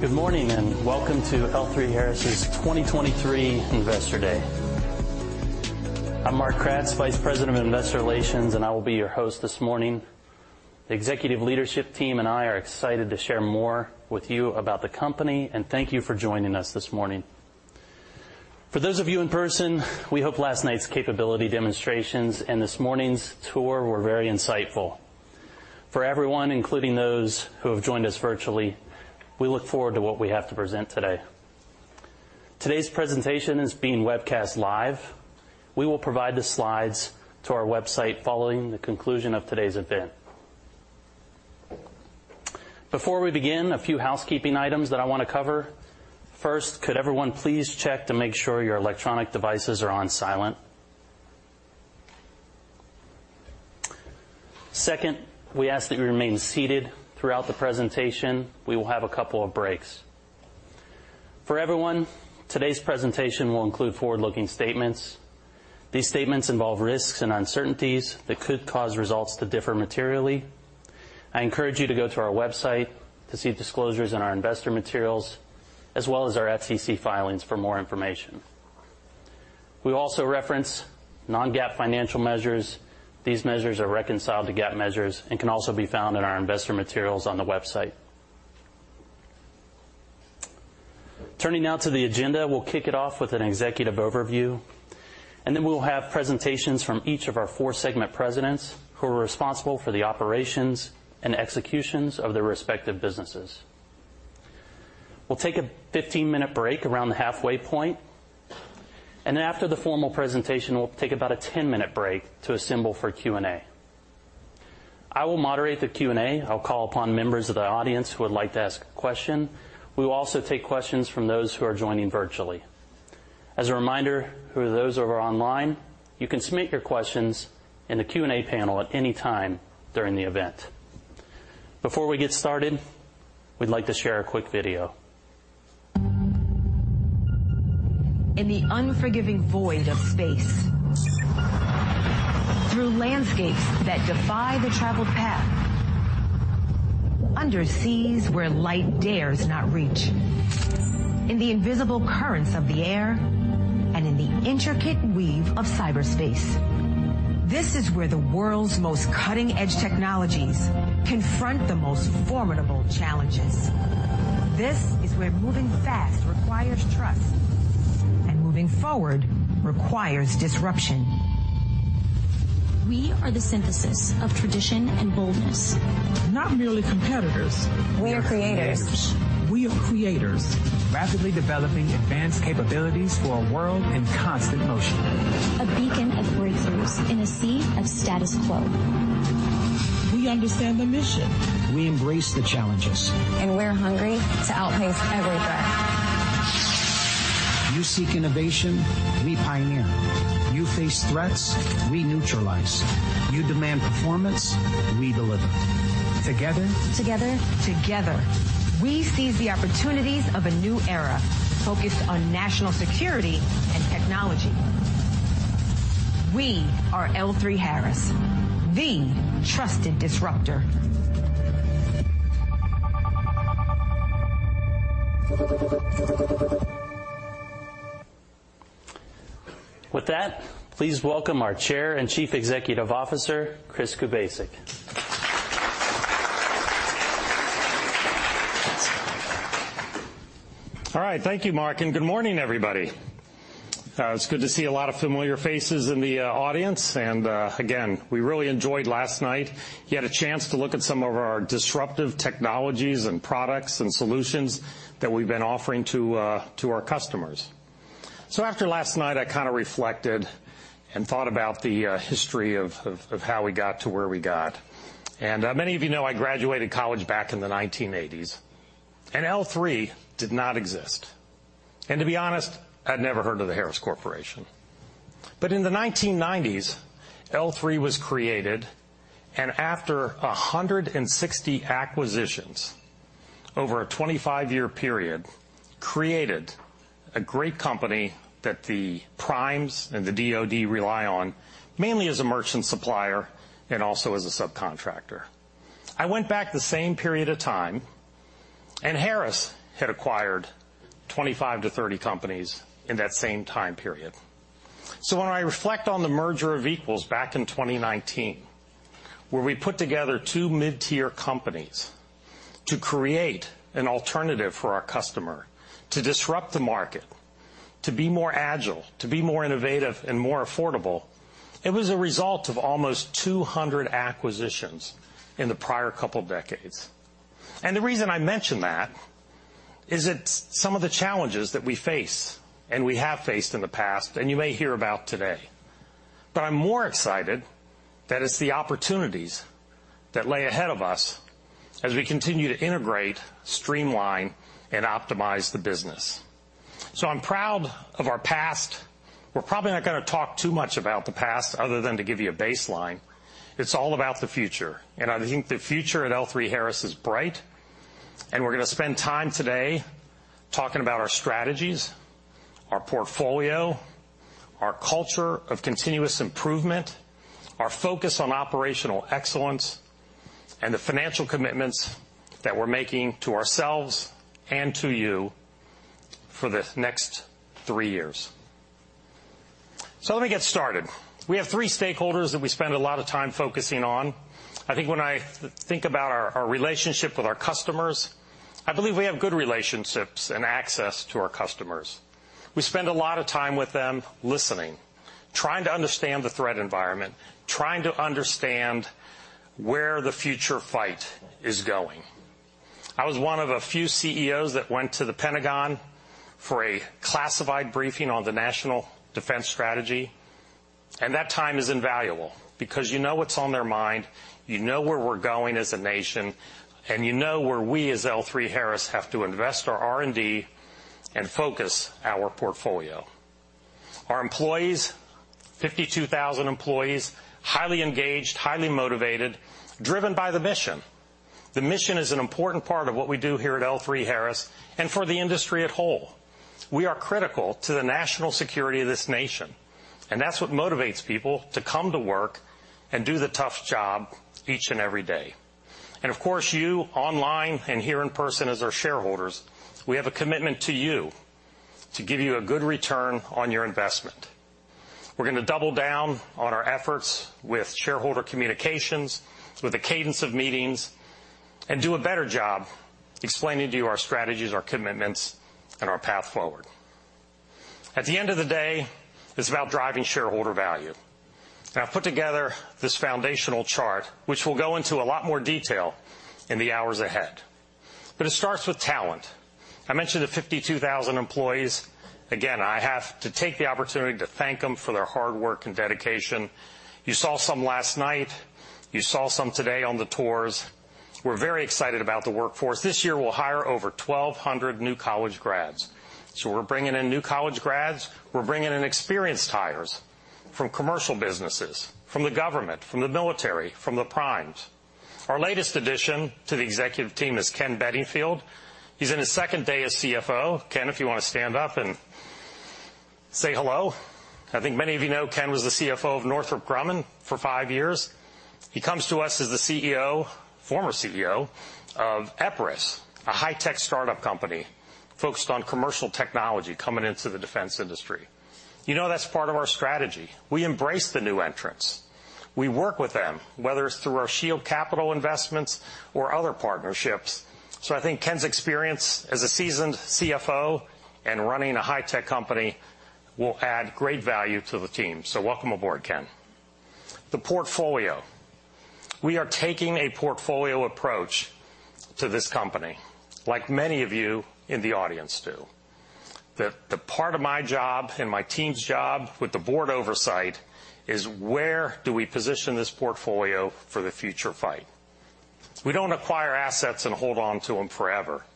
Good morning, and welcome to L3Harris's 2023 Investor Day. I'm Mark Kratz, Vice President of Investor Relations, and I will be your host this morning. The executive leadership team and I are excited to share more with you about the company, and thank you for joining us this morning. For those of you in person, we hope last night's capability demonstrations and this morning's tour were very insightful. For everyone, including those who have joined us virtually, we look forward to what we have to present today. Today's presentation is being webcast live. We will provide the slides to our website following the conclusion of today's event. Before we begin, a few housekeeping items that I want to cover. First, could everyone please check to make sure your electronic devices are on silent? Second, we ask that you remain seated throughout the presentation. We will have a couple of breaks. For everyone, today's presentation will include forward-looking statements. These statements involve risks and uncertainties that could cause results to differ materially. I encourage you to go to our website to see disclosures in our investor materials, as well as our SEC filings for more information. We also reference non-GAAP financial measures. These measures are reconciled to GAAP measures and can also be found in our investor materials on the website. Turning now to the agenda, we'll kick it off with an executive overview, and then we'll have presentations from each of our four segment presidents, who are responsible for the operations and executions of their respective businesses. We'll take a 15-minute break around the halfway point, and then after the formal presentation, we'll take about a 10-minute break to assemble for Q&A. I will moderate the Q&A. I'll call upon members of the audience who would like to ask a question. We will also take questions from those who are joining virtually. As a reminder for those who are online, you can submit your questions in the Q&A panel at any time during the event. Before we get started, we'd like to share a quick video. In the unforgiving void of space, through landscapes that defy the traveled path, under seas where light dares not reach, in the invisible currents of the air, and in the intricate weave of cyberspace, this is where the world's most cutting-edge technologies confront the most formidable challenges. This is where moving fast requires trust, and moving forward requires disruption. We are the synthesis of tradition and boldness. Not merely competitors. We are creators. We are creators. Rapidly developing advanced capabilities for a world in constant motion. A beacon of breakthroughs in a sea of status quo. We understand the mission. We embrace the challenges. We're hungry to outpace every threat. You seek innovation, we pioneer. You face threats, we neutralize. You demand performance, we deliver. Together- Together- Together, we seize the opportunities of a new era focused on national security and technology. We are L3Harris, the Trusted Disruptor. With that, please welcome our Chair and Chief Executive Officer, Chris Kubasik. All right, thank you, Mark, and good morning, everybody. It's good to see a lot of familiar faces in the audience, and again, we really enjoyed last night. You had a chance to look at some of our disruptive technologies and products and solutions that we've been offering to our customers. So after last night, I kind of reflected and thought about the history of how we got to where we got. And many of you know, I graduated college back in the 1980s, and L3 did not exist. And to be honest, I'd never heard of the Harris Corporation. But in the 1990s, L3 was created, and after 160 acquisitions over a 25-year period, created a great company that the primes and the DoD rely on, mainly as a merchant supplier and also as a subcontractor. I went back the same period of time, and Harris had acquired 25-30 companies in that same time period. So when I reflect on the merger of equals back in 2019, where we put together two mid-tier companies to create an alternative for our customer, to disrupt the market, to be more agile, to be more innovative and more affordable, it was a result of almost 200 acquisitions in the prior couple decades. And the reason I mention that is it's some of the challenges that we face and we have faced in the past, and you may hear about today. But I'm more excited that it's the opportunities that lay ahead of us as we continue to integrate, streamline, and optimize the business. So I'm proud of our past. We're probably not going to talk too much about the past other than to give you a baseline. It's all about the future, and I think the future at L3Harris is bright, and we're going to spend time today talking about our strategies, our portfolio, our culture of continuous improvement, our focus on operational excellence, and the financial commitments that we're making to ourselves and to you for the next three years. So let me get started. We have three stakeholders that we spend a lot of time focusing on. I think when I think about our relationship with our customers, I believe we have good relationships and access to our customers. We spend a lot of time with them, listening, trying to understand the threat environment, trying to understand where the future fight is going. I was one of a few CEOs that went to the Pentagon for a classified briefing on the National Defense Strategy, and that time is invaluable because you know what's on their mind, you know where we're going as a nation, and you know where we, as L3Harris, have to invest our R&D and focus our portfolio. Our employees, 52,000 employees, highly engaged, highly motivated, driven by the mission. The mission is an important part of what we do here at L3Harris and for the industry at large. We are critical to the national security of this nation, and that's what motivates people to come to work and do the tough job each and every day. Of course, you, online and here in person as our shareholders, we have a commitment to you to give you a good return on your investment. We're going to double down on our efforts with shareholder communications, with a cadence of meetings, and do a better job explaining to you our strategies, our commitments, and our path forward. At the end of the day, it's about driving shareholder value. And I've put together this foundational chart, which we'll go into a lot more detail in the hours ahead. But it starts with talent. I mentioned the 52,000 employees. Again, I have to take the opportunity to thank them for their hard work and dedication. You saw some last night, you saw some today on the tours. We're very excited about the workforce. This year, we'll hire over 1,200 new college grads. So we're bringing in new college grads, we're bringing in experienced hires from commercial businesses, from the government, from the military, from the primes. Our latest addition to the executive team is Ken Bedingfield. He's in his second day as CFO. Ken, if you want to stand up and say hello. I think many of you know, Ken was the CFO of Northrop Grumman for five years. He comes to us as the CEO, former CEO, of Epirus, a high-tech startup company focused on commercial technology coming into the defense industry. You know, that's part of our strategy. We embrace the new entrants. We work with them, whether it's through our Shield Capital investments or other partnerships. So I think Ken's experience as a seasoned CFO and running a high-tech company will add great value to the team. So welcome aboard, Ken. The portfolio. We are taking a portfolio approach to this company, like many of you in the audience do. The part of my job and my team's job with the board oversight is: where do we position this portfolio for the future fight? We don't acquire assets and hold on to them forever. We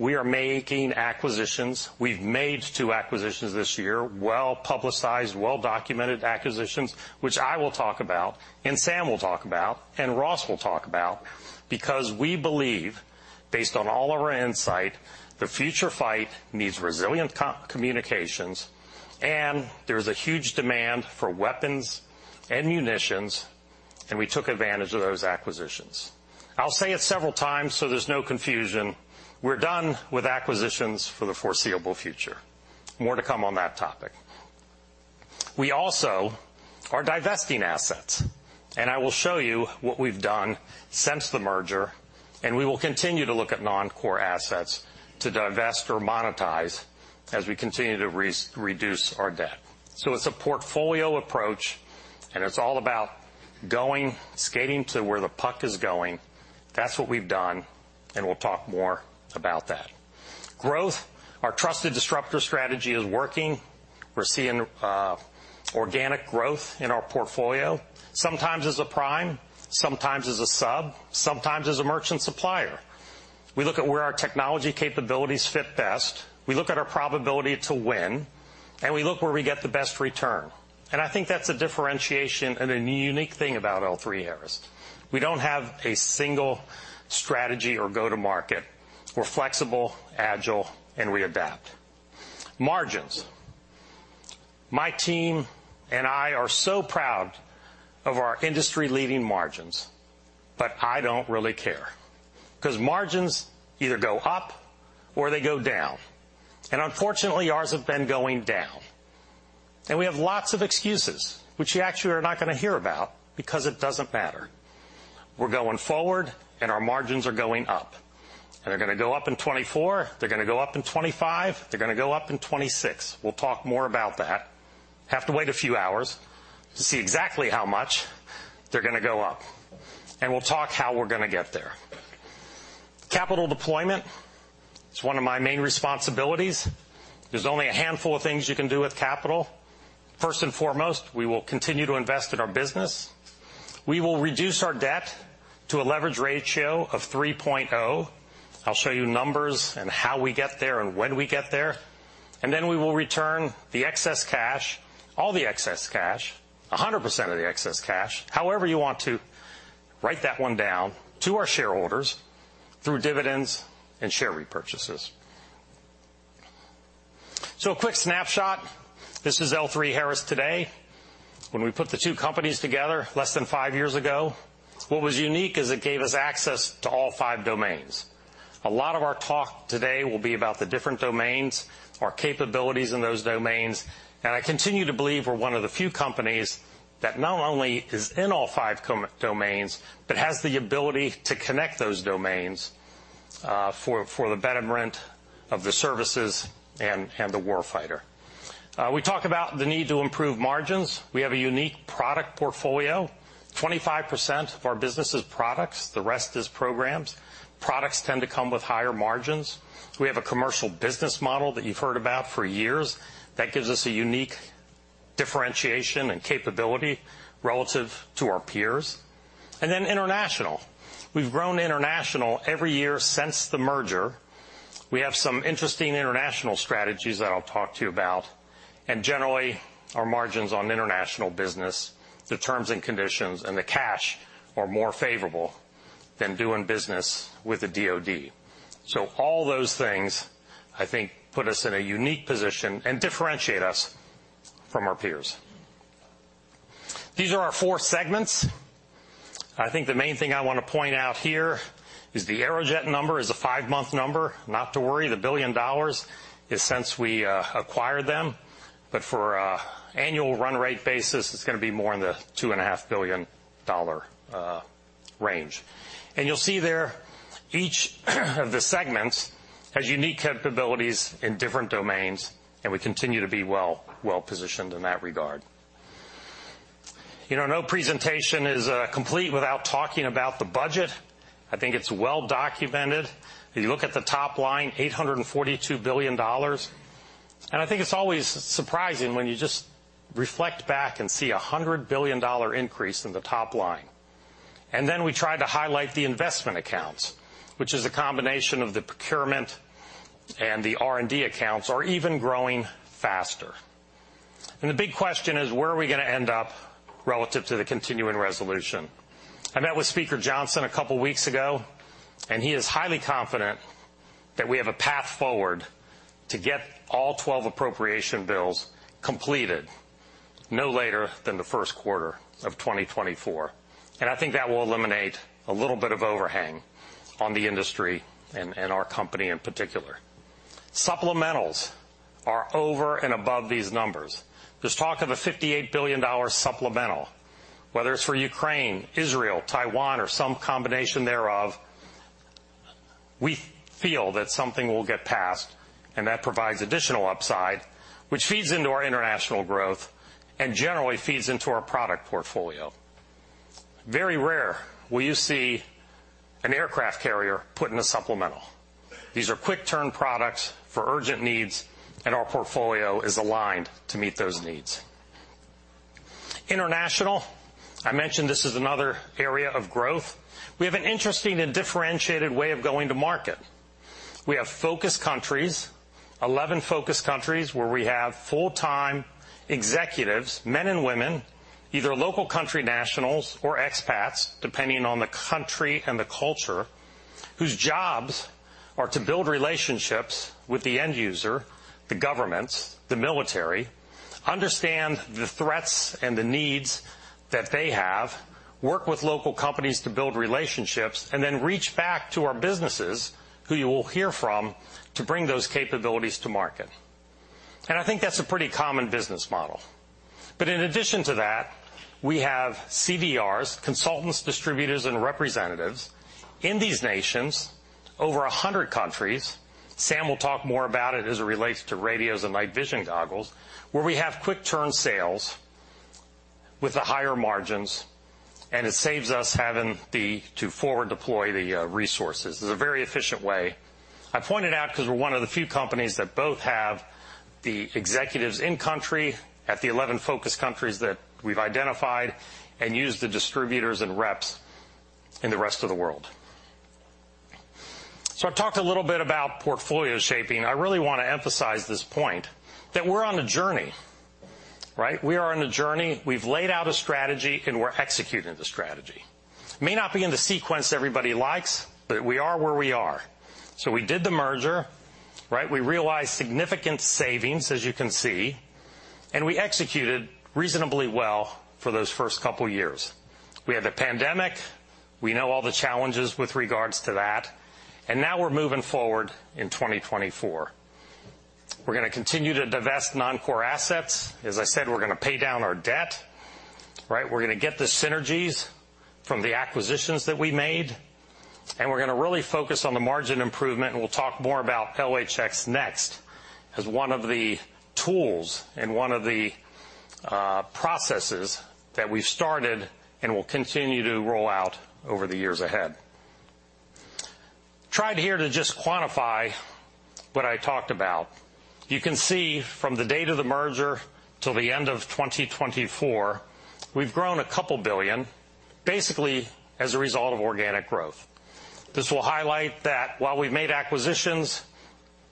are making acquisitions. We've made 2 acquisitions this year, well-publicized, well-documented acquisitions, which I will talk about, and Sam will talk about, and Ross will talk about, because we believe, based on all of our insight, the future fight needs resilient communications, and there is a huge demand for weapons and munitions, and we took advantage of those acquisitions. I'll say it several times, so there's no confusion, we're done with acquisitions for the foreseeable future. More to come on that topic. We also are divesting assets, and I will show you what we've done since the merger, and we will continue to look at non-core assets to divest or monetize as we continue to reduce our debt. So it's a portfolio approach, and it's all about going, skating to where the puck is going. That's what we've done, and we'll talk more about that. Growth, our trusted disruptor strategy is working. We're seeing organic growth in our portfolio, sometimes as a prime, sometimes as a sub, sometimes as a merchant supplier. We look at where our technology capabilities fit best, we look at our probability to win, and we look where we get the best return. And I think that's a differentiation and a unique thing about L3Harris. We don't have a single strategy or go-to-market. We're flexible, agile, and we adapt. Margins. My team and I are so proud of our industry-leading margins, but I don't really care, 'cause margins either go up or they go down. Unfortunately, ours have been going down. We have lots of excuses, which you actually are not going to hear about because it doesn't matter. We're going forward, and our margins are going up. They're going to go up in 2024, they're going to go up in 2025, they're going to go up in 2026. We'll talk more about that. Have to wait a few hours to see exactly how much they're going to go up, and we'll talk how we're going to get there. Capital deployment, it's one of my main responsibilities. There's only a handful of things you can do with capital. First and foremost, we will continue to invest in our business. We will reduce our debt to a leverage ratio of 3.0. I'll show you numbers and how we get there and when we get there, and then we will return the excess cash, all the excess cash, 100% of the excess cash, however you want to write that one down, to our shareholders through dividends and share repurchases. A quick snapshot. This is L3Harris today. When we put the two companies together less than five years ago, what was unique is it gave us access to all five domains. A lot of our talk today will be about the different domains, our capabilities in those domains, and I continue to believe we're one of the few companies that not only is in all five domains, but has the ability to connect those domains, for the betterment of the services and the war fighter. We talked about the need to improve margins. We have a unique product portfolio. 25% of our business is products, the rest is programs. Products tend to come with higher margins. We have a commercial business model that you've heard about for years that gives us a unique differentiation and capability relative to our peers. And then international. We've grown international every year since the merger. We have some interesting international strategies that I'll talk to you about, and generally, our margins on international business, the terms and conditions, and the cash are more favorable than doing business with the DoD. So all those things, I think, put us in a unique position and differentiate us from our peers. These are our four segments. I think the main thing I want to point out here is the Aerojet number is a five-month number. Not to worry, the billion dollars is since we acquired them, but for a annual run rate basis, it's going to be more in the $2.5 billion range. And you'll see there, each of the segments has unique capabilities in different domains, and we continue to be well, well positioned in that regard. You know, no presentation is complete without talking about the budget. I think it's well documented. If you look at the top line, $842 billion, and I think it's always surprising when you just reflect back and see a $100 billion increase in the top line. And then we try to highlight the investment accounts, which is a combination of the procurement and the R&D accounts, are even growing faster. And the big question is, where are we going to end up relative to the continuing resolution? I met with Speaker Johnson a couple weeks ago, and he is highly confident that we have a path forward to get all 12 appropriation bills completed no later than the First Quarter of 2024. I think that will eliminate a little bit of overhang on the industry and our company in particular. Supplementals are over and above these numbers. There's talk of a $58 billion supplemental, whether it's for Ukraine, Israel, Taiwan, or some combination thereof. We feel that something will get passed, and that provides additional upside, which feeds into our international growth and generally feeds into our product portfolio. Very rare will you see an aircraft carrier put in a supplemental. These are quick-turn products for urgent needs, and our portfolio is aligned to meet those needs. International, I mentioned this is another area of growth. We have an interesting and differentiated way of going to market. We have focus countries, 11 focus countries, where we have full-time executives, men and women, either local country nationals or expats, depending on the country and the culture, whose jobs are to build relationships with the end user, the governments, the military, understand the threats and the needs that they have, work with local companies to build relationships, and then reach back to our businesses, who you will hear from, to bring those capabilities to market. I think that's a pretty common business model. In addition to that, we have CDRs, consultants, distributors, and representatives in these nations, over 100 countries. Sam will talk more about it as it relates to radios and night vision goggles, where we have quick turn sales with the higher margins, and it saves us having to forward deploy the resources. This is a very efficient way. I pointed out, because we're one of the few companies that both have the executives in country at the 11 focus countries that we've identified and use the distributors and reps in the rest of the world. So I talked a little bit about portfolio shaping. I really want to emphasize this point, that we're on a journey, right? We are on a journey. We've laid out a strategy, and we're executing the strategy. May not be in the sequence everybody likes, but we are where we are. So we did the merger, right? We realized significant savings, as you can see, and we executed reasonably well for those first couple years. We had the pandemic. We know all the challenges with regards to that, and now we're moving forward in 2024. We're going to continue to divest non-core assets. As I said, we're going to pay down our debt, right? We're going to get the synergies from the acquisitions that we made, and we're going to really focus on the margin improvement, and we'll talk more about LHX NeXt as one of the tools and one of the processes that we've started and will continue to roll out over the years ahead. Tried here to just quantify what I talked about. You can see from the date of the merger till the end of 2024, we've grown $2 billion, basically as a result of organic growth. This will highlight that while we've made acquisitions...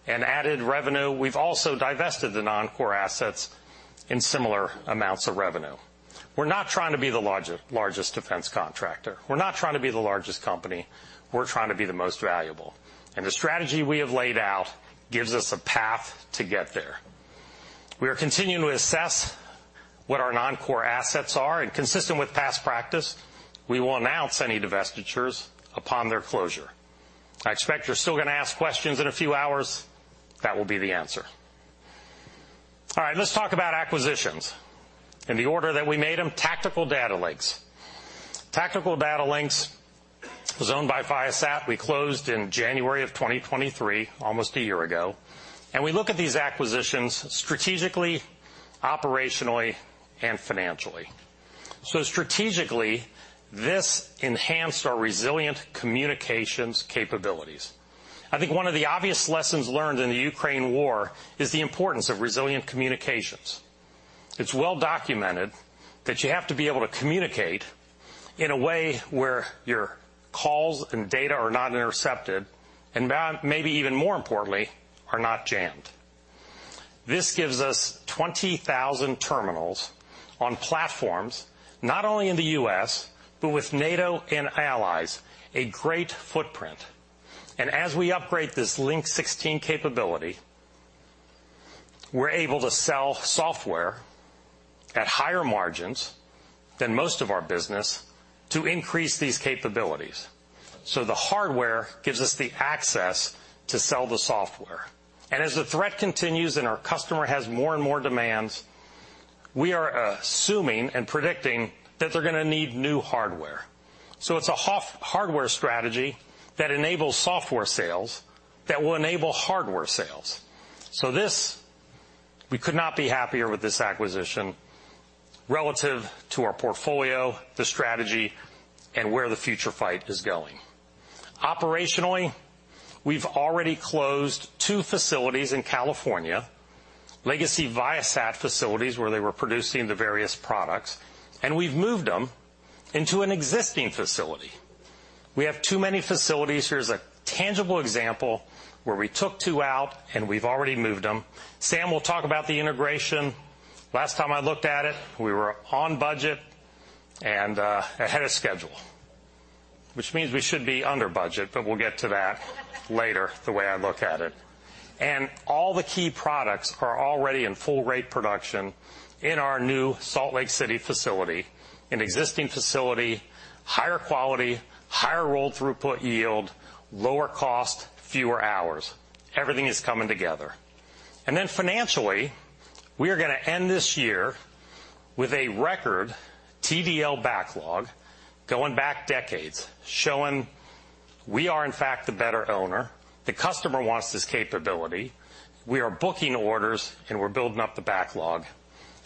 and added revenue, we've also divested the non-core assets in similar amounts of revenue. We're not trying to be the large, largest defense contractor. We're not trying to be the largest company. We're trying to be the most valuable, and the strategy we have laid out gives us a path to get there. We are continuing to assess what our non-core assets are, and consistent with past practice, we will announce any divestitures upon their closure. I expect you're still going to ask questions in a few hours. That will be the answer. All right, let's talk about acquisitions. In the order that we made them, Tactical Data Links. Tactical Data Links was owned by Viasat. We closed in January of 2023, almost a year ago, and we look at these acquisitions strategically, operationally, and financially. So strategically, this enhanced our resilient communications capabilities. I think one of the obvious lessons learned in the Ukraine war is the importance of resilient communications. It's well documented that you have to be able to communicate in a way where your calls and data are not intercepted, and maybe even more importantly, are not jammed. This gives us 20,000 terminals on platforms, not only in the U.S., but with NATO and allies, a great footprint. And as we upgrade this Link 16 capability, we're able to sell software at higher margins than most of our business to increase these capabilities. So the hardware gives us the access to sell the software. And as the threat continues and our customer has more and more demands, we are assuming and predicting that they're going to need new hardware. So it's a half hardware strategy that enables software sales, that will enable hardware sales. So this, we could not be happier with this acquisition relative to our portfolio, the strategy, and where the future fight is going. Operationally, we've already closed two facilities in California, legacy Viasat facilities, where they were producing the various products, and we've moved them into an existing facility. We have too many facilities. Here's a tangible example where we took two out, and we've already moved them. Sam will talk about the integration. Last time I looked at it, we were on budget and ahead of schedule, which means we should be under budget, but we'll get to that later, the way I look at it. All the key products are already in full rate production in our new Salt Lake City facility, an existing facility, higher quality, higher roll throughput yield, lower cost, fewer hours. Everything is coming together. Then financially, we are going to end this year with a record TDL backlog going back decades, showing we are, in fact, the better owner. The customer wants this capability. We are booking orders, and we're building up the backlog,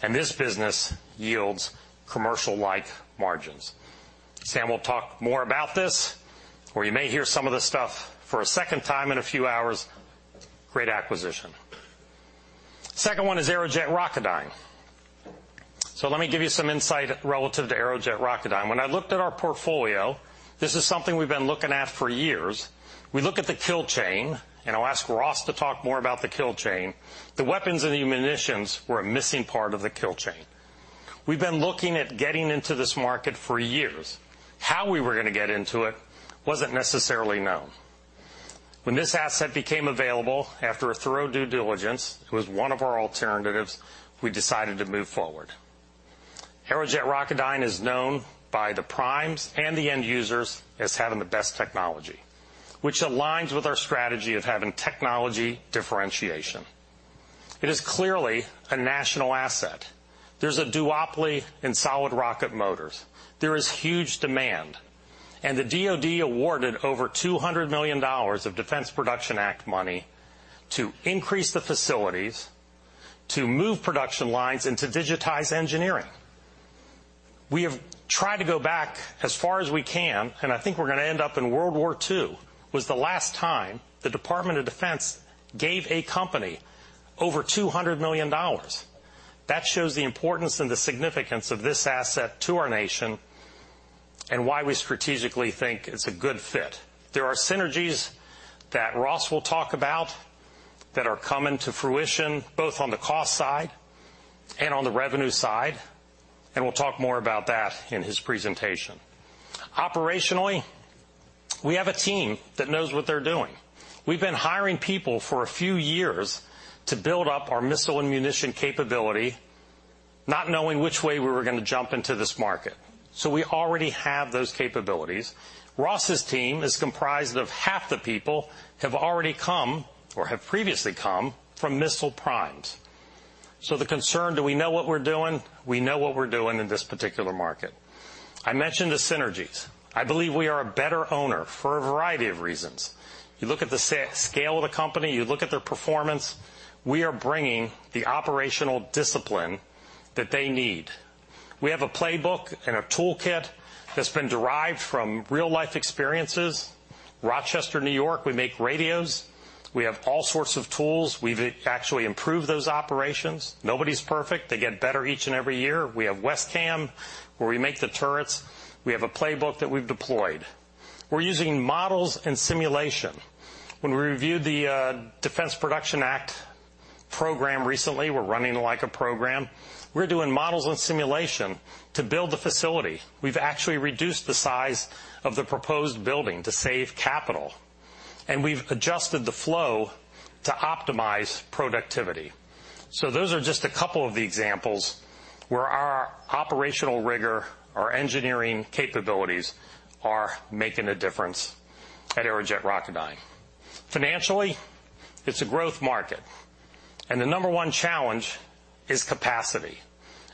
and this business yields commercial-like margins. Sam will talk more about this, or you may hear some of this stuff for a second time in a few hours. Great acquisition. Second one is Aerojet Rocketdyne. So let me give you some insight relative to Aerojet Rocketdyne. When I looked at our portfolio, this is something we've been looking at for years. We look at the kill chain, and I'll ask Ross to talk more about the kill chain. The weapons and the munitions were a missing part of the kill chain. We've been looking at getting into this market for years. How we were going to get into it wasn't necessarily known. When this asset became available after a thorough due diligence, it was one of our alternatives. We decided to move forward. Aerojet Rocketdyne is known by the primes and the end users as having the best technology, which aligns with our strategy of having technology differentiation. It is clearly a national asset. There's a duopoly in solid rocket motors. There is huge demand, and the DoD awarded over $200 million of Defense Production Act money to increase the facilities, to move production lines, and to digitize engineering. We have tried to go back as far as we can, and I think we're going to end up in World War II. That was the last time the Department of Defense gave a company over $200 million. That shows the importance and the significance of this asset to our nation and why we strategically think it's a good fit. There are synergies that Ross will talk about that are coming to fruition, both on the cost side and on the revenue side, and we'll talk more about that in his presentation. Operationally, we have a team that knows what they're doing. We've been hiring people for a few years to build up our missile and munition capability, not knowing which way we were going to jump into this market. So we already have those capabilities. Ross's team is comprised of half the people have already come or have previously come from missile primes. So the concern, do we know what we're doing? We know what we're doing in this particular market. I mentioned the synergies. I believe we are a better owner for a variety of reasons. You look at the scale of the company, you look at their performance. We are bringing the operational discipline that they need. We have a playbook and a toolkit that's been derived from real-life experiences. Rochester, New York, we make radios. We have all sorts of tools. We've actually improved those operations. Nobody's perfect. They get better each and every year. We have WESCAM, where we make the turrets. We have a playbook that we've deployed. We're using models and simulation. When we reviewed the Defense Production Act program recently. We're running like a program. We're doing models and simulation to build the facility. We've actually reduced the size of the proposed building to save capital, and we've adjusted the flow to optimize productivity. So those are just a couple of the examples where our operational rigor, our engineering capabilities, are making a difference at Aerojet Rocketdyne. Financially, it's a growth market, and the number one challenge is capacity.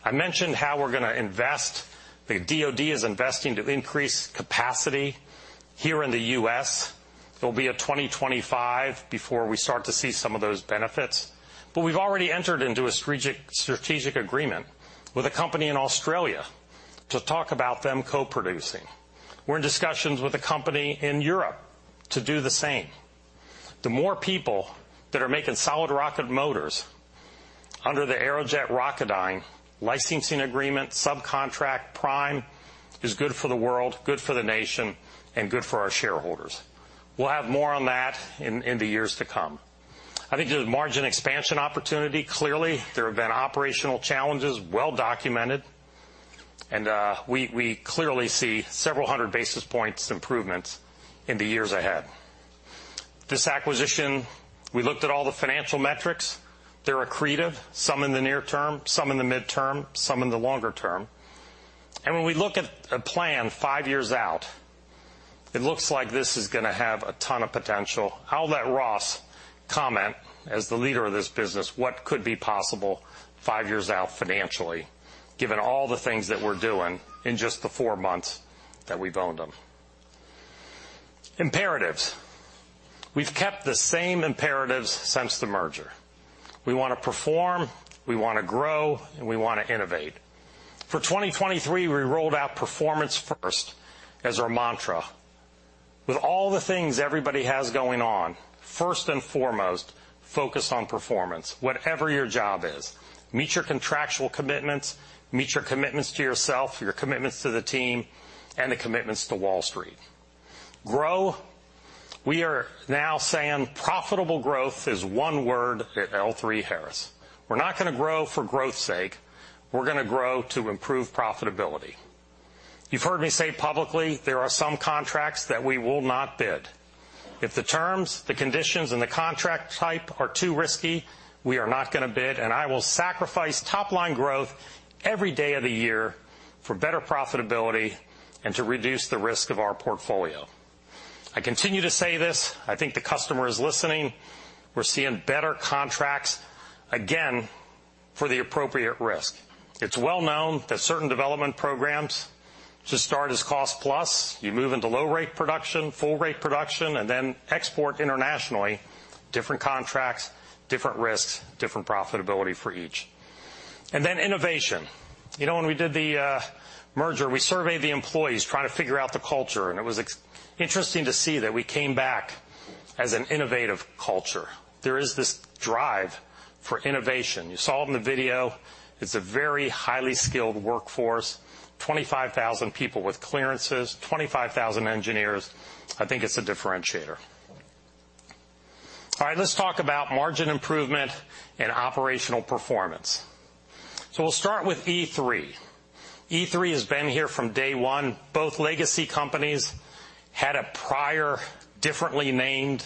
I mentioned how we're going to invest. The DoD is investing to increase capacity here in the U.S. It'll be a 2025 before we start to see some of those benefits, but we've already entered into a strategic, strategic agreement with a company in Australia to talk about them co-producing. We're in discussions with a company in Europe to do the same. The more people that are making solid rocket motors under the Aerojet Rocketdyne licensing agreement, subcontract, prime, is good for the world, good for the nation and good for our shareholders. We'll have more on that in the years to come. I think there's a margin expansion opportunity. Clearly, there have been operational challenges, well documented, and we clearly see several hundred basis points improvements in the years ahead. This acquisition, we looked at all the financial metrics. They're accretive, some in the near term, some in the midterm, some in the longer term. And when we look at a plan five years out, it looks like this is going to have a ton of potential. I'll let Ross comment, as the leader of this business, what could be possible five years out financially, given all the things that we're doing in just the four months that we've owned them. Imperatives. We've kept the same imperatives since the merger. We want to perform, we want to grow, and we want to innovate. For 2023, we rolled out performance first as our mantra. With all the things everybody has going on, first and foremost, focus on performance. Whatever your job is, meet your contractual commitments, meet your commitments to yourself, your commitments to the team, and the commitments to Wall Street. Grow. We are now saying profitable growth is one word at L3Harris. We're not going to grow for growth's sake. We're going to grow to improve profitability. You've heard me say publicly, there are some contracts that we will not bid. If the terms, the conditions, and the contract type are too risky, we are not going to bid, and I will sacrifice top-line growth every day of the year for better profitability and to reduce the risk of our portfolio. I continue to say this, I think the customer is listening. We're seeing better contracts, again, for the appropriate risk. It's well known that certain development programs should start as cost plus. You move into low rate production, full rate production, and then export internationally. Different contracts, different risks, different profitability for each. And then innovation. You know, when we did the merger, we surveyed the employees trying to figure out the culture, and it was interesting to see that we came back as an innovative culture. There is this drive for innovation. You saw it in the video. It's a very highly skilled workforce, 25,000 people with clearances, 25,000 engineers. I think it's a differentiator. All right, let's talk about margin improvement and operational performance. So we'll start with E3. E3 has been here from day one. Both legacy companies had a prior, differently named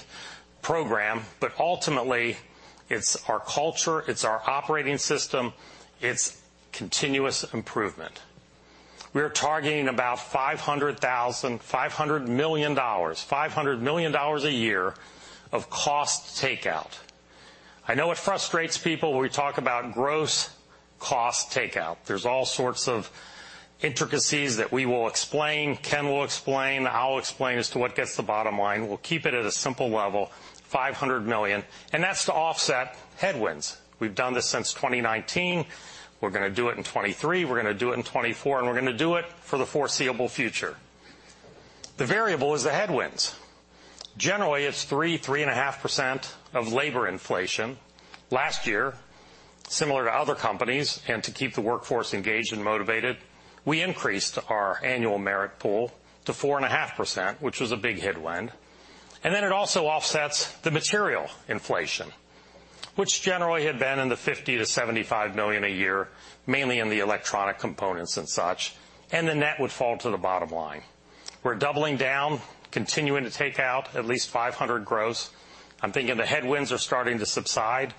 program, but ultimately, it's our culture, it's our operating system, it's continuous improvement. We're targeting about $500 million, $500 million a year of cost takeout. I know it frustrates people when we talk about gross cost takeout. There's all sorts of intricacies that we will explain, Ken will explain, I'll explain as to what gets the bottom line. We'll keep it at a simple level, $500 million, and that's to offset headwinds. We've done this since 2019. We're going to do it in 2023, we're going to do it in 2024, and we're going to do it for the foreseeable future. The variable is the headwinds. Generally, it's 3%-3.5% of labor inflation. Last year, similar to other companies, and to keep the workforce engaged and motivated, we increased our annual merit pool to 4.5%, which was a big headwind. And then it also offsets the material inflation, which generally had been in the $50 million-$75 million a year, mainly in the electronic components and such, and the net would fall to the bottom line. We're doubling down, continuing to take out at least $500 million gross. I'm thinking the headwinds are starting to subside,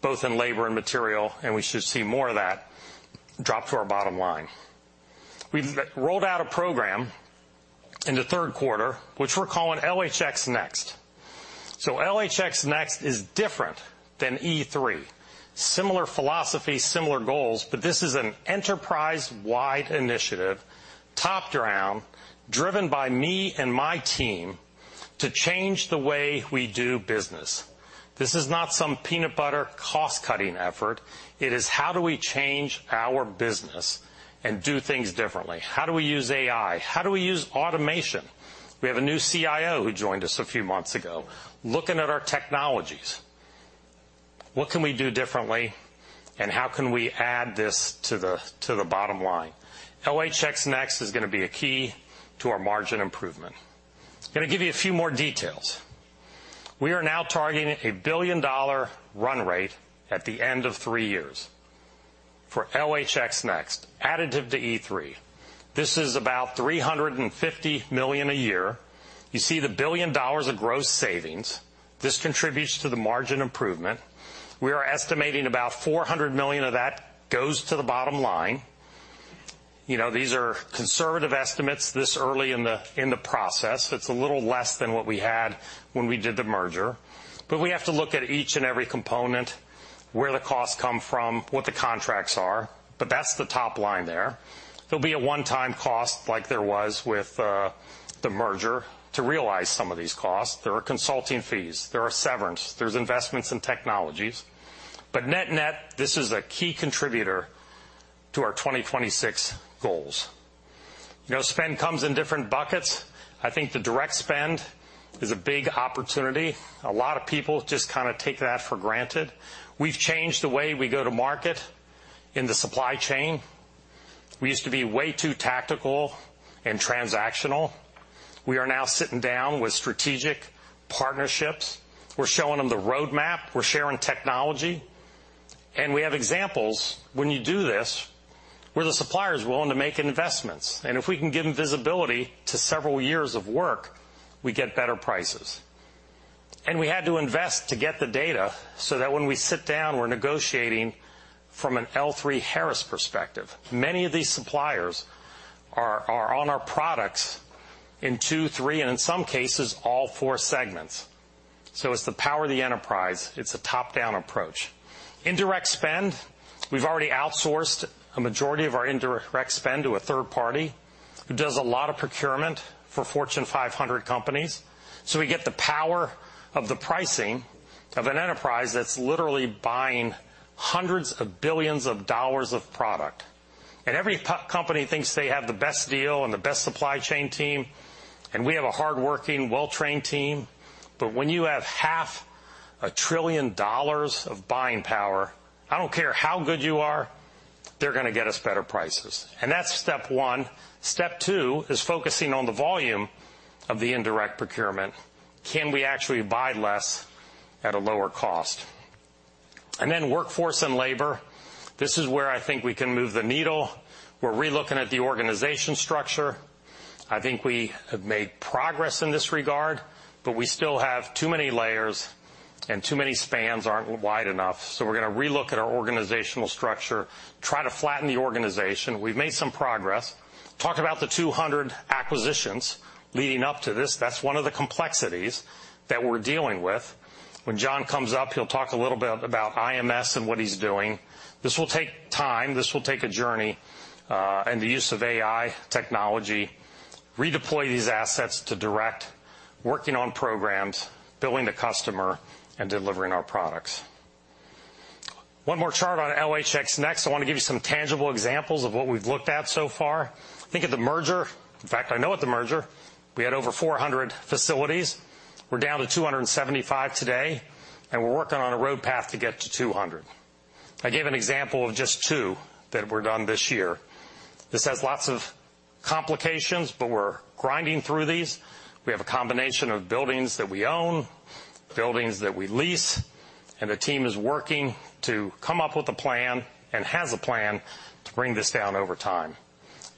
both in labor and material, and we should see more of that drop to our bottom line. We've rolled out a program in the Third Quarter, which we're calling LHX Next. So LHX Next is different than E3. Similar philosophy, similar goals, but this is an enterprise-wide initiative, top-down, driven by me and my team to change the way we do business. This is not some peanut butter cost-cutting effort. It is, how do we change our business and do things differently? How do we use AI? How do we use automation? We have a new CIO, who joined us a few months ago, looking at our technologies. What can we do differently, and how can we add this to the bottom line? LHX Next is going to be a key to our margin improvement. I'm going to give you a few more details. We are now targeting a billion-dollar run rate at the end of three years for LHX Next, additive to E3. This is about $350 million a year. You see the $1 billion of gross savings. This contributes to the margin improvement. We are estimating about $400 million of that goes to the bottom line. You know, these are conservative estimates this early in the, in the process. It's a little less than what we had when we did the merger, but we have to look at each and every component, where the costs come from, what the contracts are, but that's the top line there. There'll be a one-time cost, like there was with the merger, to realize some of these costs. There are consulting fees, there are severance, there's investments in technologies. But net-net, this is a key contributor to our 2026 goals. You know, spend comes in different buckets. I think the direct spend is a big opportunity. A lot of people just kind of take that for granted. We've changed the way we go to market in the supply chain. We used to be way too tactical and transactional. We are now sitting down with strategic partnerships. We're showing them the roadmap, we're sharing technology, and we have examples when you do this, where the supplier is willing to make investments. If we can give them visibility to several years of work, we get better prices. We had to invest to get the data so that when we sit down, we're negotiating from an L3Harris perspective. Many of these suppliers are on our products in two, three, and in some cases, all four segments. It's the power of the enterprise. It's a top-down approach. Indirect spend, we've already outsourced a majority of our indirect spend to a third party, who does a lot of procurement for Fortune 500 companies. So we get the power of the pricing of an enterprise that's literally buying hundreds of billions of dollars of product. And every company thinks they have the best deal and the best supply chain team, and we have a hardworking, well-trained team. But when you have $500 billion of buying power, I don't care how good you are, they're going to get us better prices. And that's step one. Step two is focusing on the volume of the indirect procurement. Can we actually buy less at a lower cost? And then workforce and labor. This is where I think we can move the needle. We're relooking at the organization structure. I think we have made progress in this regard, but we still have too many layers and too many spans aren't wide enough, so we're going to relook at our organizational structure, try to flatten the organization. We've made some progress. Talk about the 200 acquisitions leading up to this. That's one of the complexities that we're dealing with. When Jon comes up, he'll talk a little bit about IMS and what he's doing. This will take time. This will take a journey, and the use of AI technology, redeploy these assets to direct, working on programs, billing the customer, and delivering our products. One more chart on LHX NeXt. I want to give you some tangible examples of what we've looked at so far. Think of the merger. In fact, I know of the merger. We had over 400 facilities. We're down to 275 today, and we're working on a road path to get to 200. I gave an example of just two that were done this year. This has lots of complications, but we're grinding through these. We have a combination of buildings that we own, buildings that we lease, and the team is working to come up with a plan and has a plan to bring this down over time.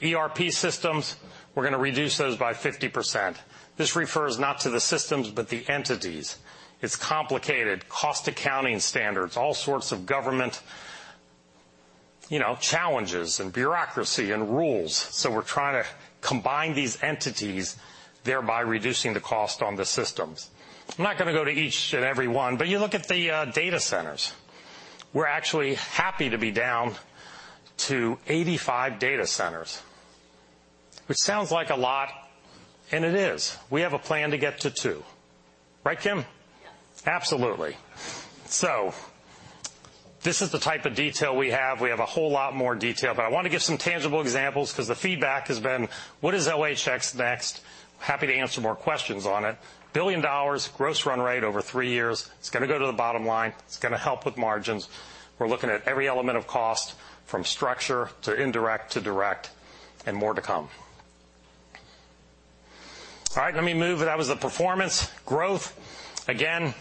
ERP systems, we're going to reduce those by 50%. This refers not to the systems, but the entities. It's complicated, Cost Accounting Standards, all sorts of government, you know, challenges and bureaucracy and rules. So we're trying to combine these entities, thereby reducing the cost on the systems. I'm not going to go to each and every one, but you look at the data centers. We're actually happy to be down to 85 data centers, which sounds like a lot, and it is. We have a plan to get to two. Right, Kim? Yeah. Absolutely. So this is the type of detail we have. We have a whole lot more detail, but I want to give some tangible examples because the feedback has been, what is LHX NeXt? Happy to answer more questions on it. $1 billion gross run rate over threeyears. It's going to go to the bottom line. It's going to help with margins. We're looking at every element of cost, from structure, to indirect, to direct, and more to come. All right, let me move. That was the performance. Growth. Again,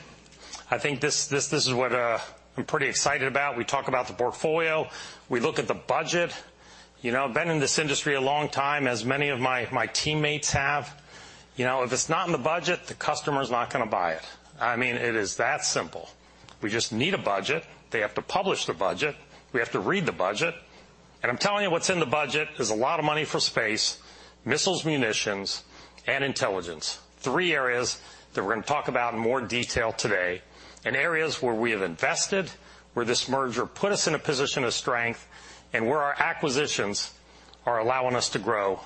I think this, this, this is what I'm pretty excited about. We talk about the portfolio we look at the budget. You know, I've been in this industry a long time, as many of my, my teammates have. You know, if it's not in the budget, the customer's not going to buy it. I mean, it is that simple. We just need a budget. They have to publish the budget. We have to read the budget. And I'm telling you, what's in the budget is a lot of money for space, missiles, munitions, and intelligence. Three areas that we're going to talk about in more detail today, and areas where we have invested, where this merger put us in a position of strength, and where our acquisitions are allowing us to grow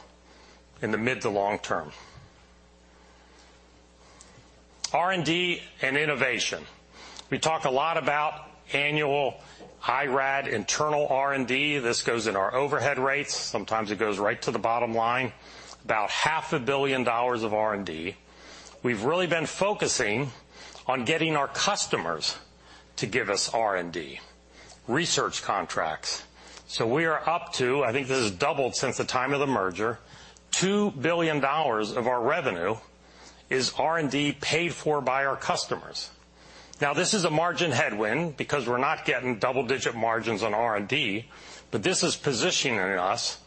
in the mid- to long-term. R&D and innovation. We talk a lot about annual high IRAD internal R&D. This goes in our overhead rates. Sometimes it goes right to the bottom line, about $500 million of R&D. We've really been focusing on getting our customers to give us R&D research contracts. So we are up to, I think this has doubled since the time of the merger, $2 billion of our revenue is R&D paid for by our customers. Now, this is a margin headwind because we're not getting double-digit margins on R&D, but this is positioning us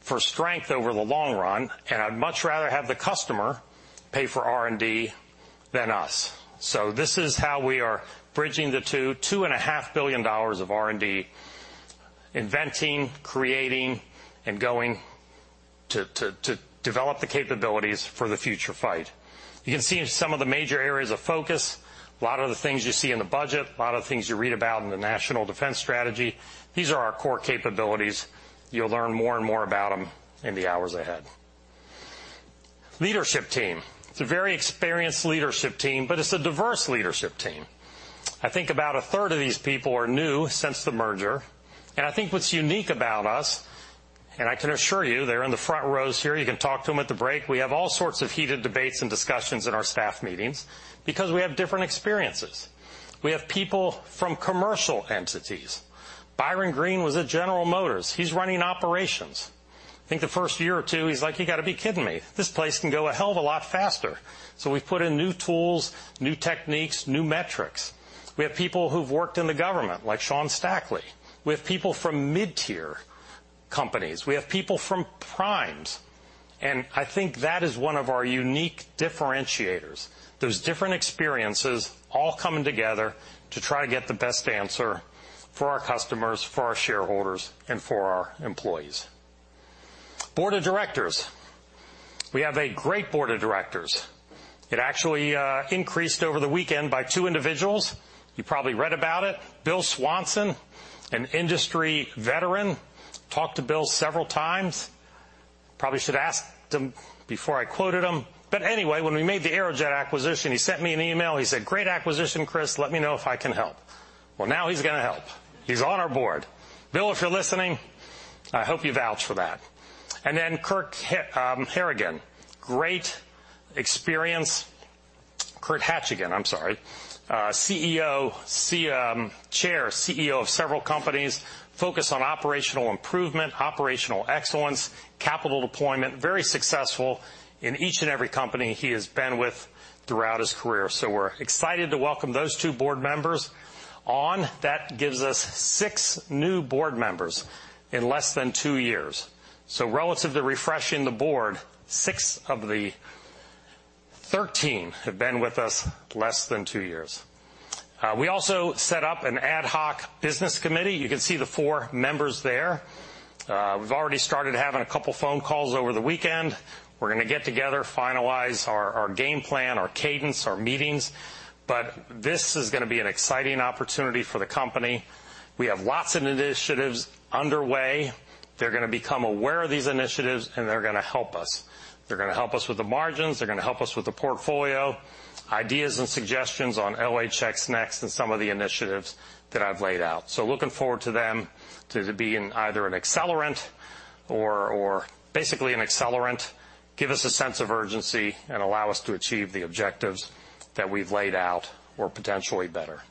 for strength over the long run, and I'd much rather have the customer pay for R&D than us. So this is how we are bridging the $2-$2.5 billion of R&D, inventing, creating, and going to develop the capabilities for the future fight. You can see some of the major areas of focus. A lot of the things you see in the budget, a lot of the things you read about in the National Defense Strategy, these are our core capabilities. You'll learn more and more about them in the hours ahead. Leadership team. It's a very experienced leadership team, but it's a diverse leadership team. I think about a third of these people are new since the merger, and I think what's unique about us, and I can assure you, they're in the front rows here, you can talk to them at the break. We have all sorts of heated debates and discussions in our staff meetings because we have different experiences. We have people from commercial entities. ByrByron Green was at General Motors. He's running operations. I think the first year or two, he's like: "You got to be kidding me. This place can go a hell of a lot faster." So we've put in new tools, new techniques, new metrics. We have people who've worked in the government, like Sean Stackley. We have people from mid-tier companies. We have people from primes, and I think that is one of our unique differentiators. Those different experiences all coming together to try to get the best answer for our customers, for our shareholders, and for our employees. Board of directors. We have a great board of directors. It actually increased over the weekend by two individuals. You probably read about it. Bill Swanson, an industry veteran, talked to Bill several times. Probably should ask him before I quoted him, but anyway, when we made the Aerojet acquisition, he sent me an email. He said, "Great acquisition, Chris. Let me know if I can help." Well, now he's going to help. He's on our board. Bill, if you're listening, I hope you vouch for that. And then Kirk Hachigian, great experience. Kirk Hachigian, CEO, Chair, CEO of several companies, focus on operational improvement, operational excellence, capital deployment. Very successful in each and every company he has been with throughout his career. So we're excited to welcome those two board members on. That gives us six new board members in less than two years. So relatively refreshing the board, six of the 13 have been with us less than two years. We also set up an ad hoc business committee. You can see the four members there. We've already started having a couple phone calls over the weekend. We're going to get together, finalize our game plan, our cadence, our meetings, but this is going to be an exciting opportunity for the company. We have lots of initiatives underway. They're going to become aware of these initiatives, and they're going to help us. They're going to help us with the margins. They're going to help us with the portfolio, ideas and suggestions on LHX NeXt and some of the initiatives that I've laid out. So looking forward to them to be in either an accelerant or, or basically an accelerant, give us a sense of urgency and allow us to achieve the objectives that we've laid out or potentially better.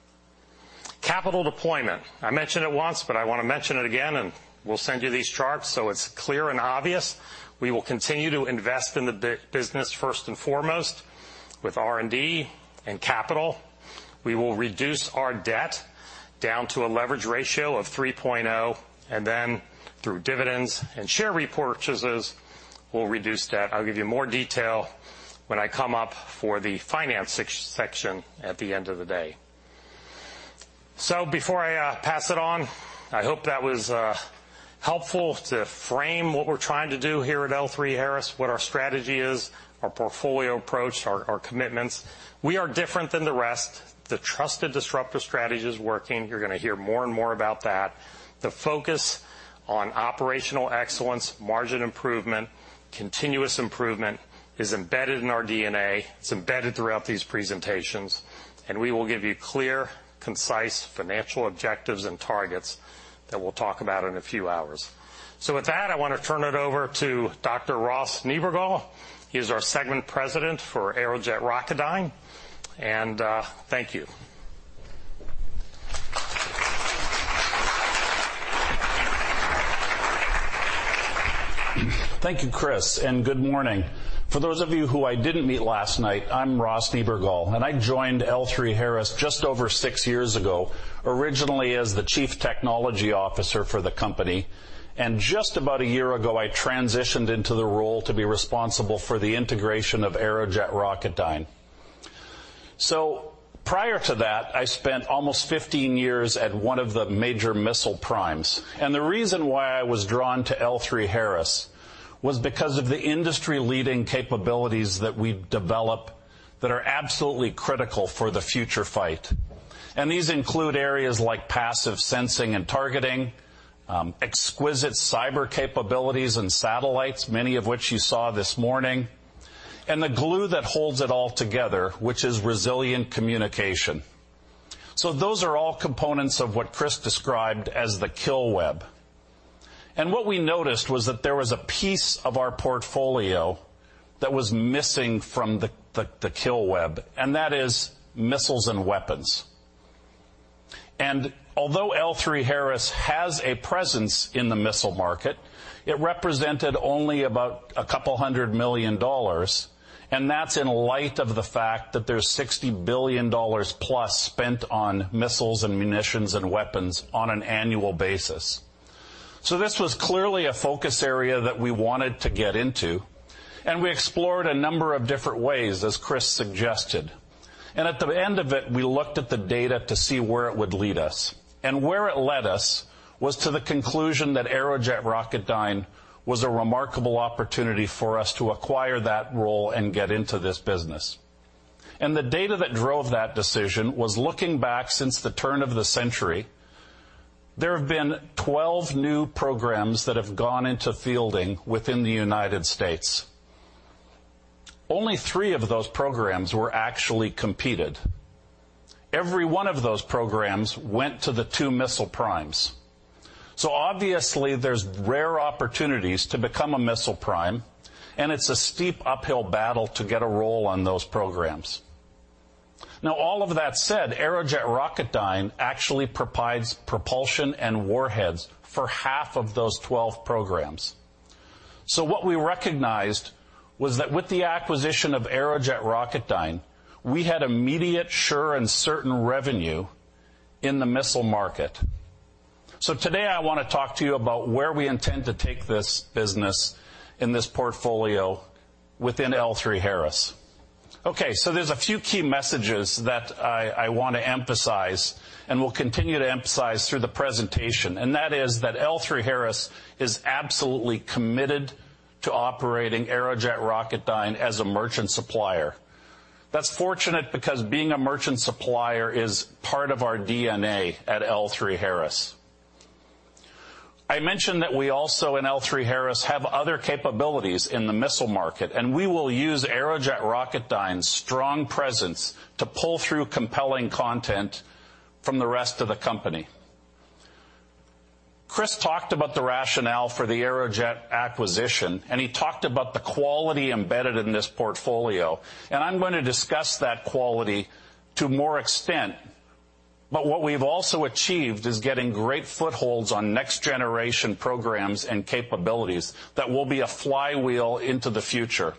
Capital deployment. I mentioned it once, but I want to mention it again, and we'll send you these charts, so it's clear and obvious. We will continue to invest in the business first and foremost, with R&D and capital. We will reduce our debt down to a leverage ratio of 3.0, and then through dividends and share repurchases, we'll reduce debt. I'll give you more detail when I come up for the finance section at the end of the day. So before I pass it on, I hope that was helpful to frame what we're trying to do here at L3Harris, what our strategy is, our portfolio approach, our commitments. We are different than the rest. The trusted disruptor strategy is working. You're going to hear more and more about that. The focus on operational excellence, margin improvement, continuous improvement is embedded in our DNA. It's embedded throughout these presentations, and we will give you clear, concise financial objectives and targets that we'll talk about in a few hours. So with that, I want to turn it over to Dr. Ross Niebergall. He's our Segment President for Aerojet Rocketdyne, and thank you. Thank you, Chris, and good morning. For those of you who I didn't meet last night, I'm Ross Niebergall, and I joined L3Harris just over six years ago, originally as the Chief Technology Officer for the company, and just about a year ago, I transitioned into the role to be responsible for the integration of Aerojet Rocketdyne. So prior to that, I spent almost 15 years at one of the major missile primes, and the reason why I was drawn to L3Harris was because of the industry-leading capabilities that we've developed that are absolutely critical for the future fight. These include areas like passive sensing and targeting, exquisite cyber capabilities and satellites, many of which you saw this morning, and the glue that holds it all together, which is resilient communication. So those are all components of what Chris described as the kill web. And what we noticed was that there was a piece of our portfolio that was missing from the, the kill web, and that is missiles and weapons. And although L3Harris has a presence in the missile market, it represented only about $200 million, and that's in light of the fact that there's $60 billion plus spent on missiles and munitions and weapons on an annual basis. So this was clearly a focus area that we wanted to get into, and we explored a number of different ways, as Chris suggested. And at the end of it, we looked at the data to see where it would lead us. Where it led us was to the conclusion that Aerojet Rocketdyne was a remarkable opportunity for us to acquire that role and get into this business. The data that drove that decision was, looking back since the turn of the century, there have been 12 new programs that have gone into fielding within the United States. Only three of those programs were actually competed. Every one of those programs went to the two missile primes. So obviously, there's rare opportunities to become a missile prime, and it's a steep uphill battle to get a role on those programs. Now, all of that said, Aerojet Rocketdyne actually provides propulsion and warheads for half of those 12 programs. So what we recognized was that with the acquisition of Aerojet Rocketdyne, we had immediate, sure, and certain revenue in the missile market. Today I want to talk to you about where we intend to take this business and this portfolio within L3Harris. Okay, so there's a few key messages that I, I want to emphasize, and we'll continue to emphasize through the presentation, and that is that L3Harris is absolutely committed to operating Aerojet Rocketdyne as a merchant supplier. That's fortunate because being a merchant supplier is part of our DNA at L3Harris. I mentioned that we also, in L3Harris, have other capabilities in the missile market, and we will use Aerojet Rocketdyne's strong presence to pull through compelling content from the rest of the company. Chris talked about the rationale for the Aerojet acquisition, and he talked about the quality embedded in this portfolio, and I'm going to discuss that quality to more extent. But what we've also achieved is getting great footholds on next-generation programs and capabilities that will be a flywheel into the future.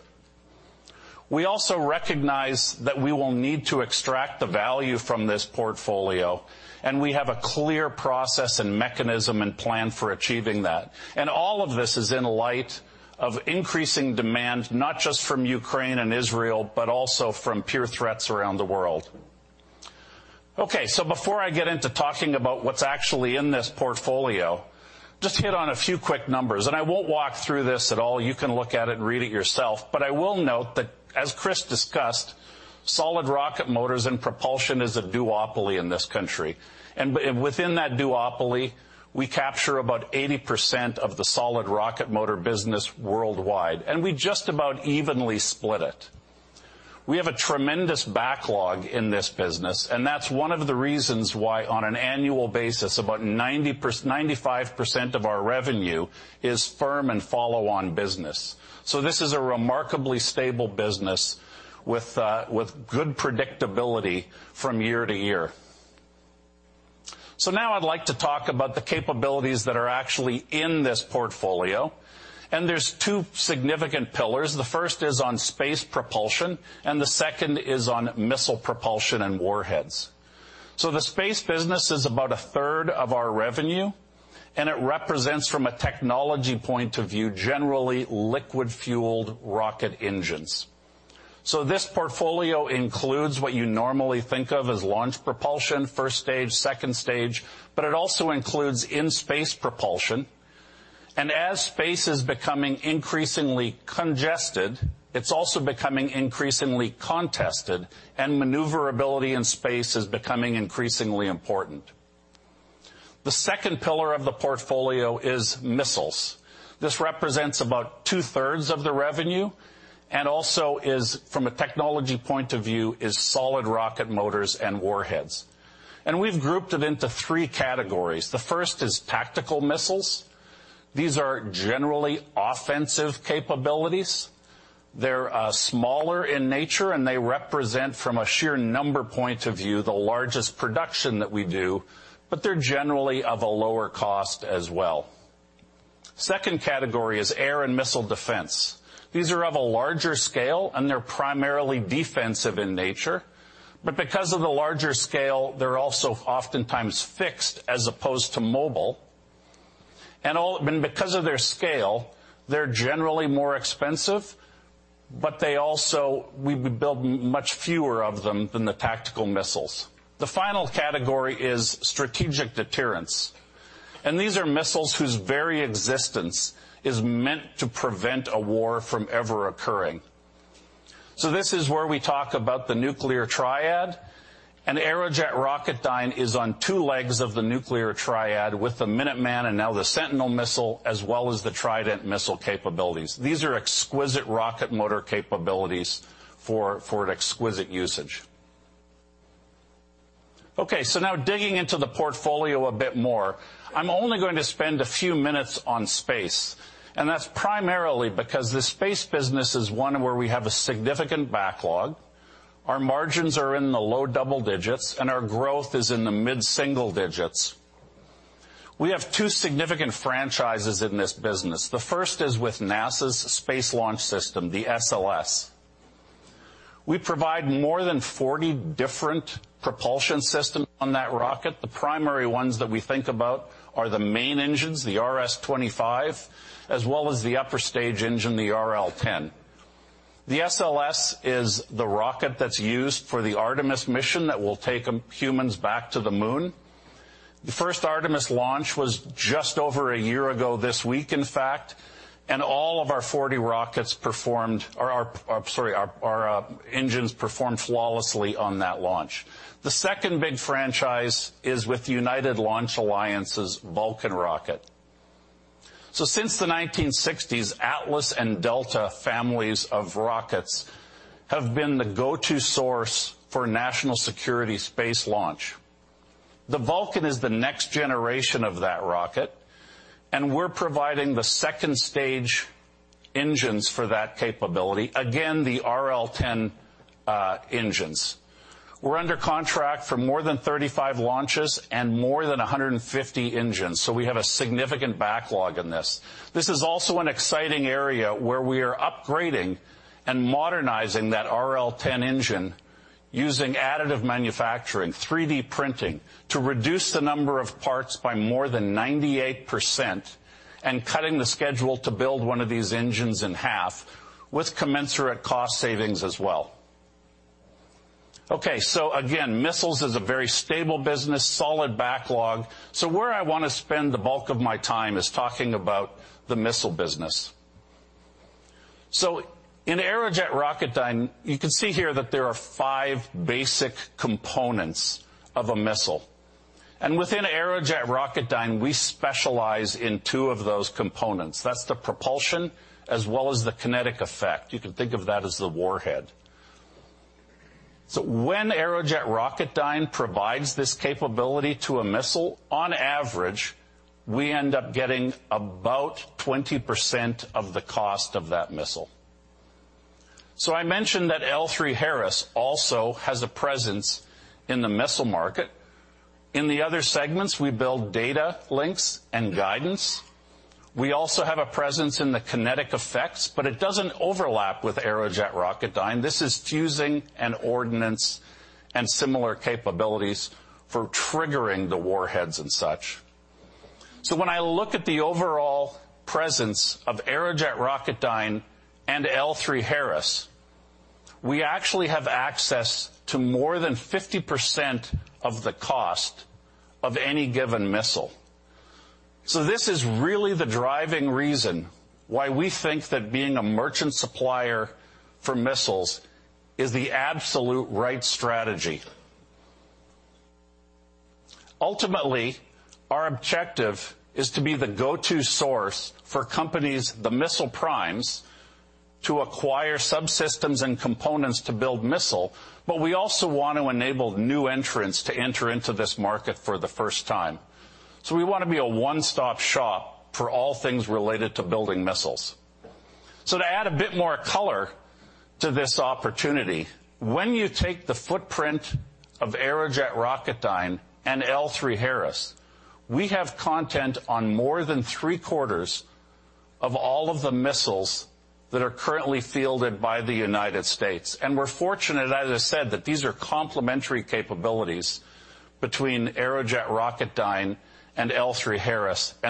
We also recognize that we will need to extract the value from this portfolio, and we have a clear process and mechanism and plan for achieving that. And all of this is in light of increasing demand, not just from Ukraine and Israel, but also from peer threats around the world. Okay, so before I get into talking about what's actually in this portfolio, just hit on a few quick numbers. And I won't walk through this at all. You can look at it and read it yourself. But I will note that, as Chris discussed, solid rocket motors and propulsion is a duopoly in this country, and within that duopoly, we capture about 80% of the solid rocket motor business worldwide, and we just about evenly split it. We have a tremendous backlog in this business, and that's one of the reasons why, on an annual basis, about 95% of our revenue is firm and follow-on business. So this is a remarkably stable business with good predictability from year to year. So now I'd like to talk about the capabilities that are actually in this portfolio, and there's two significant pillars. The first is on space propulsion, and the second is on missile propulsion and warheads. So the space business is about a third of our revenue, and it represents, from a technology point of view, generally, liquid-fueled rocket engines. So this portfolio includes what you normally think of as launch propulsion, first stage, second stage, but it also includes in-space propulsion. And as space is becoming increasingly congested, it's also becoming increasingly contested, and maneuverability in space is becoming increasingly important. The second pillar of the portfolio is missiles. This represents about two-thirds of the revenue and also is, from a technology point of view, is solid rocket motors and warheads. And we've grouped it into three categories. The first is tactical missiles. These are generally offensive capabilities. They're smaller in nature, and they represent, from a sheer number point of view, the largest production that we do, but they're generally of a lower cost as well. Second category is air and missile defense. These are of a larger scale, and they're primarily defensive in nature. But because of the larger scale, they're also oftentimes fixed as opposed to mobile. And because of their scale, they're generally more expensive, but they also, we build much fewer of them than the tactical missiles. The final category is strategic deterrence, and these are missiles whose very existence is meant to prevent a war from ever occurring. So this is where we talk about the nuclear triad, and Aerojet Rocketdyne is on two legs of the nuclear triad with the Minuteman and now the Sentinel missile, as well as the Trident missile capabilities. These are exquisite rocket motor capabilities for an exquisite usage. Okay, so now digging into the portfolio a bit more, I'm only going to spend a few minutes on space, and that's primarily because the space business is one where we have a significant backlog, our margins are in the low double digits, and our growth is in the mid-single digits. We have two significant franchises in this business. The first is with NASA's Space Launch System, the SLS. We provide more than 40 different propulsion systems on that rocket. The primary ones that we think about are the main engines, the RS-25, as well as the upper stage engine, the RL-10. The SLS is the rocket that's used for the Artemis mission that will take humans back to the moon. The first Artemis launch was just over a year ago this week, in fact, and all of our 40 rockets performed—or our, sorry, our engines performed flawlessly on that launch. The second big franchise is with United Launch Alliance's Vulcan rocket. So since the 1960s, Atlas and Delta families of rockets have been the go-to source for national security space launch. The Vulcan is the next generation of that rocket, and we're providing the second stage engines for that capability, again, the RL-10 engines. We're under contract for more than 35 launches and more than 150 engines, so we have a significant backlog in this. This is also an exciting area where we are upgrading and modernizing that RL-10 engine using additive manufacturing, 3D printing, to reduce the number of parts by more than 98% and cutting the schedule to build one of these engines in half, with commensurate cost savings as well. Okay, so again, missiles is a very stable business, solid backlog. So where I want to spend the bulk of my time is talking about the missile business. So in Aerojet Rocketdyne, you can see here that there are five basic components of a missile, and within Aerojet Rocketdyne, we specialize in two of those components. That's the propulsion as well as the kinetic effect. You can think of that as the warhead. So when Aerojet Rocketdyne provides this capability to a missile, on average, we end up getting about 20% of the cost of that missile. So I mentioned that L3Harris also has a presence in the missile market. In the other segments, we build data links and guidance. We also have a presence in the kinetic effects, but it doesn't overlap with Aerojet Rocketdyne. This is fusing and ordnance and similar capabilities for triggering the warheads and such. So when I look at the overall presence of Aerojet Rocketdyne and L3Harris, we actually have access to more than 50% of the cost of any given missile. So this is really the driving reason why we think that being a merchant supplier for missiles is the absolute right strategy. Ultimately, our objective is to be the go-to source for companies, the missile primes, to acquire subsystems and components to build missile, but we also want to enable new entrants to enter into this market for the first time. So we want to be a one-stop shop for all things related to building missiles. So to add a bit more color to this opportunity, when you take the footprint of Aerojet Rocketdyne and L3Harris, we have content on more than three-quarters of all of the missiles that are currently fielded by the United States. And we're fortunate, as I said, that these are complementary capabilities between Aerojet Rocketdyne and L3Harris, and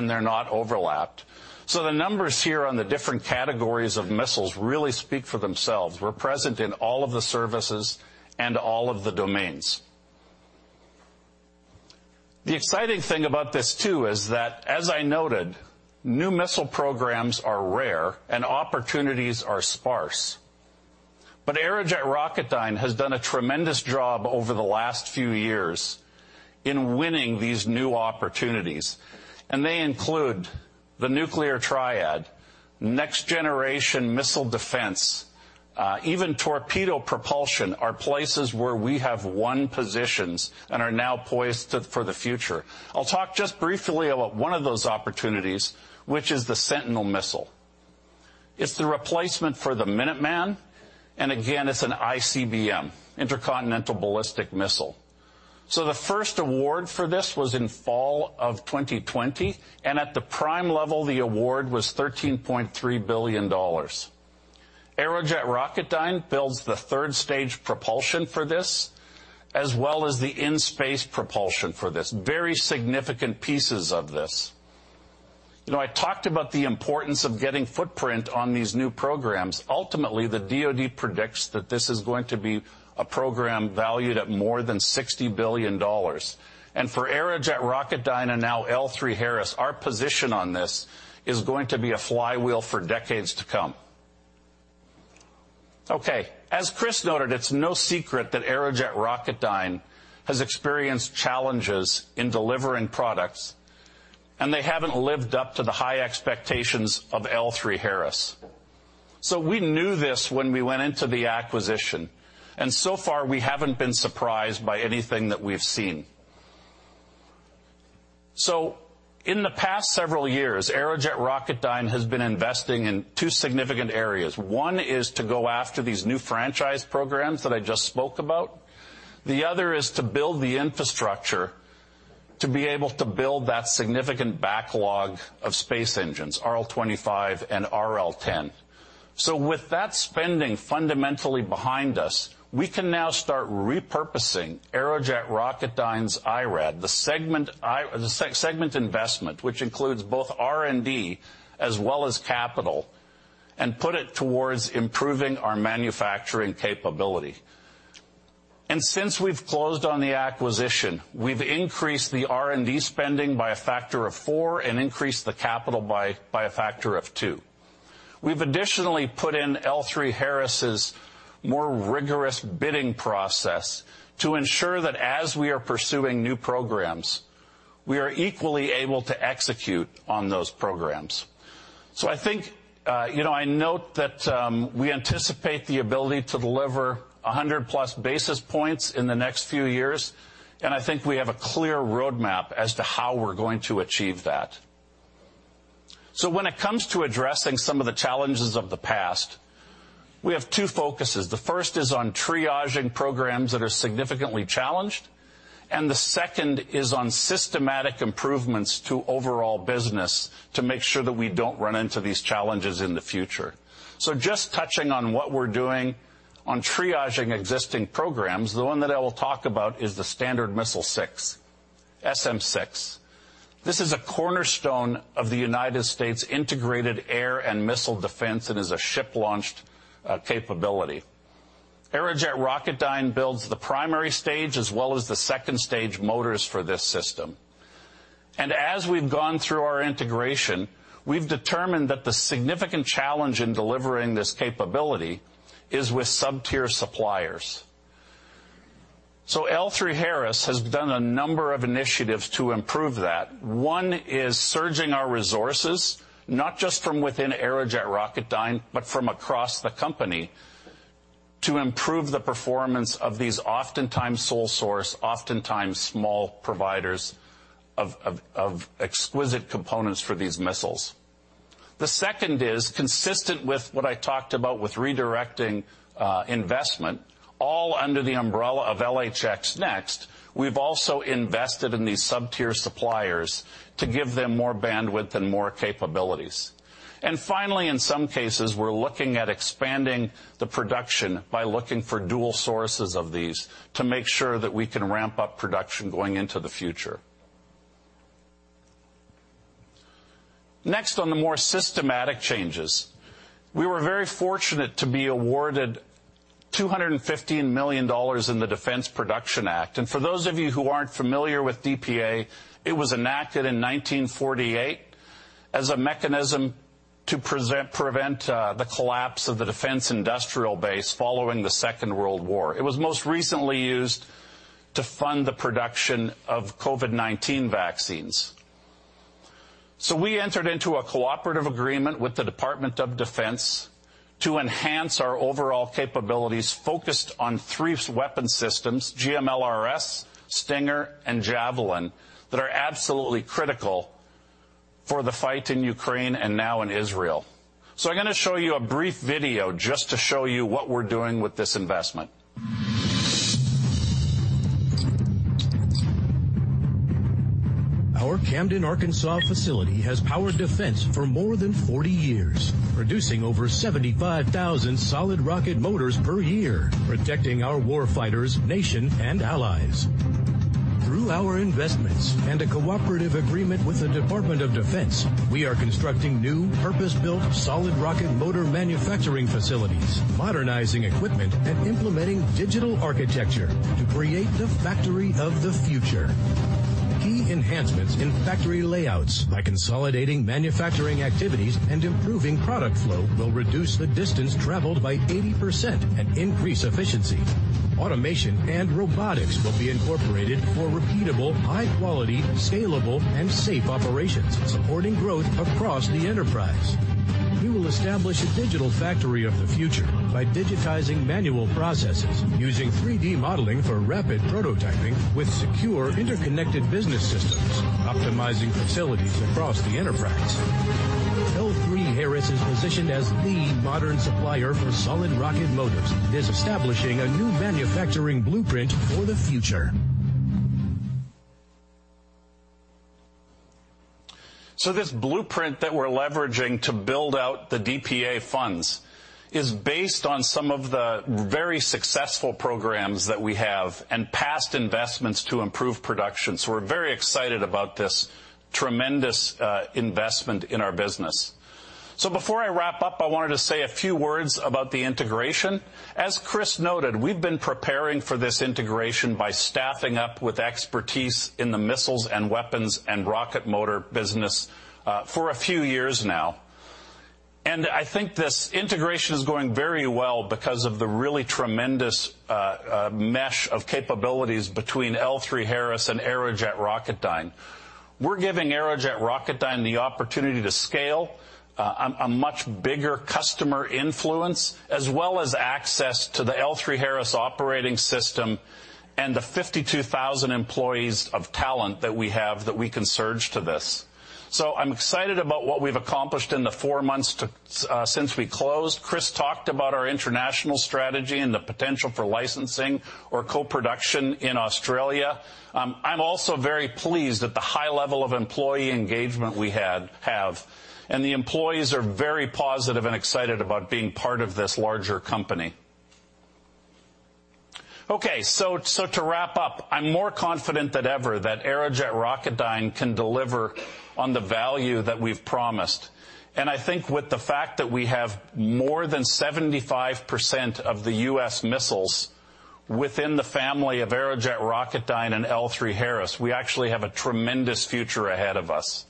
they're not overlapped. So the numbers here on the different categories of missiles really speak for themselves. We're present in all of the services and all of the domains. The exciting thing about this, too, is that, as I noted, new missile programs are rare and opportunities are sparse. But Aerojet Rocketdyne has done a tremendous job over the last few years in winning these new opportunities, and they include the nuclear triad, next generation missile defense, even torpedo propulsion, are places where we have won positions and are now poised to for the future. I'll talk just briefly about one of those opportunities, which is the Sentinel missile. It's the replacement for the Minuteman, and again, it's an ICBM, intercontinental ballistic missile. So the first award for this was in fall of 2020, and at the prime level, the award was $13.3 billion. Aerojet Rocketdyne builds the third-stage propulsion for this, as well as the in-space propulsion for this. Very significant pieces of this. You know, I talked about the importance of getting footprint on these new programs. Ultimately, the DoD predicts that this is going to be a program valued at more than $60 billion. For Aerojet Rocketdyne and now L3Harris, our position on this is going to be a flywheel for decades to come. Okay, as Chris noted, it's no secret that Aerojet Rocketdyne has experienced challenges in delivering products, and they haven't lived up to the high expectations of L3Harris. So we knew this when we went into the acquisition, and so far, we haven't been surprised by anything that we've seen. So in the past several years, Aerojet Rocketdyne has been investing in two significant areas. One is to go after these new franchise programs that I just spoke about. The other is to build the infrastructure to be able to build that significant backlog of space engines, RS-25 and RL-10. So with that spending fundamentally behind us, we can now start repurposing Aerojet Rocketdyne's IRAD, the segment investment, which includes both R&D as well as capital, and put it towards improving our manufacturing capability. And since we've closed on the acquisition, we've increased the R&D spending by a factor of four and increased the capital by a factor of two. We've additionally put in L3Harris's more rigorous bidding process to ensure that as we are pursuing new programs, we are equally able to execute on those programs. So I think, you know, I note that we anticipate the ability to deliver +100 basis points in the next few years, and I think we have a clear roadmap as to how we're going to achieve that. So when it comes to addressing some of the challenges of the past, we have two focuses. The first is on triaging programs that are significantly challenged, and the second is on systematic improvements to overall business to make sure that we don't run into these challenges in the future. So just touching on what we're doing on triaging existing programs, the one that I will talk about is the Standard Missile 6, SM-6. This is a cornerstone of the United States' integrated air and missile defense and is a ship-launched capability. Aerojet Rocketdyne builds the primary stage as well as the second stage motors for this system. And as we've gone through our integration, we've determined that the significant challenge in delivering this capability is with sub-tier suppliers. So L3Harris has done a number of initiatives to improve that. One is surging our resources, not just from within Aerojet Rocketdyne, but from across the company, to improve the performance of these oftentimes sole source, oftentimes small providers of exquisite components for these missiles. The second is consistent with what I talked about with redirecting investment, all under the umbrella of LHX NeXt. We've also invested in these sub-tier suppliers to give them more bandwidth and more capabilities. And finally, in some cases, we're looking at expanding the production by looking for dual sources of these to make sure that we can ramp up production going into the future. Next, on the more systematic changes, we were very fortunate to be awarded $215 million in the Defense Production Act. For those of you who aren't familiar with DPA, it was enacted in 1948 as a mechanism to prevent the collapse of the defense industrial base following the Second World War. It was most recently used to fund the production of COVID-19 vaccines. We entered into a cooperative agreement with the Department of Defense to enhance our overall capabilities, focused on three weapon systems, GMLRS, Stinger, and Javelin, that are absolutely critical for the fight in Ukraine and now in Israel. I'm going to show you a brief video just to show you what we're doing with this investment. Our Camden, Arkansas, facility has powered defense for more than 40 years, producing over 75,000 solid rocket motors per year, protecting our war fighters, nation, and allies. Through our investments and a cooperative agreement with the Department of Defense, we are constructing new, purpose-built, solid rocket motor manufacturing facilities, modernizing equipment, and implementing digital architecture to create the factory of the future. Key enhancements in factory layouts by consolidating manufacturing activities and improving product flow, will reduce the distance traveled by 80% and increase efficiency. Automation and robotics will be incorporated for repeatable, high quality, scalable, and safe operations, supporting growth across the enterprise. We will establish a digital factory of the future by digitizing manual processes, using 3D modeling for rapid prototyping with secure, interconnected business systems, optimizing facilities across the enterprise. L3Harris is positioned as the modern supplier for solid rocket motors and is establishing a new manufacturing blueprint for the future. So this blueprint that we're leveraging to build out the DPA funds is based on some of the very successful programs that we have and past investments to improve production, so we're very excited about this tremendous investment in our business. So before I wrap up, I wanted to say a few words about the integration. As Chris noted, we've been preparing for this integration by staffing up with expertise in the missiles, and weapons, and rocket motor business for a few years now. And I think this integration is going very well because of the really tremendous mesh of capabilities between L3Harris and Aerojet Rocketdyne. We're giving Aerojet Rocketdyne the opportunity to scale a much bigger customer influence, as well as access to the L3Harris operating system and the 52,000 employees of talent that we have that we can surge to this. So I'm excited about what we've accomplished in the four months to since we closed. Chris talked about our international strategy and the potential for licensing or co-production in Australia. I'm also very pleased at the high level of employee engagement we have, and the employees are very positive and excited about being part of this larger company. Okay, so to wrap up, I'm more confident than ever that Aerojet Rocketdyne can deliver on the value that we've promised. And I think with the fact that we have more than 75% of the U.S. missiles within the family of Aerojet Rocketdyne and L3Harris, we actually have a tremendous future ahead of us.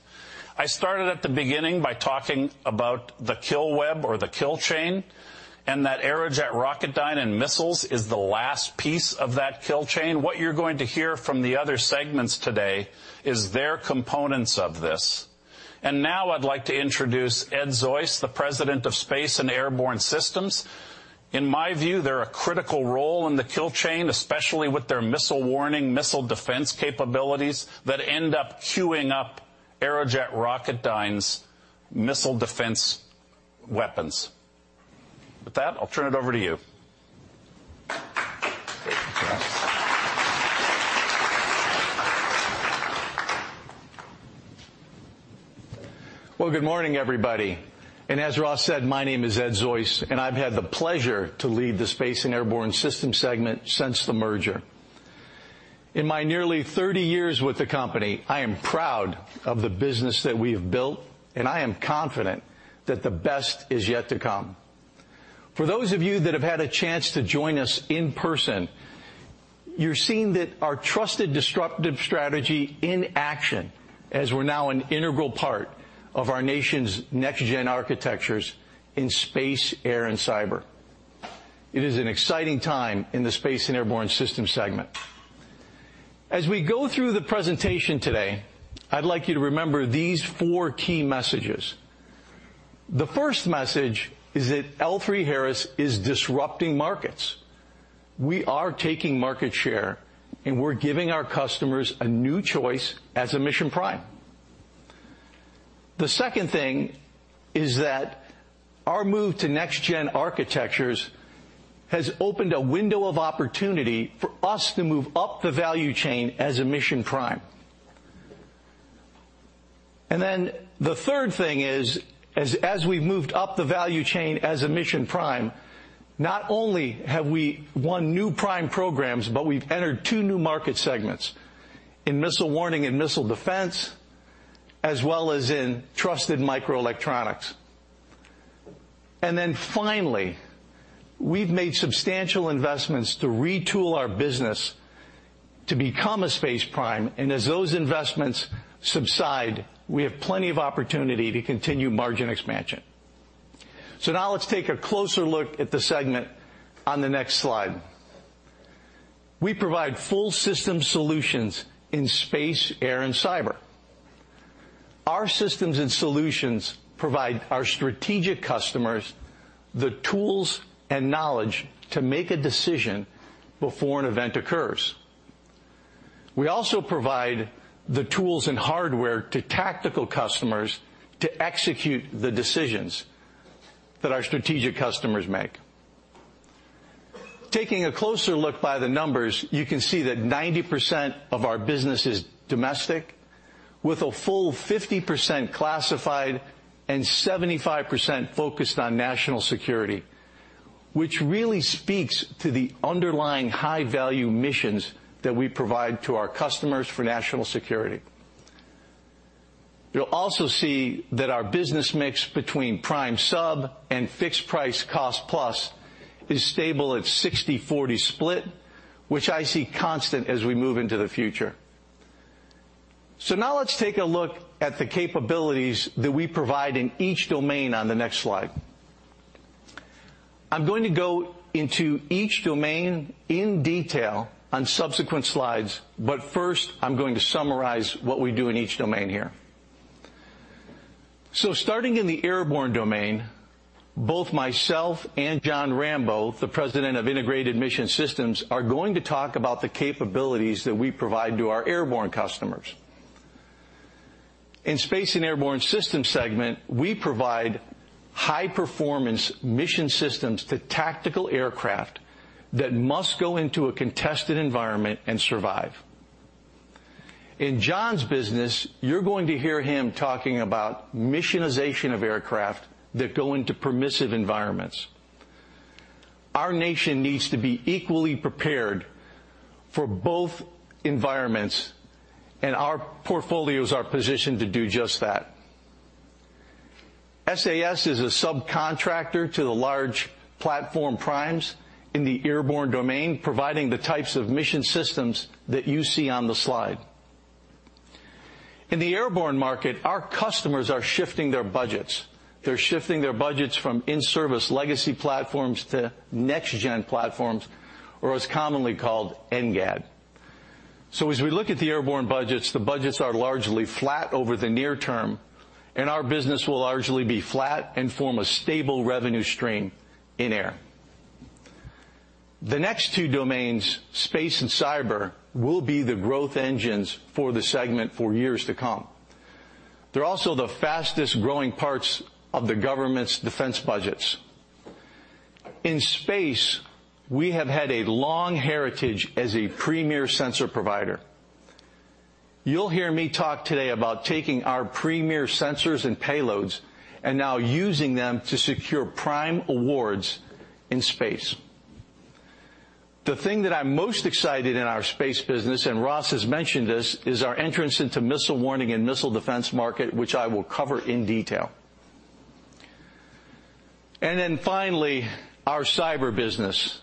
I started at the beginning by talking about the kill web or the kill chain, and that Aerojet Rocketdyne and missiles is the last piece of that kill chain. What you're going to hear from the other segments today is their components of this. Now I'd like to introduce Ed Zoiss, the President of Space and Airborne Systems. In my view, they're a critical role in the kill chain, especially with their missile warning, missile defense capabilities that end up queuing up Aerojet Rocketdyne's missile defense weapons. With that, I'll turn it over to you. Well, good morning, everybody, and as Ross said, my name is Ed Zoiss, and I've had the pleasure to lead the Space and Airborne Systems segment since the merger. In my nearly 30 years with the company, I am proud of the business that we have built, and I am confident that the best is yet to come. For those of you that have had a chance to join us in person, you're seeing that our trusted disruptive strategy in action, as we're now an integral part of our nation's next-gen architectures in space, air and cyber. It is an exciting time in the Space and Airborne Systems segment. As we go through the presentation today, I'd like you to remember these 4 key messages. The first message is that L3Harris is disrupting markets. We are taking market share, and we're giving our customers a new choice as a mission prime. The second thing is that our move to next-gen architectures has opened a window of opportunity for us to move up the value chain as a mission prime. And then the third thing is, as, as we've moved up the value chain as a mission prime, not only have we won new prime programs, but we've entered two new market segments in missile warning and missile defense, as well as in trusted microelectronics. And then finally, we've made substantial investments to retool our business to become a space prime, and as those investments subside, we have plenty of opportunity to continue margin expansion. So now let's take a closer look at the segment on the next slide. We provide full system solutions in space, air and cyber. Our systems and solutions provide our strategic customers the tools and knowledge to make a decision before an event occurs. We also provide the tools and hardware to tactical customers to execute the decisions that our strategic customers make. Taking a closer look by the numbers, you can see that 90% of our business is domestic, with a full 50% classified and 75% focused on national security, which really speaks to the underlying high-value missions that we provide to our customers for national security. You'll also see that our business mix between prime sub and fixed price cost plus is stable at 60/40 split, which I see constant as we move into the future. So now let's take a look at the capabilities that we provide in each domain on the next slide. I'm going to go into each domain in detail on subsequent slides, but first, I'm going to summarize what we do in each domain here. So starting in the airborne domain, both myself and Jon Rambeau, the President of Integrated Mission Systems, are going to talk about the capabilities that we provide to our airborne customers. In Space and Airborne Systems segment, we provide high-performance mission systems to tactical aircraft that must go into a contested environment and survive. In Jon's business, you're going to hear him talking about missionization of aircraft that go into permissive environments. Our nation needs to be equally prepared for both environments, and our portfolios are positioned to do just that. SAS is a subcontractor to the large platform primes in the airborne domain, providing the types of mission systems that you see on the slide. In the airborne market, our customers are shifting their budgets. They're shifting their budgets from in-service legacy platforms to next-gen platforms, or as commonly called, NGAD. So as we look at the airborne budgets, the budgets are largely flat over the near term, and our business will largely be flat and form a stable revenue stream in air. The next two domains, space and cyber, will be the growth engines for the segment for years to come. They're also the fastest-growing parts of the government's defense budgets. In space, we have had a long heritage as a premier sensor provider. You'll hear me talk today about taking our premier sensors and payloads and now using them to secure prime awards in space. The thing that I'm most excited in our space business, and Ross has mentioned this, is our entrance into missile warning and missile defense market, which I will cover in detail. And then finally, our cyber business.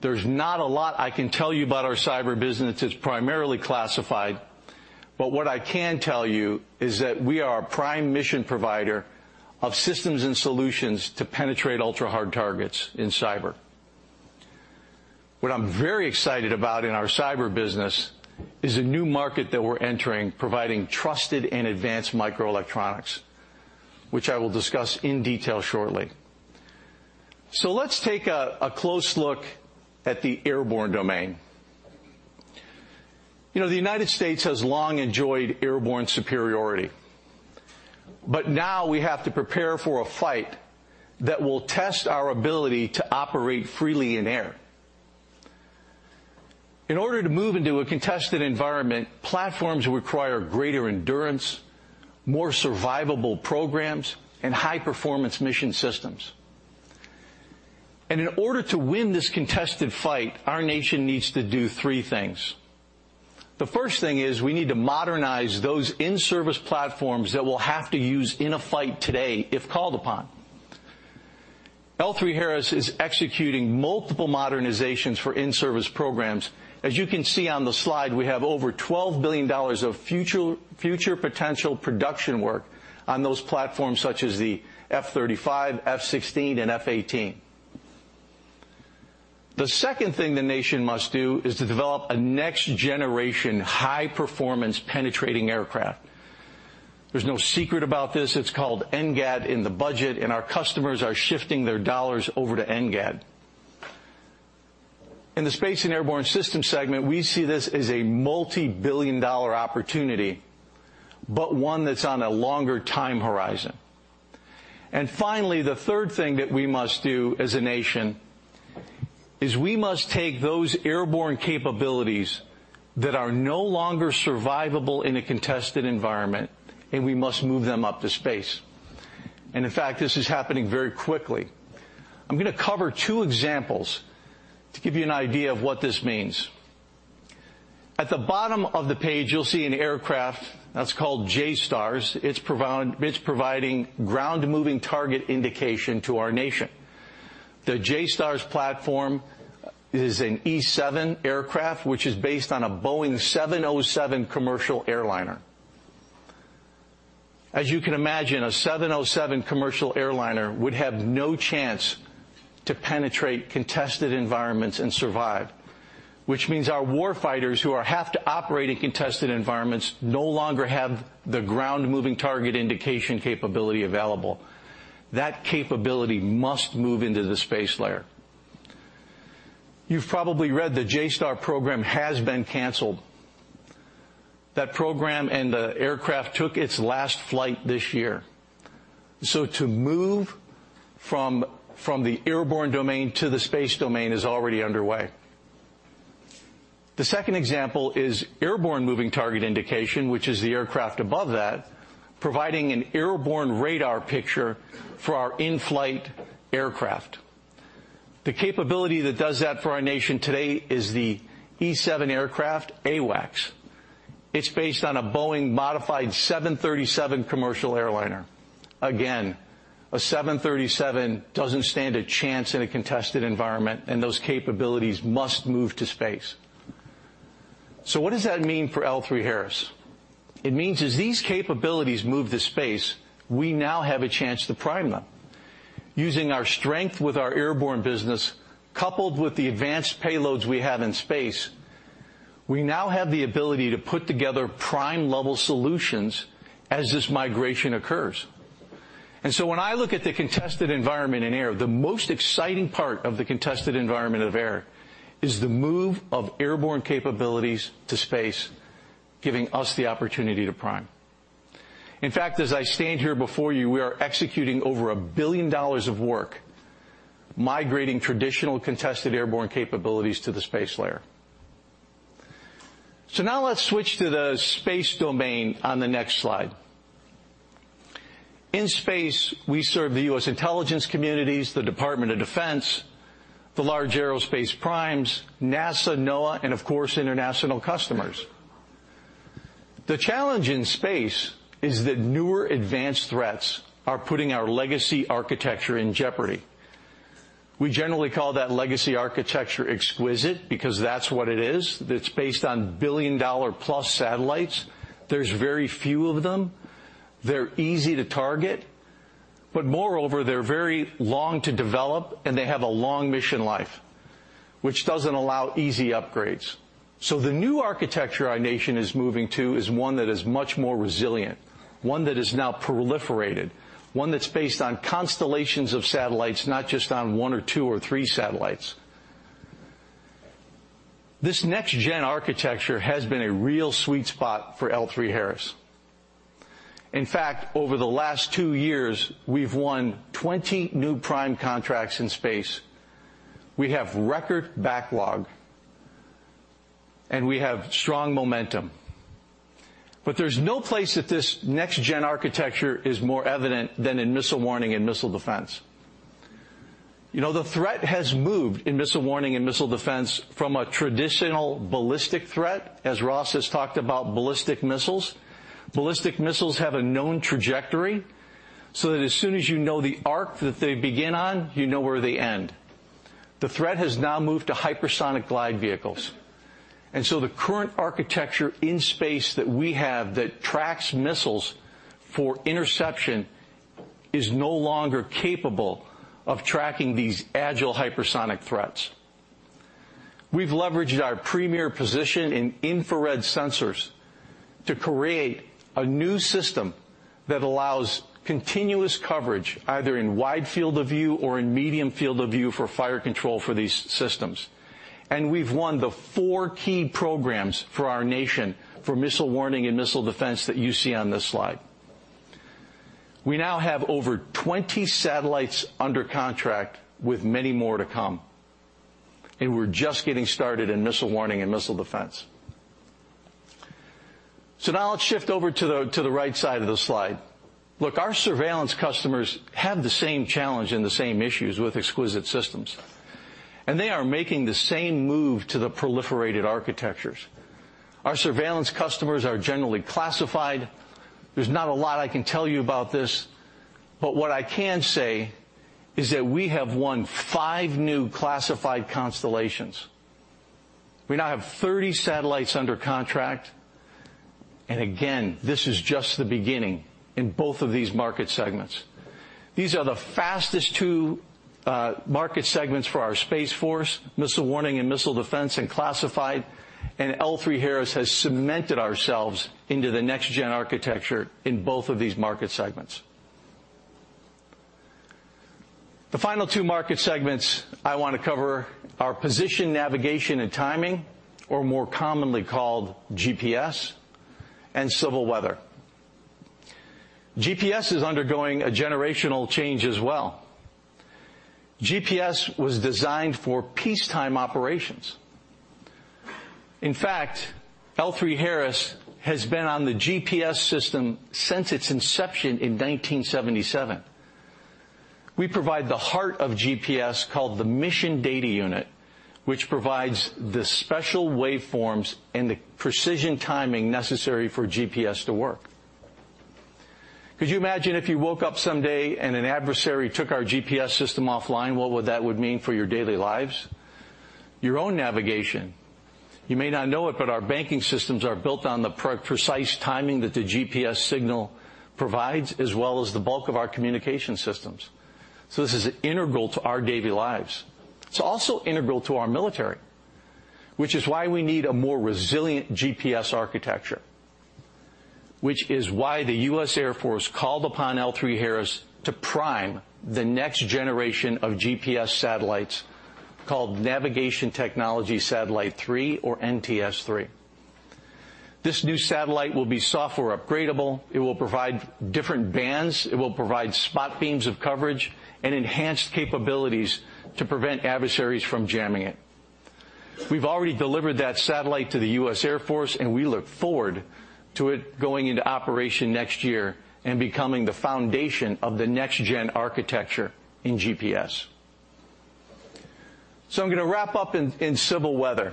There's not a lot I can tell you about our cyber business. It's primarily classified. But what I can tell you is that we are a prime mission provider of systems and solutions to penetrate ultra-hard targets in cyber. What I'm very excited about in our cyber business is a new market that we're entering, providing trusted and advanced microelectronics, which I will discuss in detail shortly. So let's take a close look at the airborne domain. You know, the United States has long enjoyed airborne superiority, but now we have to prepare for a fight that will test our ability to operate freely in air. In order to move into a contested environment, platforms require greater endurance, more survivable programs, and high-performance mission systems. In order to win this contested fight, our nation needs to do three things. The first thing is we need to modernize those in-service platforms that we'll have to use in a fight today if called upon. L3Harris is executing multiple modernizations for in-service programs. As you can see on the slide, we have over $12 billion of future, future potential production work on those platforms, such as the F-35, F-16, and F-18. The second thing the nation must do is to develop a next-generation, high-performance penetrating aircraft. There's no secret about this. It's called NGAD in the budget, and our customers are shifting their dollars over to NGAD. In the Space and Airborne Systems segment, we see this as a multibillion-dollar opportunity, but one that's on a longer time horizon. And finally, the third thing that we must do as a nation is we must take those airborne capabilities that are no longer survivable in a contested environment, and we must move them up to space. And in fact, this is happening very quickly. I'm going to cover two examples to give you an idea of what this means. At the bottom of the page, you'll see an aircraft that's called JSTARS. It's providing ground-moving target indication to our nation. The JSTARS platform is an E-7 aircraft, which is based on a Boeing 707 commercial airliner. As you can imagine, a 707 commercial airliner would have no chance to penetrate contested environments and survive, which means our warfighters who have to operate in contested environments no longer have the ground-moving target indication capability available. That capability must move into the space layer. You've probably read the JSTARS program has been canceled. That program and the aircraft took its last flight this year. To move from the airborne domain to the space domain is already underway. The second example is airborne moving target indication, which is the aircraft above that, providing an airborne radar picture for our in-flight aircraft. The capability that does that for our nation today is the E-7 aircraft, AWACS. It's based on a Boeing modified 737 commercial airliner. Again, a 737 doesn't stand a chance in a contested environment, and those capabilities must move to space. So what does that mean for L3Harris? It means as these capabilities move to space, we now have a chance to prime them. Using our strength with our airborne business, coupled with the advanced payloads we have in space, we now have the ability to put together prime-level solutions as this migration occurs. So when I look at the contested environment in air, the most exciting part of the contested environment of air is the move of airborne capabilities to space, giving us the opportunity to prime. In fact, as I stand here before you, we are executing over $1 billion of work, migrating traditional contested airborne capabilities to the space layer. So now let's switch to the space domain on the next slide. In space, we serve the U.S. intelligence communities, the Department of Defense, the large aerospace primes, NASA, NOAA, and of course, international customers. The challenge in space is that newer, advanced threats are putting our legacy architecture in jeopardy. We generally call that legacy architecture exquisite because that's what it is. It's based on billion-dollar-plus satellites. There's very few of them, they're easy to target, but moreover, they're very long to develop, and they have a long mission life, which doesn't allow easy upgrades. So the new architecture our nation is moving to is one that is much more resilient, one that is now proliferated, one that's based on constellations of satellites, not just on one or two or three satellites. This next-gen architecture has been a real sweet spot for L3Harris. In fact, over the last two years, we've won 20 new prime contracts in space. We have record backlog, and we have strong momentum. But there's no place that this next-gen architecture is more evident than in missile warning and missile defense. You know, the threat has moved in missile warning and missile defense from a traditional ballistic threat, as Ross has talked about, ballistic missiles. Ballistic missiles have a known trajectory, so that as soon as you know the arc that they begin on, you know where they end. The threat has now moved to hypersonic glide vehicles, and so the current architecture in space that we have that tracks missiles for interception is no longer capable of tracking these agile hypersonic threats. We've leveraged our premier position in infrared sensors to create a new system that allows continuous coverage, either in wide field of view or in medium field of view, for fire control for these systems. We've won the four key programs for our nation for missile warning and missile defense that you see on this slide. We now have over 20 satellites under contract, with many more to come, and we're just getting started in missile warning and missile defense. So now let's shift over to the right side of the slide. Look, our surveillance customers have the same challenge and the same issues with exquisite systems, and they are making the same move to the proliferated architectures. Our surveillance customers are generally classified. There's not a lot I can tell you about this, but what I can say is that we have won five new classified constellations. We now have 30 satellites under contract, and again, this is just the beginning in both of these market segments. These are the fastest two, market segments for our Space Force, missile warning and missile defense and classified, and L3Harris has cemented ourselves into the next-gen architecture in both of these market segments. The final two market segments I want to cover are position, navigation, and timing, or more commonly called GPS, and civil weather. GPS is undergoing a generational change as well. GPS was designed for peacetime operations. In fact, L3Harris has been on the GPS system since its inception in 1977. We provide the heart of GPS, called the mission data unit, which provides the special waveforms and the precision timing necessary for GPS to work. Could you imagine if you woke up someday and an adversary took our GPS system offline? What would that mean for your daily lives? Your own navigation. You may not know it, but our banking systems are built on the precise timing that the GPS signal provides, as well as the bulk of our communication systems. So this is integral to our daily lives. It's also integral to our military, which is why we need a more resilient GPS architecture, which is why the U.S. Air Force called upon L3Harris to prime the next generation of GPS satellites, called Navigation Technology Satellite-3 or NTS-3. This new satellite will be software upgradable. It will provide different bands. It will provide spot beams of coverage and enhanced capabilities to prevent adversaries from jamming it. We've already delivered that satellite to the U.S. Air Force, and we look forward to it going into operation next year and becoming the foundation of the next-gen architecture in GPS. So I'm going to wrap up in civil weather.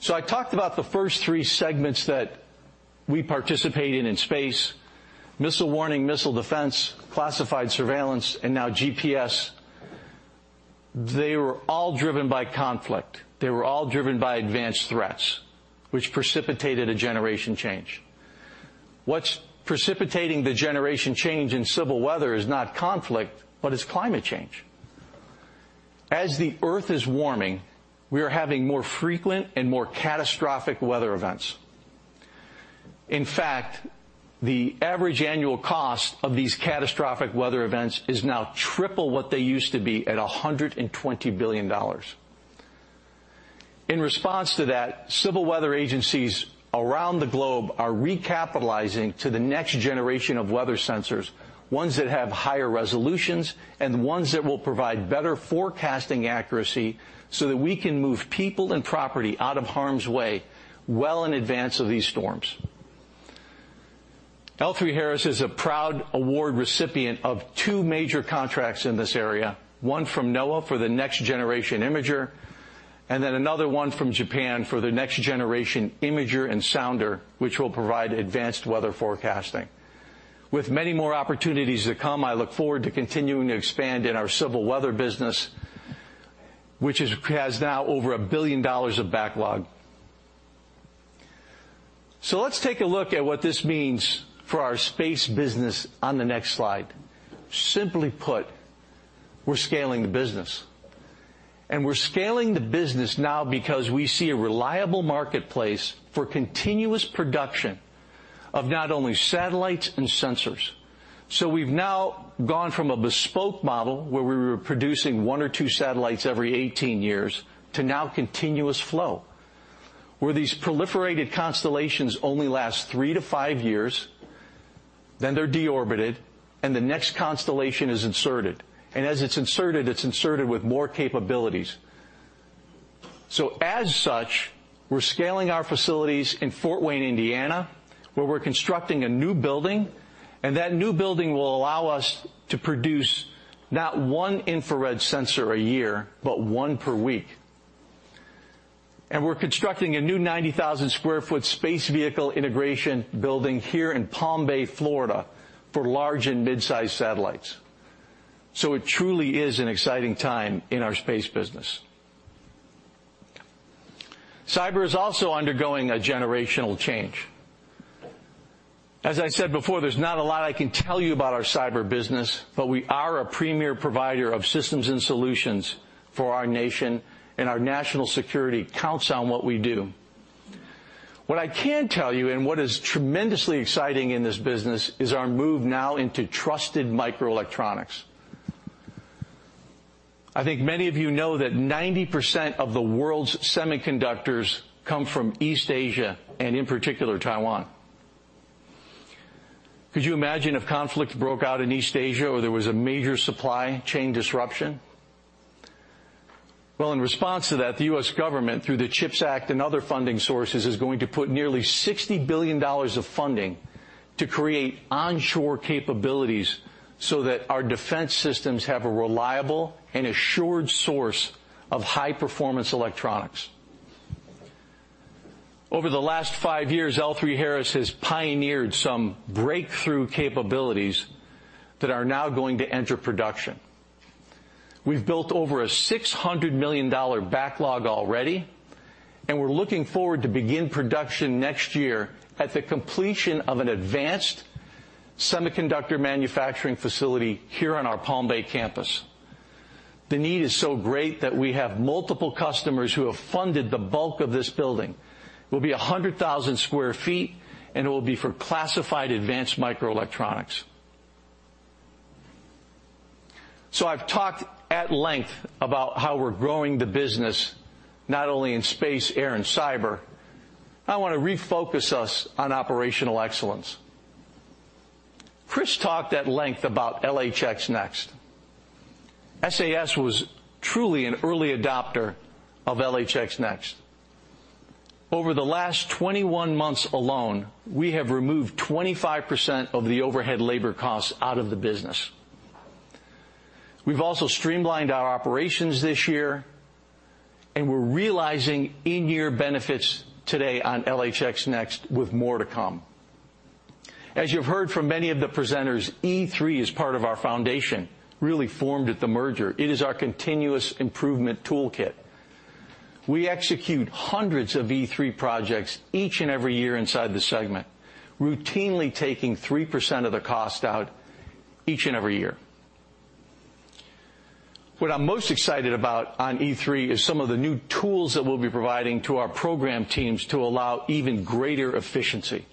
So I talked about the first three segments that we participate in in space, missile warning, missile defense, classified surveillance, and now GPS. They were all driven by conflict. They were all driven by advanced threats, which precipitated a generation change. What's precipitating the generation change in civil weather is not conflict, but it's climate change. As the Earth is warming, we are having more frequent and more catastrophic weather events. In fact, the average annual cost of these catastrophic weather events is now triple what they used to be at $120 billion. In response to that, civil weather agencies around the globe are recapitalizing to the next generation of weather sensors, ones that have higher resolutions and ones that will provide better forecasting accuracy so that we can move people and property out of harm's way well in advance of these storms. L3Harris is a proud award recipient of two major contracts in this area, one from NOAA for the next-generation imager, and then another one from Japan for the next-generation imager and sounder, which will provide advanced weather forecasting. With many more opportunities to come, I look forward to continuing to expand in our civil weather business, which is, has now over $1 billion of backlog. So let's take a look at what this means for our space business on the next slide. Simply put, we're scaling the business, and we're scaling the business now because we see a reliable marketplace for continuous production of not only satellites and sensors. So we've now gone from a bespoke model, where we were producing one or two satellites every 18 years, to now continuous flow, where these proliferated constellations only last three to five years, then they're deorbited, and the next constellation is inserted. And as it's inserted, it's inserted with more capabilities. So as such, we're scaling our facilities in Fort Wayne, Indiana, where we're constructing a new building, and that new building will allow us to produce not one infrared sensor a year, but one per week. And we're constructing a new 90,000 sq ft space vehicle integration building here in Palm Bay, Florida, for large and mid-sized satellites. So it truly is an exciting time in our space business. Cyber is also undergoing a generational change. As I said before, there's not a lot I can tell you about our cyber business, but we are a premier provider of systems and solutions for our nation, and our national security counts on what we do. What I can tell you, and what is tremendously exciting in this business, is our move now into trusted microelectronics. I think many of you know that 90% of the world's semiconductors come from East Asia and, in particular, Taiwan. Could you imagine if conflict broke out in East Asia or there was a major supply chain disruption? Well, in response to that, the U.S. government, through the CHIPS Act and other funding sources, is going to put nearly $60 billion of funding to create onshore capabilities so that our defense systems have a reliable and assured source of high-performance electronics. Over the last five years, L3Harris has pioneered some breakthrough capabilities that are now going to enter production. We've built over a $600 million backlog already, and we're looking forward to begin production next year at the completion of an advanced semiconductor manufacturing facility here on our Palm Bay campus. The need is so great that we have multiple customers who have funded the bulk of this building. It will be a 100,000 sq ft, and it will be for classified advanced microelectronics. So I've talked at length about how we're growing the business, not only in space, air, and cyber. I want to refocus us on operational excellence. Chris talked at length about LHX Next. SAS was truly an early adopter of LHX Next. Over the last 21 months alone, we have removed 25% of the overhead labor costs out of the business. We've also streamlined our operations this year, and we're realizing in-year benefits today on LHX NeXt, with more to come. As you've heard from many of the presenters, E3 is part of our foundation, really formed at the merger. It is our continuous improvement toolkit. We execute hundreds of E3 projects each and every year inside the segment, routinely taking 3% of the cost out each and every year. What I'm most excited about on E3 is some of the new tools that we'll be providing to our program teams to allow even greater efficiency.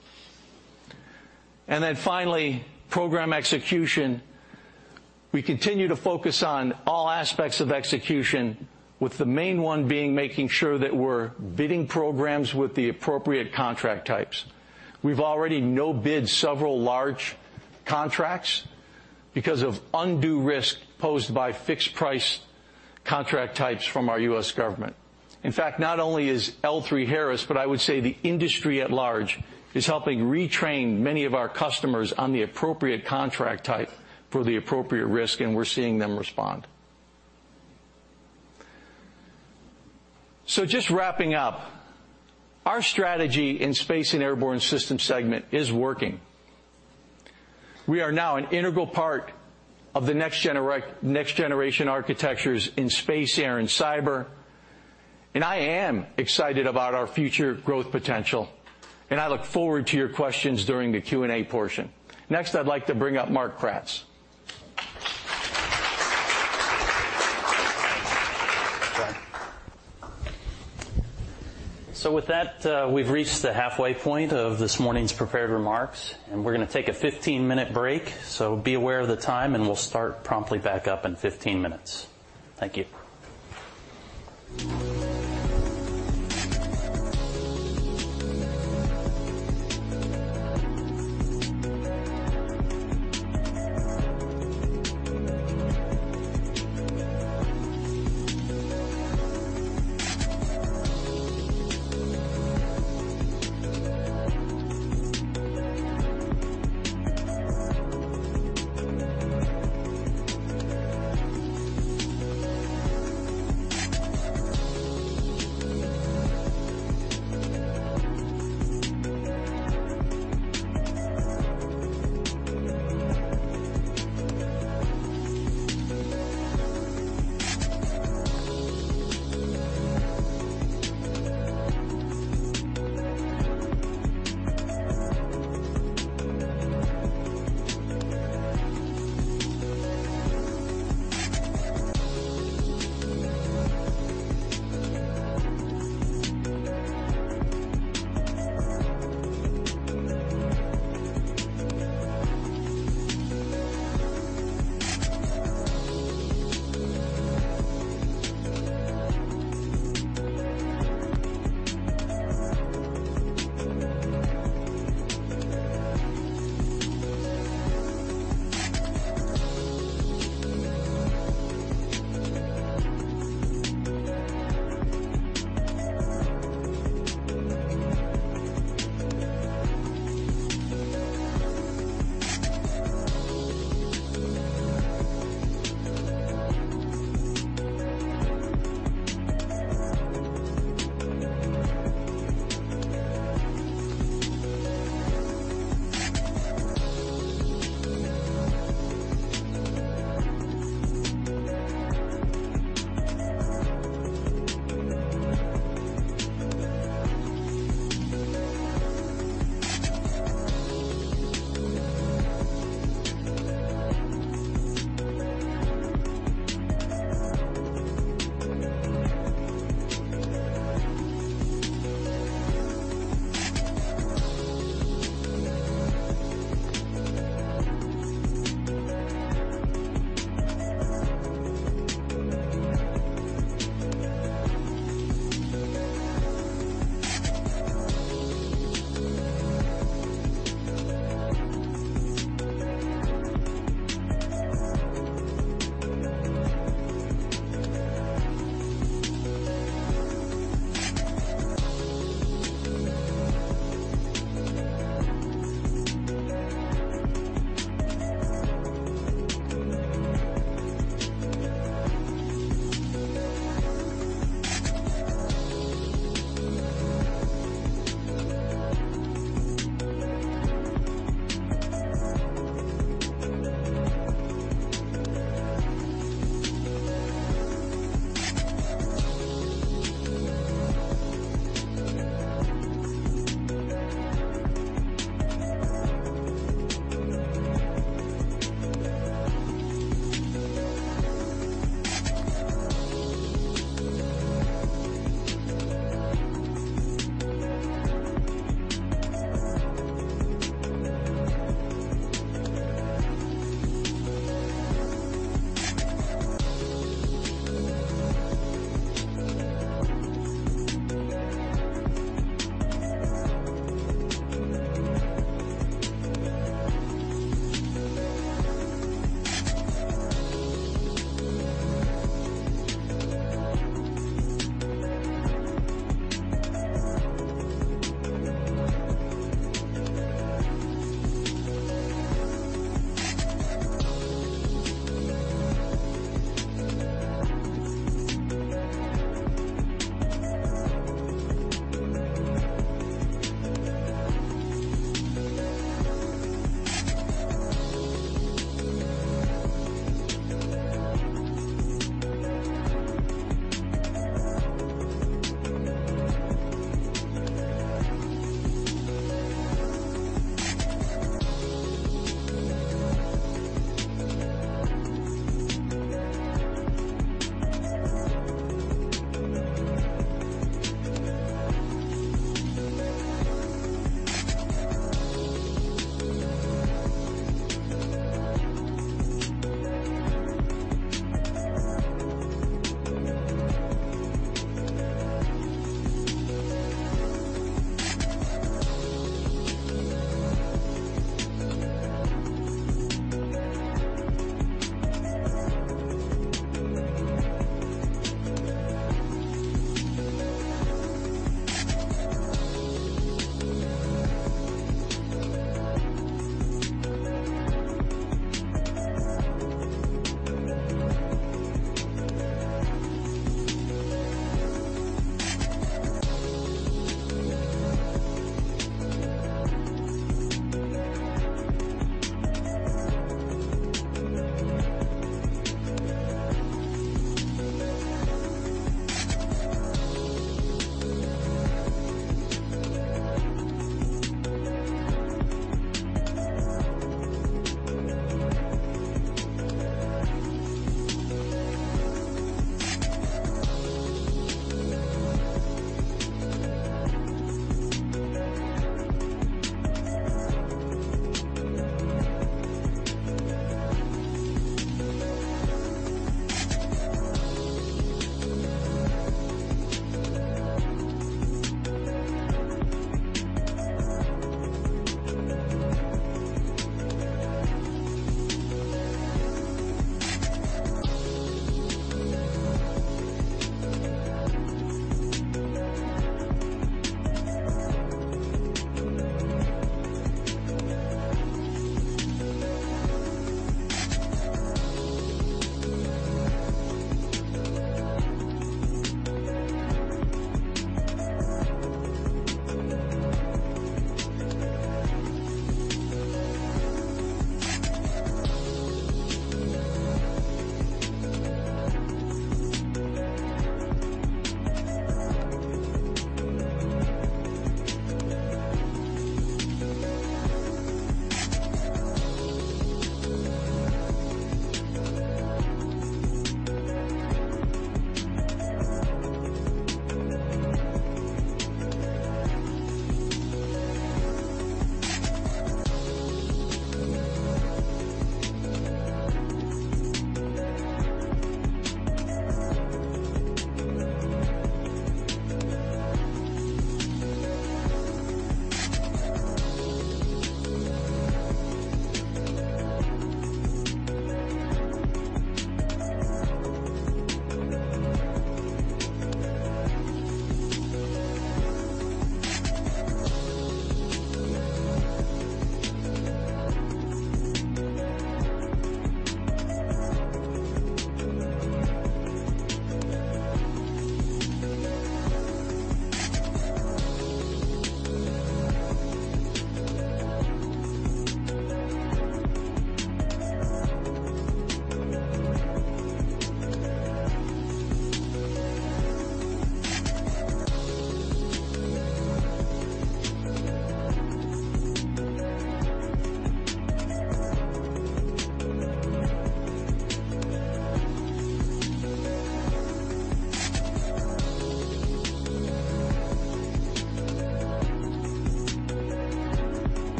And then finally, program execution. We continue to focus on all aspects of execution, with the main one being making sure that we're bidding programs with the appropriate contract types. We've already no-bid several large contracts because of undue risk posed by fixed-price contract types from our U.S. government. In fact, not only is L3Harris, but I would say the industry at large, is helping retrain many of our customers on the appropriate contract type for the appropriate risk, and we're seeing them respond. So just wrapping up, our strategy in Space and Airborne Systems segment is working. We are now an integral part of the next-generation architectures in space, air, and cyber, and I am excited about our future growth potential, and I look forward to your questions during the Q&A portion. Next, I'd like to bring up Mark Kratz. With that, we've reached the halfway point of this morning's prepared remarks, and we're going to take a 15-minute break, so be aware of the time, and we'll start promptly back up in 15 minutes. Thank you.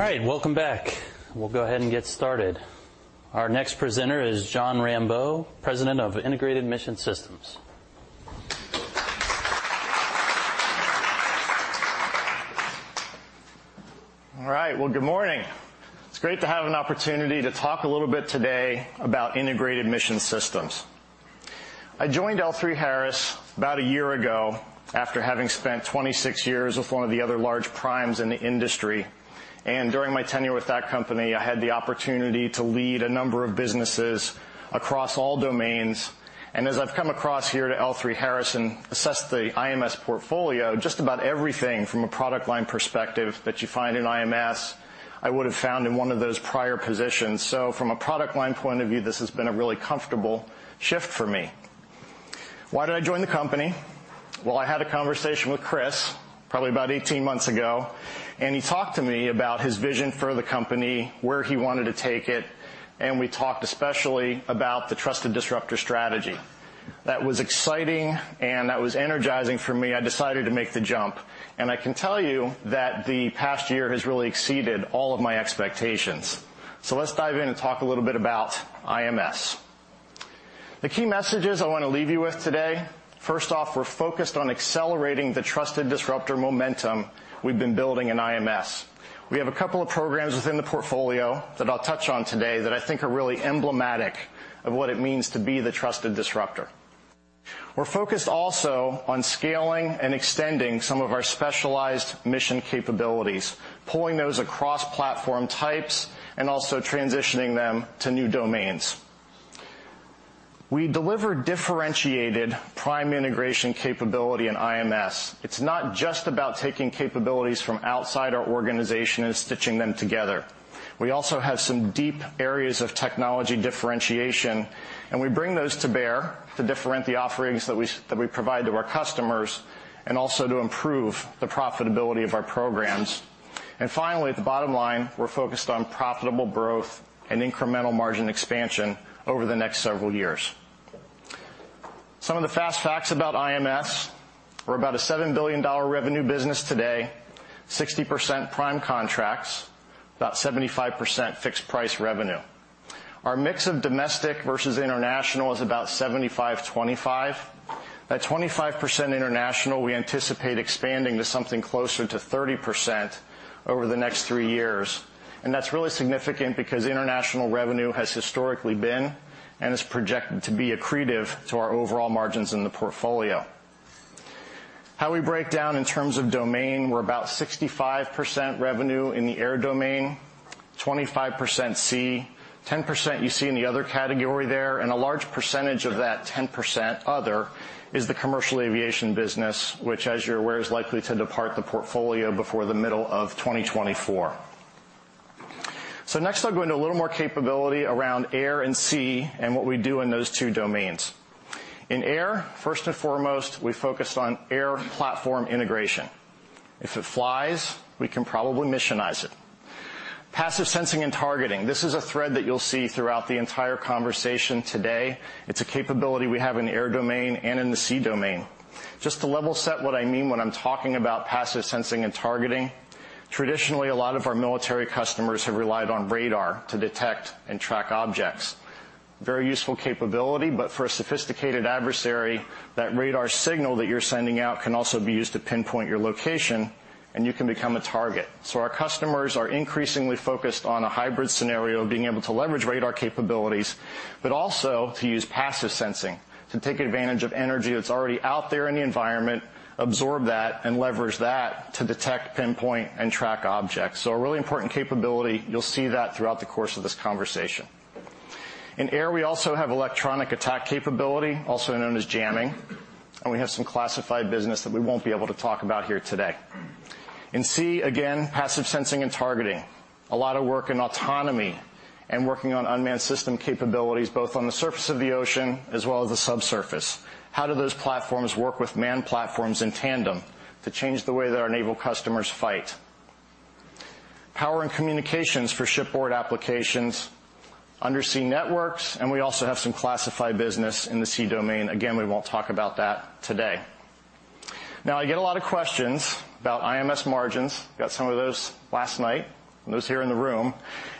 All right, welcome back. We'll go ahead and get started. Our next presenter is Jon Rambo, President of Integrated Mission Systems. All right. Well, good morning! It's great to have an opportunity to talk a little bit today about Integrated Mission Systems. I joined L3Harris about a year ago, after having spent 26 years with one of the other large primes in the industry. And during my tenure with that company, I had the opportunity to lead a number of businesses across all domains. And as I've come across here to L3Harris and assessed the IMS portfolio, just about everything from a product line perspective that you find in IMS, I would have found in one of those prior positions. So from a product line point of view, this has been a really comfortable shift for me. Why did I join the company? Well, I had a conversation with Chris, probably about 18 months ago, and he talked to me about his vision for the company, where he wanted to take it, and we talked especially about the trusted disruptor strategy. That was exciting and that was energizing for me. I decided to make the jump, and I can tell you that the past year has really exceeded all of my expectations. So let's dive in and talk a little bit about IMS. The key messages I want to leave you with today, first off, we're focused on accelerating the trusted disruptor momentum we've been building in IMS. We have a couple of programs within the portfolio that I'll touch on today that I think are really emblematic of what it means to be the trusted disruptor. We're focused also on scaling and extending some of our specialized mission capabilities, pulling those across platform types and also transitioning them to new domains. We deliver differentiated prime integration capability in IMS. It's not just about taking capabilities from outside our organization and stitching them together. We also have some deep areas of technology differentiation, and we bring those to bear to differentiate the offerings that we, that we provide to our customers, and also to improve the profitability of our programs. And finally, at the bottom line, we're focused on profitable growth and incremental margin expansion over the next several years. Some of the fast facts about IMS. We're about a $7 billion revenue business today, 60% prime contracts, about 75% fixed price revenue. Our mix of domestic versus international is about 75-25. That 25% international, we anticipate expanding to something closer to 30% over the next three years. And that's really significant because international revenue has historically been and is projected to be accretive to our overall margins in the portfolio. How we break down in terms of domain, we're about 65% revenue in the air domain, 25% sea, 10% you see in the other category there, and a large percentage of that 10% other is the commercial aviation business, which, as you're aware, is likely to depart the portfolio before the middle of 2024. So next, I'll go into a little more capability around air and sea and what we do in those two domains. In air, first and foremost, we focus on air platform integration. If it flies, we can probably missionize it. Passive sensing and targeting. This is a thread that you'll see throughout the entire conversation today. It's a capability we have in the air domain and in the sea domain. Just to level set what I mean when I'm talking about passive sensing and targeting, traditionally, a lot of our military customers have relied on radar to detect and track objects. Very useful capability, but for a sophisticated adversary, that radar signal that you're sending out can also be used to pinpoint your location, and you can become a target. So our customers are increasingly focused on a hybrid scenario, being able to leverage radar capabilities, but also to use passive sensing to take advantage of energy that's already out there in the environment, absorb that, and leverage that to detect, pinpoint, and track objects. So a really important capability. You'll see that throughout the course of this conversation. In air, we also have electronic attack capability, also known as jamming, and we have some classified business that we won't be able to talk about here today. In sea, again, passive sensing and targeting. A lot of work in autonomy and working on unmanned system capabilities, both on the surface of the ocean as well as the subsurface. How do those platforms work with manned platforms in tandem to change the way that our naval customers fight? Power and communications for shipboard applications, undersea networks, and we also have some classified business in the sea domain. Again, we won't talk about that today. Now, I get a lot of questions about IMS margins. Got some of those last night and those here in the room,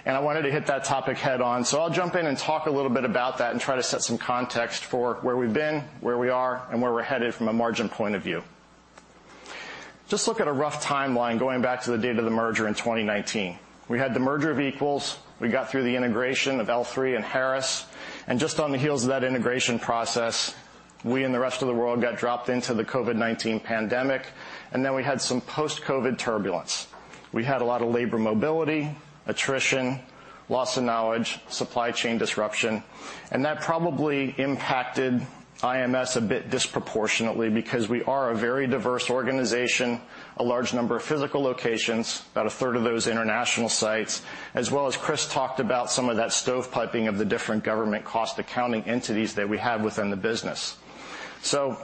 and I wanted to hit that topic head-on. So I'll jump in and talk a little bit about that and try to set some context for where we've been, where we are, and where we're headed from a margin point of view. Just look at a rough timeline going back to the date of the merger in 2019. We had the merger of equals. We got through the integration of L3 and Harris, and just on the heels of that integration process, we and the rest of the world got dropped into the COVID-19 pandemic, and then we had some post-COVID turbulence. We had a lot of labor mobility, attrition, loss of knowledge, supply chain disruption, and that probably impacted IMS a bit disproportionately because we are a very diverse organization, a large number of physical locations, about a third of those international sites, as well as Chris talked about some of that stovepiping of the different government cost accounting entities that we have within the business. So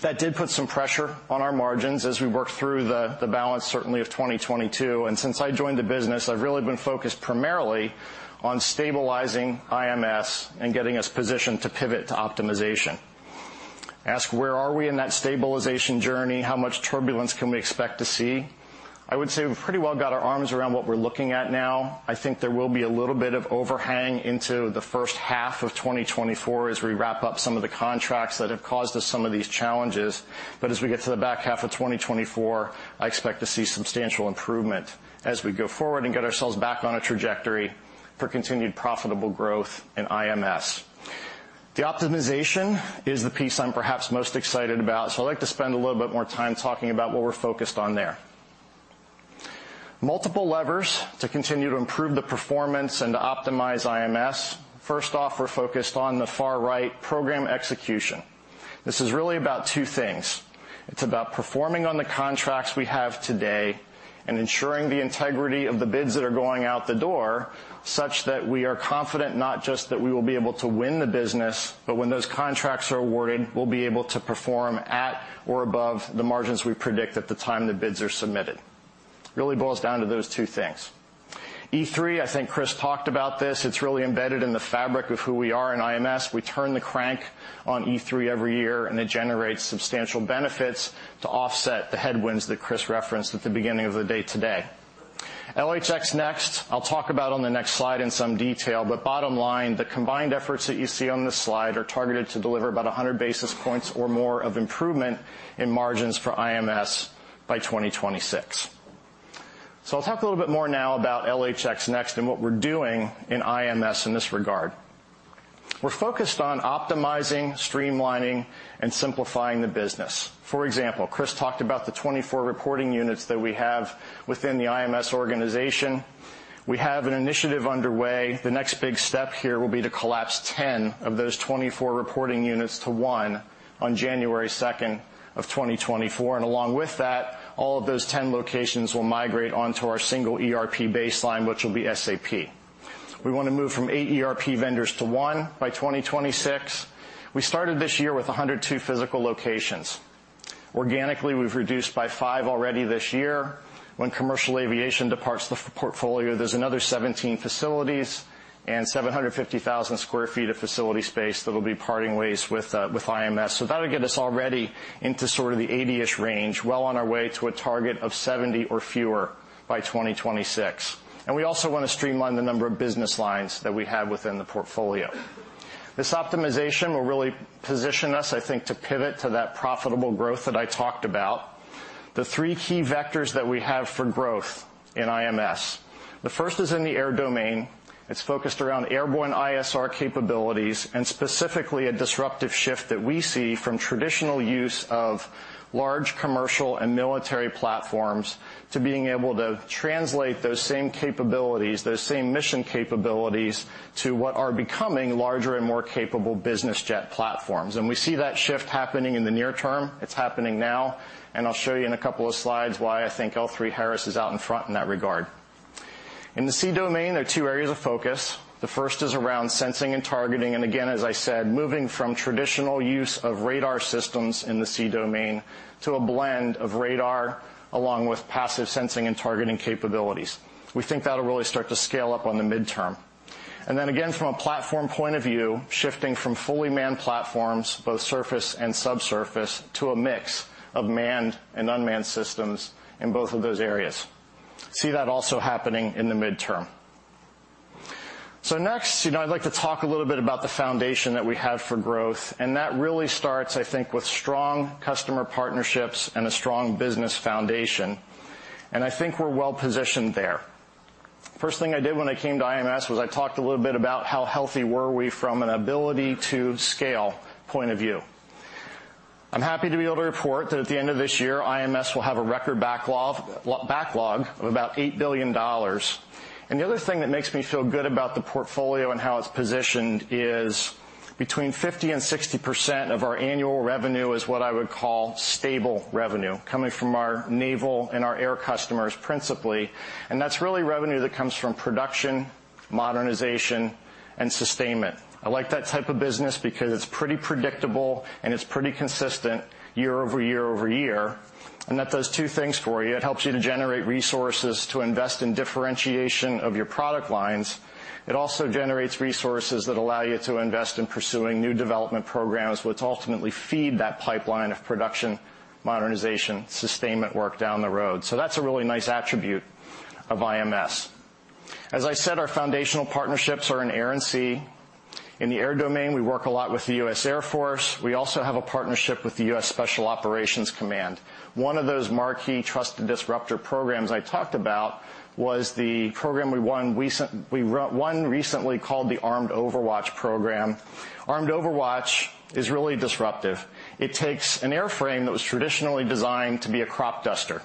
that did put some pressure on our margins as we worked through the balance, certainly of 2022. And since I joined the business, I've really been focused primarily on stabilizing IMS and getting us positioned to pivot to optimization. Ask where are we in that stabilization journey? How much turbulence can we expect to see? I would say we've pretty well got our arms around what we're looking at now. I think there will be a little bit of overhang into the first half of 2024 as we wrap up some of the contracts that have caused us some of these challenges. But as we get to the back half of 2024, I expect to see substantial improvement as we go forward and get ourselves back on a trajectory for continued profitable growth in IMS. The optimization is the piece I'm perhaps most excited about, so I'd like to spend a little bit more time talking about what we're focused on there. Multiple levers to continue to improve the performance and to optimize IMS. First off, we're focused on the far right, program execution. This is really about two things. It's about performing on the contracts we have today and ensuring the integrity of the bids that are going out the door, such that we are confident not just that we will be able to win the business, but when those contracts are awarded, we'll be able to perform at or above the margins we predict at the time the bids are submitted. Really boils down to those two things. E3, I think Chris talked about this. It's really embedded in the fabric of who we are in IMS. We turn the crank on E3 every year, and it generates substantial benefits to offset the headwinds that Chris referenced at the beginning of the day today. LHX NeXt, I'll talk about on the next slide in some detail, but bottom line, the combined efforts that you see on this slide are targeted to deliver about 100 basis points or more of improvement in margins for IMS by 2026. So I'll talk a little bit more now about LHX NeXt and what we're doing in IMS in this regard. We're focused on optimizing, streamlining, and simplifying the business. For example, Chris talked about the 24 reporting units that we have within the IMS organization. We have an initiative underway. The next big step here will be to collapse 10 of those 24 reporting units to one on January 2nd of 2024, and along with that, all of those 10 locations will migrate onto our single ERP baseline, which will be SAP. We want to move from 8 ERP vendors to one by 2026. We started this year with 102 physical locations. Organically, we've reduced by 5 already this year. When commercial aviation departs the f- portfolio, there's another 17 facilities and 750,000 sq ft of facility space that will be parting ways with IMS. So that'll get us already into sort of the 80-ish range, well on our way to a target of 70 or fewer by 2026. We also want to streamline the number of business lines that we have within the portfolio. This optimization will really position us, I think, to pivot to that profitable growth that I talked about. The three key vectors that we have for growth in IMS. The first is in the air domain. It's focused around airborne ISR capabilities and specifically a disruptive shift that we see from traditional use of large commercial and military platforms, to being able to translate those same capabilities, those same mission capabilities, to what are becoming larger and more capable business jet platforms. We see that shift happening in the near term. It's happening now, and I'll show you in a couple of slides why I think L3Harris is out in front in that regard. In the sea domain, there are two areas of focus. The first is around sensing and targeting, and again, as I said, moving from traditional use of radar systems in the sea domain to a blend of radar, along with passive sensing and targeting capabilities. We think that'll really start to scale up on the midterm. And then again, from a platform point of view, shifting from fully manned platforms, both surface and subsurface, to a mix of manned and unmanned systems in both of those areas. See that also happening in the midterm. So next, you know, I'd like to talk a little bit about the foundation that we have for growth, and that really starts, I think, with strong customer partnerships and a strong business foundation, and I think we're well positioned there. First thing I did when I came to IMS was I talked a little bit about how healthy were we from an ability to scale point of view. I'm happy to be able to report that at the end of this year, IMS will have a record backlog, backlog of about $8 billion. The other thing that makes me feel good about the portfolio and how it's positioned is between 50% and 60% of our annual revenue is what I would call stable revenue, coming from our naval and our air customers, principally. And that's really revenue that comes from production, modernization, and sustainment. I like that type of business because it's pretty predictable and it's pretty consistent year-over-year, and that does two things for you. It helps you to generate resources to invest in differentiation of your product lines. It also generates resources that allow you to invest in pursuing new development programs, which ultimately feed that pipeline of production, modernization, sustainment work down the road. So that's a really nice attribute of IMS. As I said, our foundational partnerships are in air and sea. In the air domain, we work a lot with the U.S. Air Force. We also have a partnership with the U.S. Special Operations Command. One of those marquee trusted disruptor programs I talked about was the program we won recently called the Armed Overwatch program. Armed Overwatch is really disruptive. It takes an airframe that was traditionally designed to be a crop duster.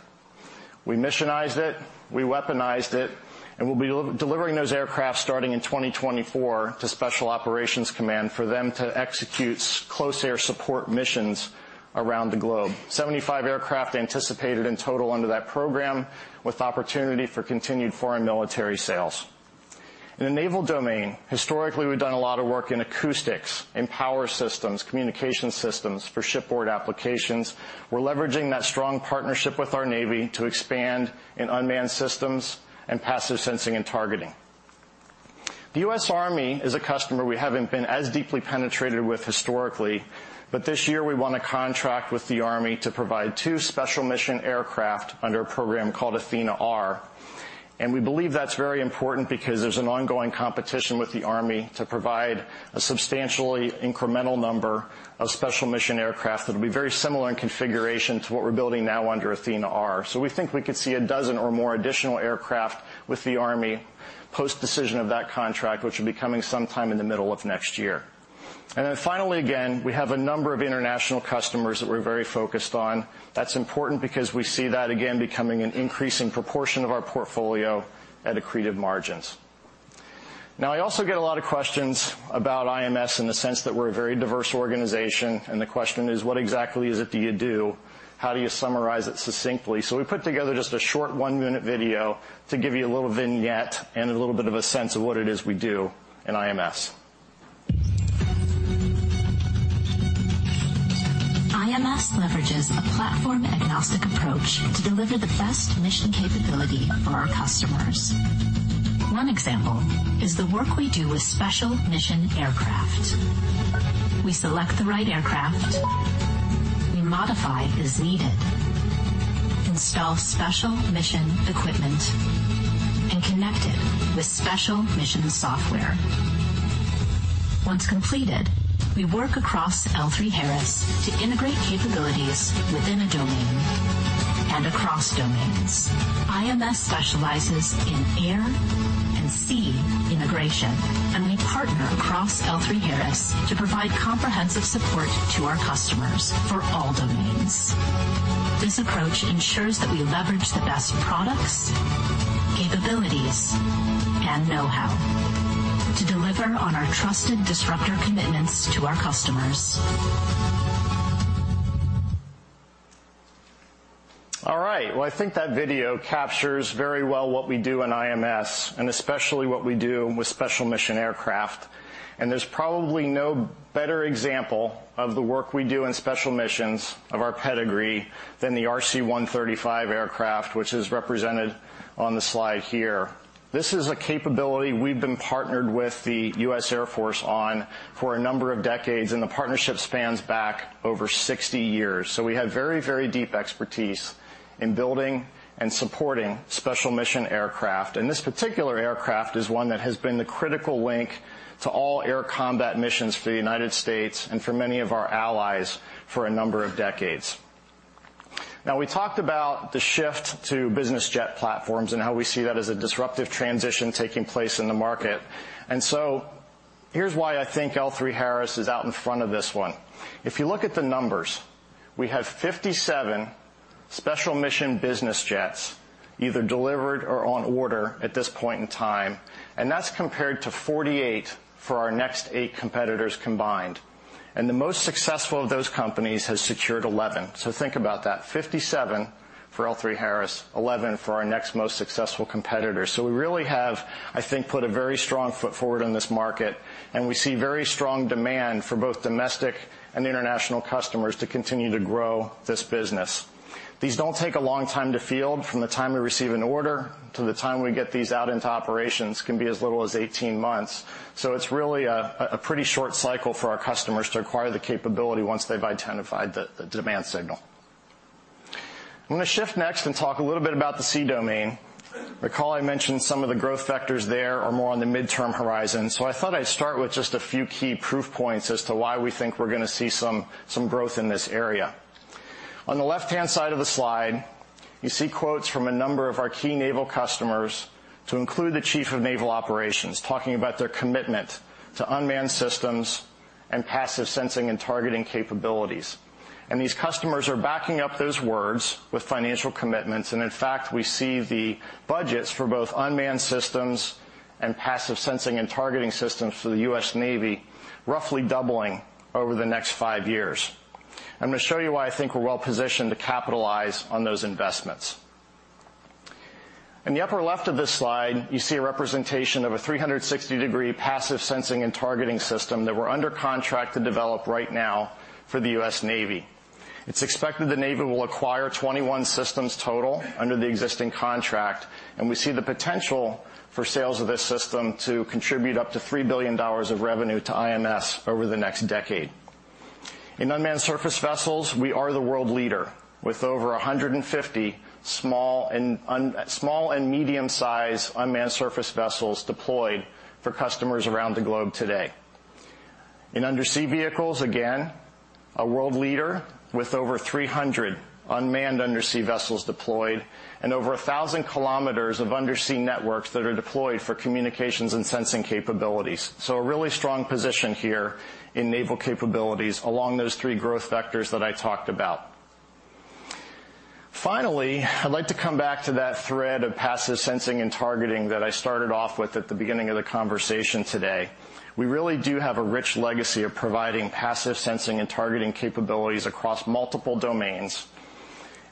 We missionized it, we weaponized it, and we'll be delivering those aircraft starting in 2024 to Special Operations Command for them to execute close air support missions around the globe. 75 aircraft anticipated in total under that program, with opportunity for continued foreign military sales. In the naval domain, historically, we've done a lot of work in acoustics, in power systems, communication systems for shipboard applications. We're leveraging that strong partnership with our Navy to expand in unmanned systems and passive sensing and targeting. The U.S. Army is a customer we haven't been as deeply penetrated with historically, but this year we won a contract with the Army to provide two special mission aircraft under a program called ATHENA-R. We believe that's very important because there's an ongoing competition with the Army to provide a substantially incremental number of special mission aircraft that will be very similar in configuration to what we're building now under ATHENA-R. We think we could see a dozen or more additional aircraft with the Army post-decision of that contract, which will be coming sometime in the middle of next year. Finally, again, we have a number of international customers that we're very focused on. That's important because we see that, again, becoming an increasing proportion of our portfolio at accretive margins. Now, I also get a lot of questions about IMS in the sense that we're a very diverse organization, and the question is, what exactly is it that you do? How do you summarize it succinctly? So we put together just a short one-minute video to give you a little vignette and a little bit of a sense of what it is we do in IMS. IMS leverages a platform-agnostic approach to deliver the best mission capability for our customers. One example is the work we do with special mission aircraft. We select the right aircraft, we modify as needed, install special mission equipment, and connect it with special mission software. Once completed, we work across L3Harris to integrate capabilities within a domain and across domains. IMS specializes in air and sea integration, and we partner across L3Harris to provide comprehensive support to our customers for all domains. This approach ensures that we leverage the best products, capabilities, and know-how to deliver on our trusted disruptor commitments to our customers. All right. Well, I think that video captures very well what we do in IMS, and especially what we do with special mission aircraft. There's probably no better example of the work we do in special missions of our pedigree than the RC-135 aircraft, which is represented on the slide here. This is a capability we've been partnered with the U.S. Air Force on for a number of decades, and the partnership spans back over 60 years. So we have very, very deep expertise in building and supporting special mission aircraft. And this particular aircraft is one that has been the critical link to all air combat missions for the United States and for many of our allies for a number of decades. Now, we talked about the shift to business jet platforms and how we see that as a disruptive transition taking place in the market. So here's why I think L3Harris is out in front of this one. If you look at the numbers, we have 57 special mission business jets, either delivered or on order at this point in time, and that's compared to 48 for our next eight competitors combined. The most successful of those companies has secured 11. So think about that. 57 for L3Harris, 11 for our next most successful competitor. We really have, I think, put a very strong foot forward in this market, and we see very strong demand for both domestic and international customers to continue to grow this business. These don't take a long time to field. From the time we receive an order to the time we get these out into operations can be as little as 18 months. So it's really a pretty short cycle for our customers to acquire the capability once they've identified the demand signal. I'm going to shift next and talk a little bit about the sea domain. Recall I mentioned some of the growth vectors there are more on the midterm horizon, so I thought I'd start with just a few key proof points as to why we think we're going to see some growth in this area. On the left-hand side of the slide, you see quotes from a number of our key naval customers, to include the Chief of Naval Operations, talking about their commitment to unmanned systems and passive sensing and targeting capabilities. These customers are backing up those words with financial commitments, and in fact, we see the budgets for both unmanned systems and passive sensing and targeting systems for the U.S. Navy roughly doubling over the next five years. I'm going to show you why I think we're well positioned to capitalize on those investments. In the upper left of this slide, you see a representation of a 360-degree passive sensing and targeting system that we're under contract to develop right now for the U.S. Navy. It's expected the Navy will acquire 21 systems total under the existing contract, and we see the potential for sales of this system to contribute up to $3 billion of revenue to IMS over the next decade. In unmanned surface vessels, we are the world leader, with over 150 small and medium-sized unmanned surface vessels deployed for customers around the globe today. In undersea vehicles, again, a world leader with over 300 unmanned undersea vessels deployed and over 1,000 kilometers of undersea networks that are deployed for communications and sensing capabilities. So a really strong position here in naval capabilities along those three growth vectors that I talked about. Finally, I'd like to come back to that thread of passive sensing and targeting that I started off with at the beginning of the conversation today. We really do have a rich legacy of providing passive sensing and targeting capabilities across multiple domains.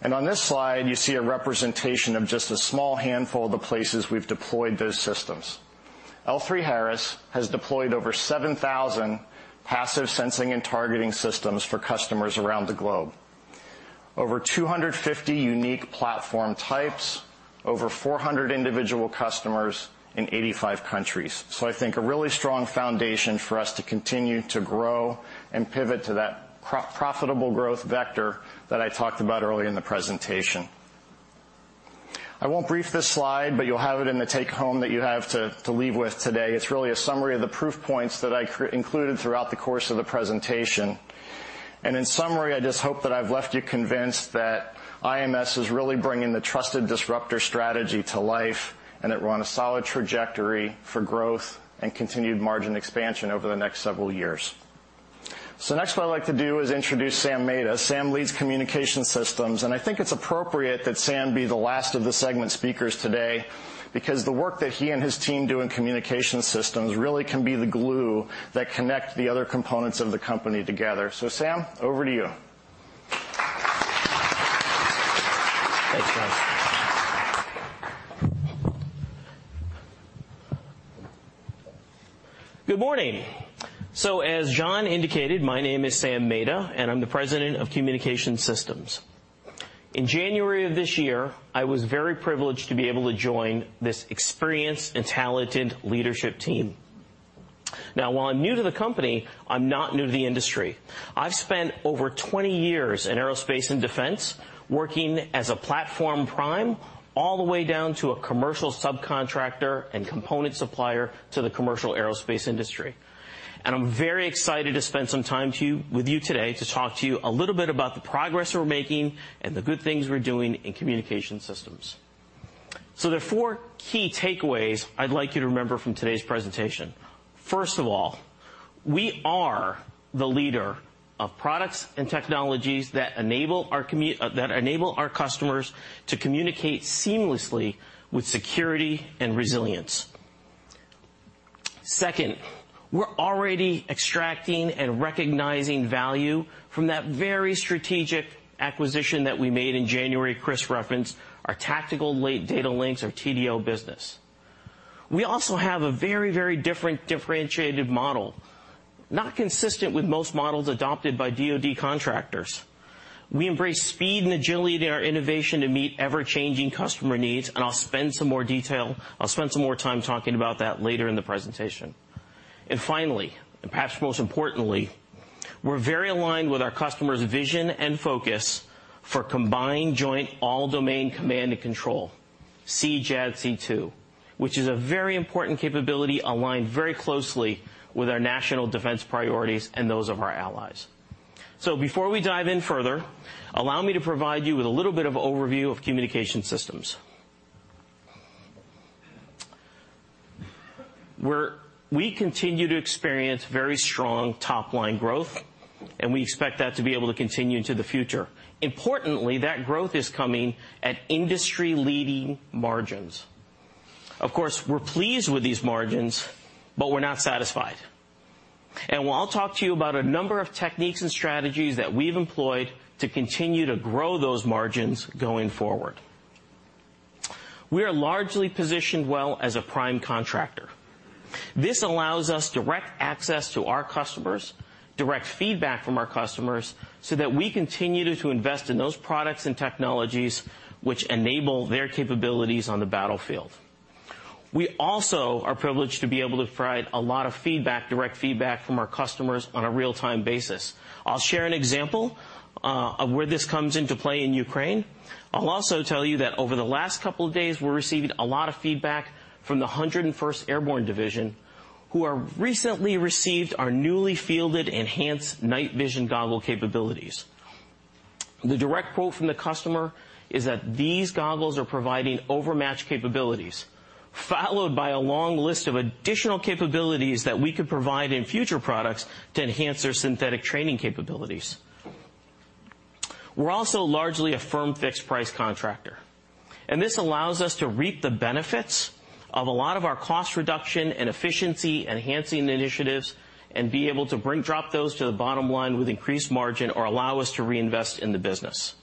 On this slide, you see a representation of just a small handful of the places we've deployed those systems. L3Harris has deployed over 7,000 passive sensing and targeting systems for customers around the globe. Over 250 unique platform types, over 400 individual customers in 85 countries. So I think a really strong foundation for us to continue to grow and pivot to that profitable growth vector that I talked about earlier in the presentation. I won't brief this slide, but you'll have it in the take-home that you have to leave with today. It's really a summary of the proof points that I included throughout the course of the presentation. And in summary, I just hope that I've left you convinced that IMS is really bringing the trusted disruptor strategy to life, and that we're on a solid trajectory for growth and continued margin expansion over the next several years. So next, what I'd like to do is introduce Sam Mehta. Sam leads Communication Systems, and I think it's appropriate that Sam be the last of the segment speakers today, because the work that he and his team do in Communication Systems really can be the glue that connect the other components of the company together. So, Sam, over to you. Thanks, Jon. Good morning. So as Jon indicated, my name is Sam Mehta and I'm the President of Communication Systems. In January of this year, I was very privileged to be able to join this experienced and talented leadership team. Now, while I'm new to the company, I'm not new to the industry. I've spent over 20 years in aerospace and defense, working as a platform prime all the way down to a commercial subcontractor and component supplier to the commercial aerospace industry. And I'm very excited to spend some time with you today to talk to you a little bit about the progress we're making and the good things we're doing in Communication Systems. So there are four key takeaways I'd like you to remember from today's presentation. First of all, we are the leader of products and technologies that enable our communicate, that enable our customers to communicate seamlessly with security and resilience. Second, we're already extracting and recognizing value from that very strategic acquisition that we made in January, Chris referenced, our Tactical Data Links, our TDL business. We also have a very, very different differentiated model, not consistent with most models adopted by DoD contractors. We embrace speed and agility in our innovation to meet ever-changing customer needs, and I'll spend some more time talking about that later in the presentation. And finally, and perhaps most importantly, we're very aligned with our customers' vision and focus for Combined Joint All-Domain Command and Control, CJADC2, which is a very important capability, aligned very closely with our national defense priorities and those of our allies. So before we dive in further, allow me to provide you with a little bit of overview of Communication Systems. We continue to experience very strong top-line growth, and we expect that to be able to continue into the future. Importantly, that growth is coming at industry-leading margins. Of course, we're pleased with these margins, but we're not satisfied. I'll talk to you about a number of techniques and strategies that we've employed to continue to grow those margins going forward. We are largely positioned well as a prime contractor. This allows us direct access to our customers, direct feedback from our customers, so that we continue to invest in those products and technologies which enable their capabilities on the battlefield. We also are privileged to be able to provide a lot of feedback, direct feedback from our customers on a real-time basis. I'll share an example of where this comes into play in Ukraine. I'll also tell you that over the last couple of days, we're receiving a lot of feedback from the 101st Airborne Division, who recently received our newly fielded Enhanced Night Vision Goggle capabilities. The direct quote from the customer is that, "These goggles are providing overmatch capabilities," followed by a long list of additional capabilities that we could provide in future products to enhance their synthetic training capabilities. We're also largely a firm, fixed-price contractor, and this allows us to reap the benefits of a lot of our cost reduction and efficiency-enhancing initiatives, and be able to drop those to the bottom line with increased margin or allow us to reinvest in the business.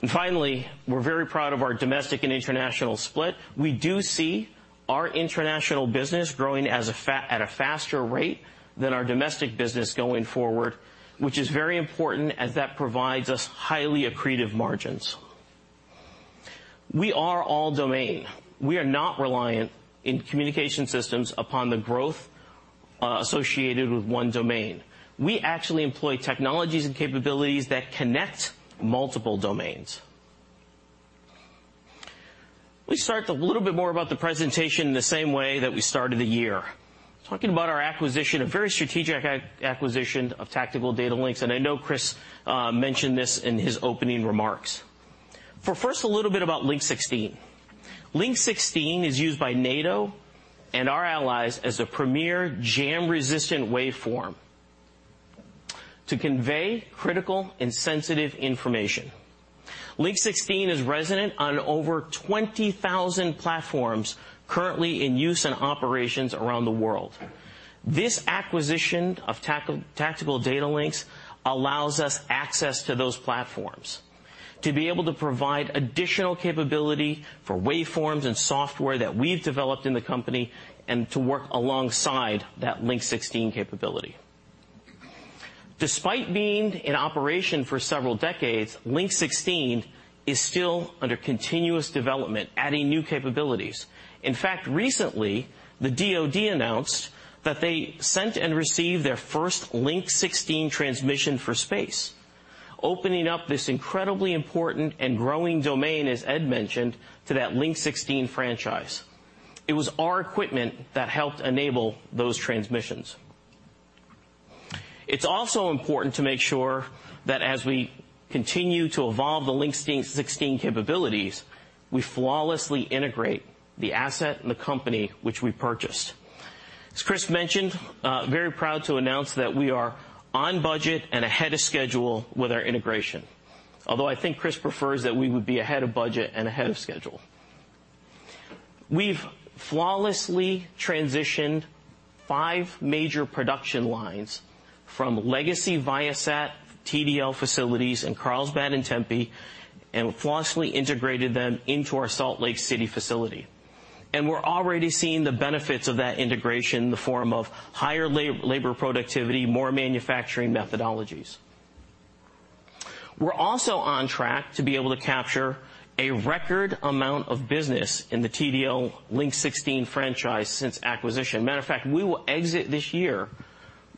And finally, we're very proud of our domestic and international split. We do see our international business growing at a faster rate than our domestic business going forward, which is very important, as that provides us highly accretive margins. We are all domain. We are not reliant in communication systems upon the growth associated with one domain. We actually employ technologies and capabilities that connect multiple domains. Let me start a little bit more about the presentation in the same way that we started the year, talking about our acquisition, a very strategic acquisition of Tactical Data Links, and I know Chris mentioned this in his opening remarks. For first, a little bit about Link 16. Link 16 is used by NATO and our allies as a premier jam-resistant waveform to convey critical and sensitive information. Link 16 is resident on over 20,000 platforms currently in use and operations around the world. This acquisition of Tactical Data Links allows us access to those platforms to be able to provide additional capability for waveforms and software that we've developed in the company, and to work alongside that Link 16 capability. Despite being in operation for several decades, Link 16 is still under continuous development, adding new capabilities. In fact, recently, the DoD announced that they sent and received their first Link 16 transmission for space, opening up this incredibly important and growing domain, as Ed mentioned, to that Link 16 franchise. It was our equipment that helped enable those transmissions. It's also important to make sure that as we continue to evolve the Link 16 capabilities, we flawlessly integrate the asset and the company which we purchased. As Chris mentioned, very proud to announce that we are on budget and ahead of schedule with our integration, although I think Chris prefers that we would be ahead of budget and ahead of schedule. We've flawlessly transitioned five major production lines from legacy Viasat TDL facilities in Carlsbad and Tempe, and flawlessly integrated them into our Salt Lake City facility, and we're already seeing the benefits of that integration in the form of higher labor productivity, more manufacturing methodologies. We're also on track to be able to capture a record amount of business in the TDL Link 16 franchise since acquisition. Matter of fact, we will exit this year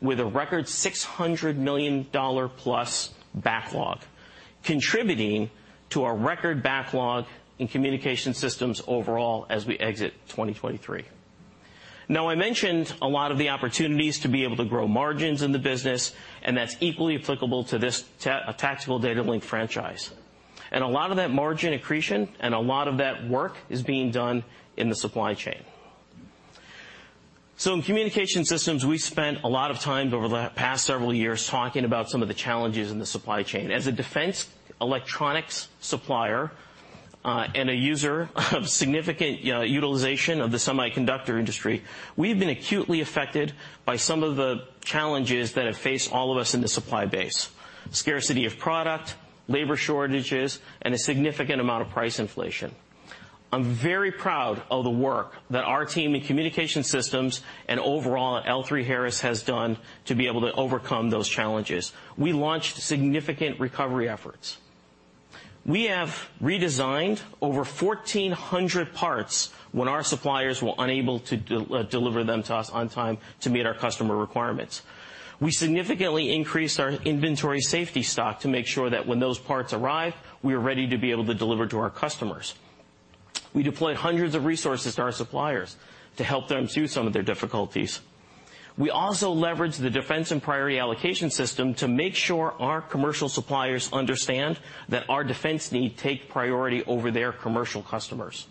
with a record $600 million-plus backlog, contributing to our record backlog in communication systems overall as we exit 2023. Now, I mentioned a lot of the opportunities to be able to grow margins in the business, and that's equally applicable to this Tactical Data Link franchise. A lot of that margin accretion and a lot of that work is being done in the supply chain. In Communication Systems, we've spent a lot of time over the past several years talking about some of the challenges in the supply chain. As a defense electronics supplier and a user of significant utilization of the semiconductor industry, we've been acutely affected by some of the challenges that have faced all of us in the supply base, scarcity of product, labor shortages, and a significant amount of price inflation. I'm very proud of the work that our team in Communication Systems and overall L3Harris has done to be able to overcome those challenges. We launched significant recovery efforts. We have redesigned over 1,400 parts when our suppliers were unable to deliver them to us on time to meet our customer requirements. We significantly increased our inventory safety stock to make sure that when those parts arrive, we are ready to be able to deliver to our customers. We deployed hundreds of resources to our suppliers to help them through some of their difficulties. We also leveraged the Defense Priorities and Allocations System to make sure our commercial suppliers understand that our defense needs take priority over their commercial customers.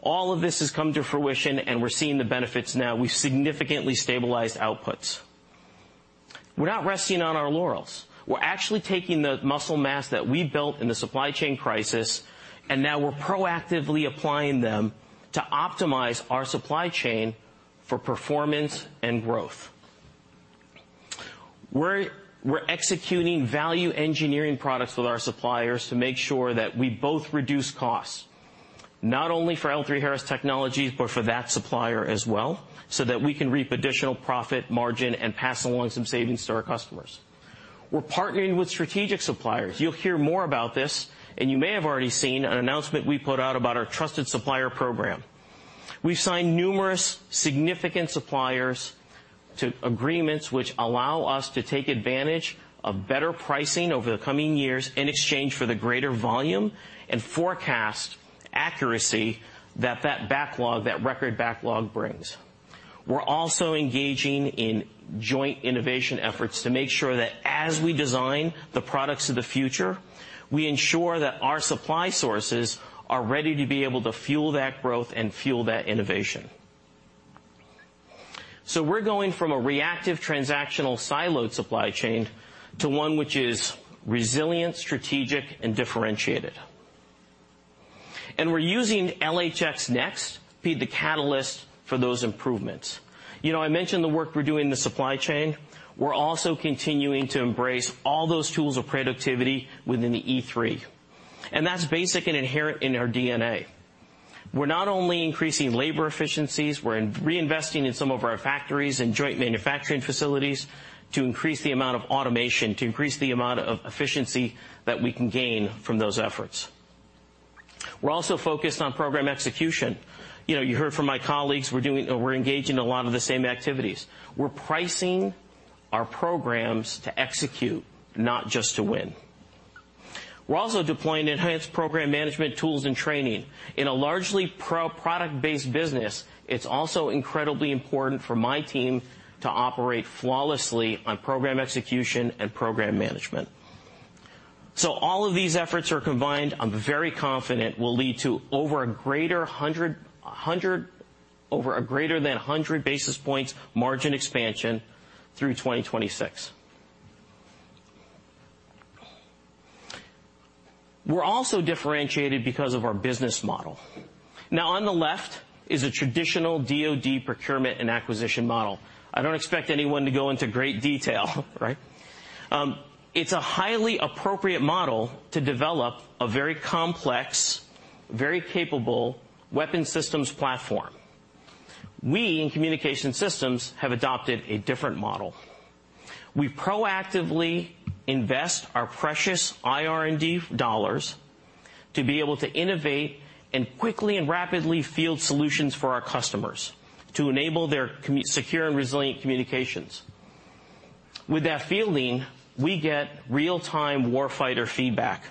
All of this has come to fruition, and we're seeing the benefits now. We've significantly stabilized outputs. We're not resting on our laurels. We're actually taking the muscle mass that we built in the supply chain crisis, and now we're proactively applying them to optimize our supply chain for performance and growth. We're executing value engineering products with our suppliers to make sure that we both reduce costs, not only for L3Harris Technologies, but for that supplier as well, so that we can reap additional profit margin and pass along some savings to our customers.... We're partnering with strategic suppliers. You'll hear more about this, and you may have already seen an announcement we put out about our trusted supplier program. We've signed numerous significant suppliers to agreements which allow us to take advantage of better pricing over the coming years in exchange for the greater volume and forecast accuracy that backlog, that record backlog brings. We're also engaging in joint innovation efforts to make sure that as we design the products of the future, we ensure that our supply sources are ready to be able to fuel that growth and fuel that innovation. So we're going from a reactive, transactional, siloed supply chain to one which is resilient, strategic and differentiated, and we're using LHX NeXt to be the catalyst for those improvements. You know, I mentioned the work we're doing in the supply chain. We're also continuing to embrace all those tools of productivity within the E3, and that's basic and inherent in our DNA. We're not only increasing labor efficiencies, we're reinvesting in some of our factories and joint manufacturing facilities to increase the amount of automation, to increase the amount of efficiency that we can gain from those efforts. We're also focused on program execution. You know, you heard from my colleagues, we're engaged in a lot of the same activities. We're pricing our programs to execute, not just to win. We're also deploying enhanced program management tools and training. In a largely product-based business, it's also incredibly important for my team to operate flawlessly on program execution and program management. So all of these efforts are combined, I'm very confident, will lead to over greater than 100 basis points margin expansion through 2026. We're also differentiated because of our business model. Now, on the left is a traditional DoD procurement and acquisition model. I don't expect anyone to go into great detail, right? It's a highly appropriate model to develop a very complex, very capable weapon systems platform. We, in Communication Systems, have adopted a different model. We proactively invest our precious IR&D dollars to be able to innovate and quickly and rapidly field solutions for our customers to enable their secure and resilient communications. With that fielding, we get real-time warfighter feedback,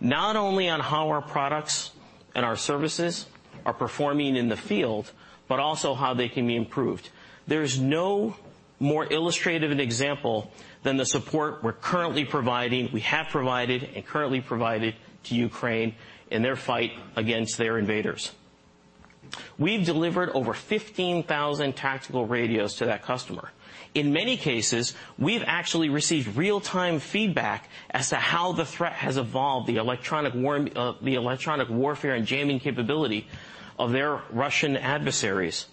not only on how our products and our services are performing in the field, but also how they can be improved. There's no more illustrative an example than the support we're currently providing, we have provided and currently provided to Ukraine in their fight against their invaders. We've delivered over 15,000 tactical radios to that customer. In many cases, we've actually received real-time feedback as to how the threat has evolved, the electronic war, the electronic warfare and jamming capability of their Russian adversaries.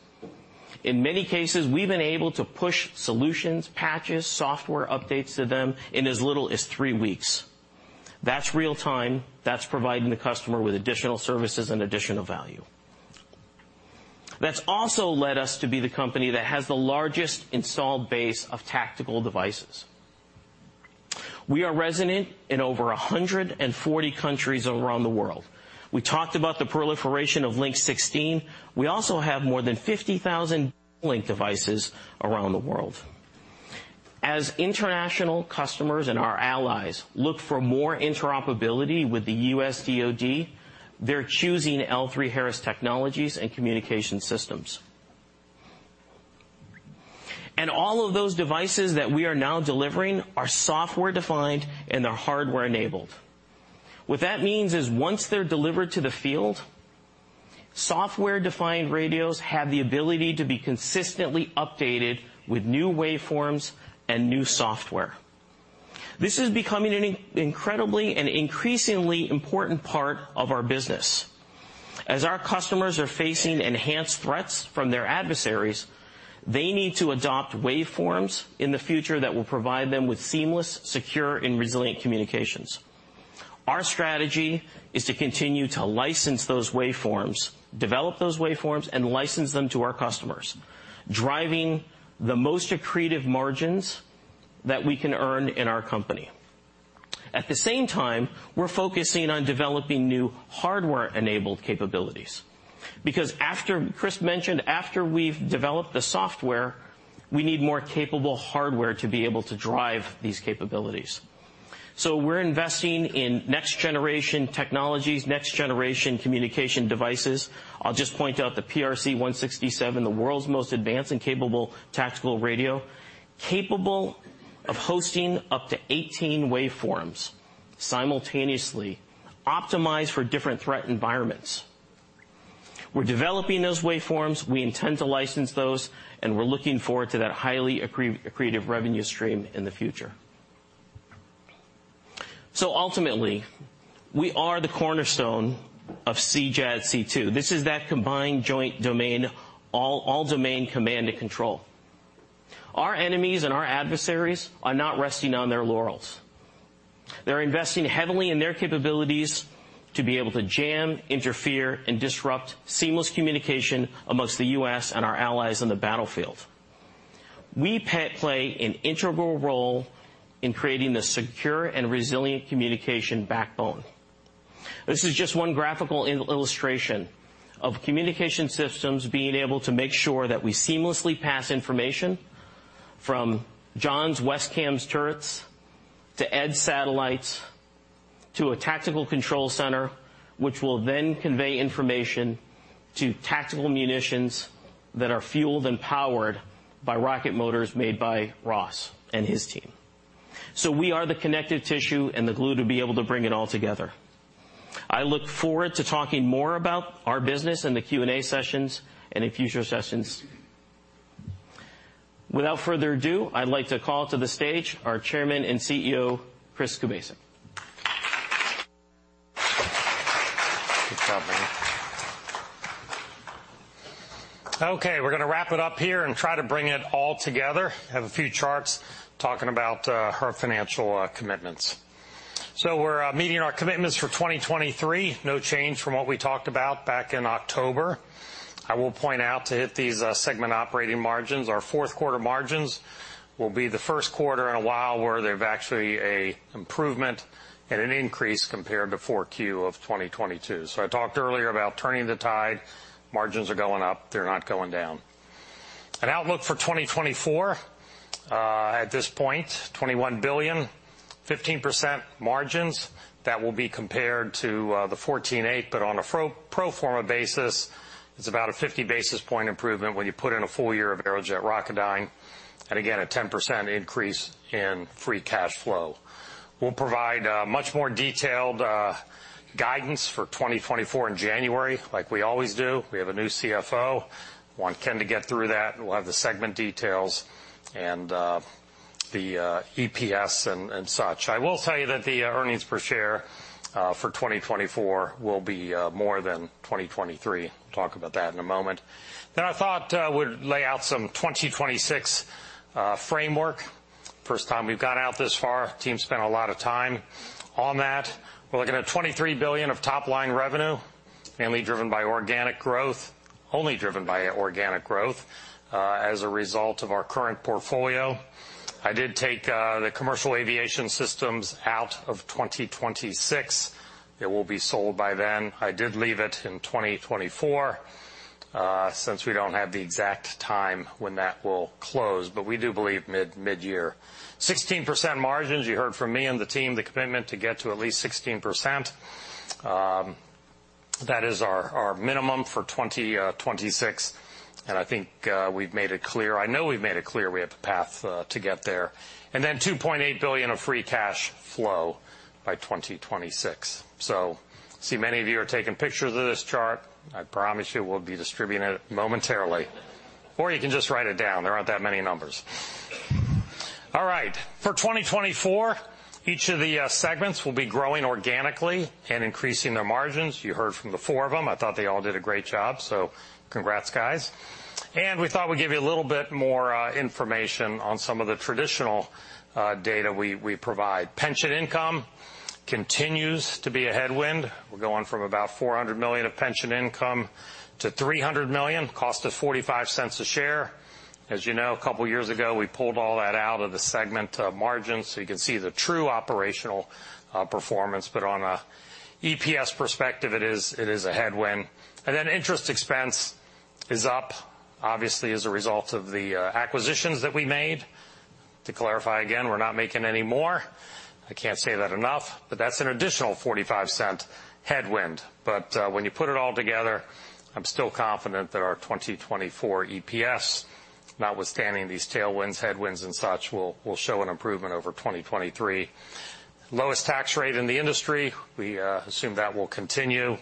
In many cases, we've been able to push solutions, patches, software updates to them in as little as three weeks. That's real time. That's providing the customer with additional services and additional value. That's also led us to be the company that has the largest installed base of tactical devices. We are present in over 140 countries around the world. We talked about the proliferation of Link 16. We also have more than 50,000 Link devices around the world. As international customers and our allies look for more interoperability with the U.S. DoD, they're choosing L3Harris Technologies and Communication Systems. All of those devices that we are now delivering are software-defined and are hardware-enabled. What that means is, once they're delivered to the field, software-defined radios have the ability to be consistently updated with new waveforms and new software. This is becoming an incredibly and increasingly important part of our business. As our customers are facing enhanced threats from their adversaries, they need to adopt waveforms in the future that will provide them with seamless, secure and resilient communications. Our strategy is to continue to license those waveforms, develop those waveforms and license them to our customers, driving the most accretive margins that we can earn in our company. At the same time, we're focusing on developing new hardware-enabled capabilities, because after, Chris mentioned, after we've developed the software, we need more capable hardware to be able to drive these capabilities. So we're investing in next-generation technologies, next-generation communication devices. I'll just point out the PRC-167, the world's most advanced and capable tactical radio, capable of hosting up to 18 waveforms simultaneously, optimized for different threat environments. We're developing those waveforms, we intend to license those, and we're looking forward to that highly accretive revenue stream in the future. So ultimately, we are the cornerstone of CJADC2. This is that combined joint domain, all, all-domain command and control. Our enemies and our adversaries are not resting on their laurels. They're investing heavily in their capabilities to be able to jam, interfere, and disrupt seamless communication among the U.S. and our allies on the battlefield. We play an integral role in creating the secure and resilient communication backbone. This is just one graphical illustration of communication systems being able to make sure that we seamlessly pass information from Jon's WESCAM turrets, to Ed's satellites, to a tactical control center, which will then convey information to tactical munitions that are fueled and powered by rocket motors made by Ross and his team. So we are the connective tissue and the glue to be able to bring it all together. I look forward to talking more about our business in the Q&A sessions and in future sessions. Without further ado, I'd like to call to the stage our Chairman and CEO, Chris Kubasik. Good job, man. Okay, we're going to wrap it up here and try to bring it all together. I have a few charts talking about our financial commitments. So we're meeting our commitments for 2023. No change from what we talked about back in October. I will point out, to hit these segment operating margins, our Fourth Quarter margins will be the First Quarter in a while where there's actually an improvement and an increase compared to 4Q of 2022. So I talked earlier about turning the tide. Margins are going up, they're not going down. An outlook for 2024, at this point, $21 billion, 15% margins. That will be compared to the 14.8, but on a pro forma basis, it's about a 50 basis point improvement when you put in a full year of Aerojet Rocketdyne, and again, a 10% increase in free cash flow. We'll provide much more detailed guidance for 2024 in January, like we always do. We have a new CFO, want Ken to get through that, and we'll have the segment details and the EPS and such. I will tell you that the earnings per share for 2024 will be more than 2023. Talk about that in a moment. Then I thought we'd lay out some 2026 framework. First time we've gone out this far. Team spent a lot of time on that. We're looking at $23 billion of top-line revenue, mainly driven by organic growth, only driven by organic growth, as a result of our current portfolio. I did take the commercial aviation systems out of 2026. It will be sold by then. I did leave it in 2024, since we don't have the exact time when that will close, but we do believe mid-year. 16% margins, you heard from me and the team, the commitment to get to at least 16%, that is our, our minimum for 2026, and I think, we've made it clear—I know we've made it clear we have the path, to get there. And then $2.8 billion of free cash flow by 2026. So I see many of you are taking pictures of this chart. I promise you, we'll be distributing it momentarily. Or you can just write it down. There aren't that many numbers. All right, for 2024, each of the segments will be growing organically and increasing their margins. You heard from the four of them. I thought they all did a great job, so congrats, guys. And we thought we'd give you a little bit more information on some of the traditional data we provide. Pension income continues to be a headwind. We're going from about $400 million of pension income to $300 million, cost us $0.45 a share. As you know, a couple of years ago, we pulled all that out of the segment margins, so you can see the true operational performance. But on a EPS perspective, it is a headwind. Then interest expense is up, obviously, as a result of the acquisitions that we made. To clarify again, we're not making any more. I can't say that enough, but that's an additional $0.45 headwind. But when you put it all together, I'm still confident that our 2024 EPS, notwithstanding these tailwinds, headwinds, and such, will show an improvement over 2023. Lowest tax rate in the industry, we assume that will continue,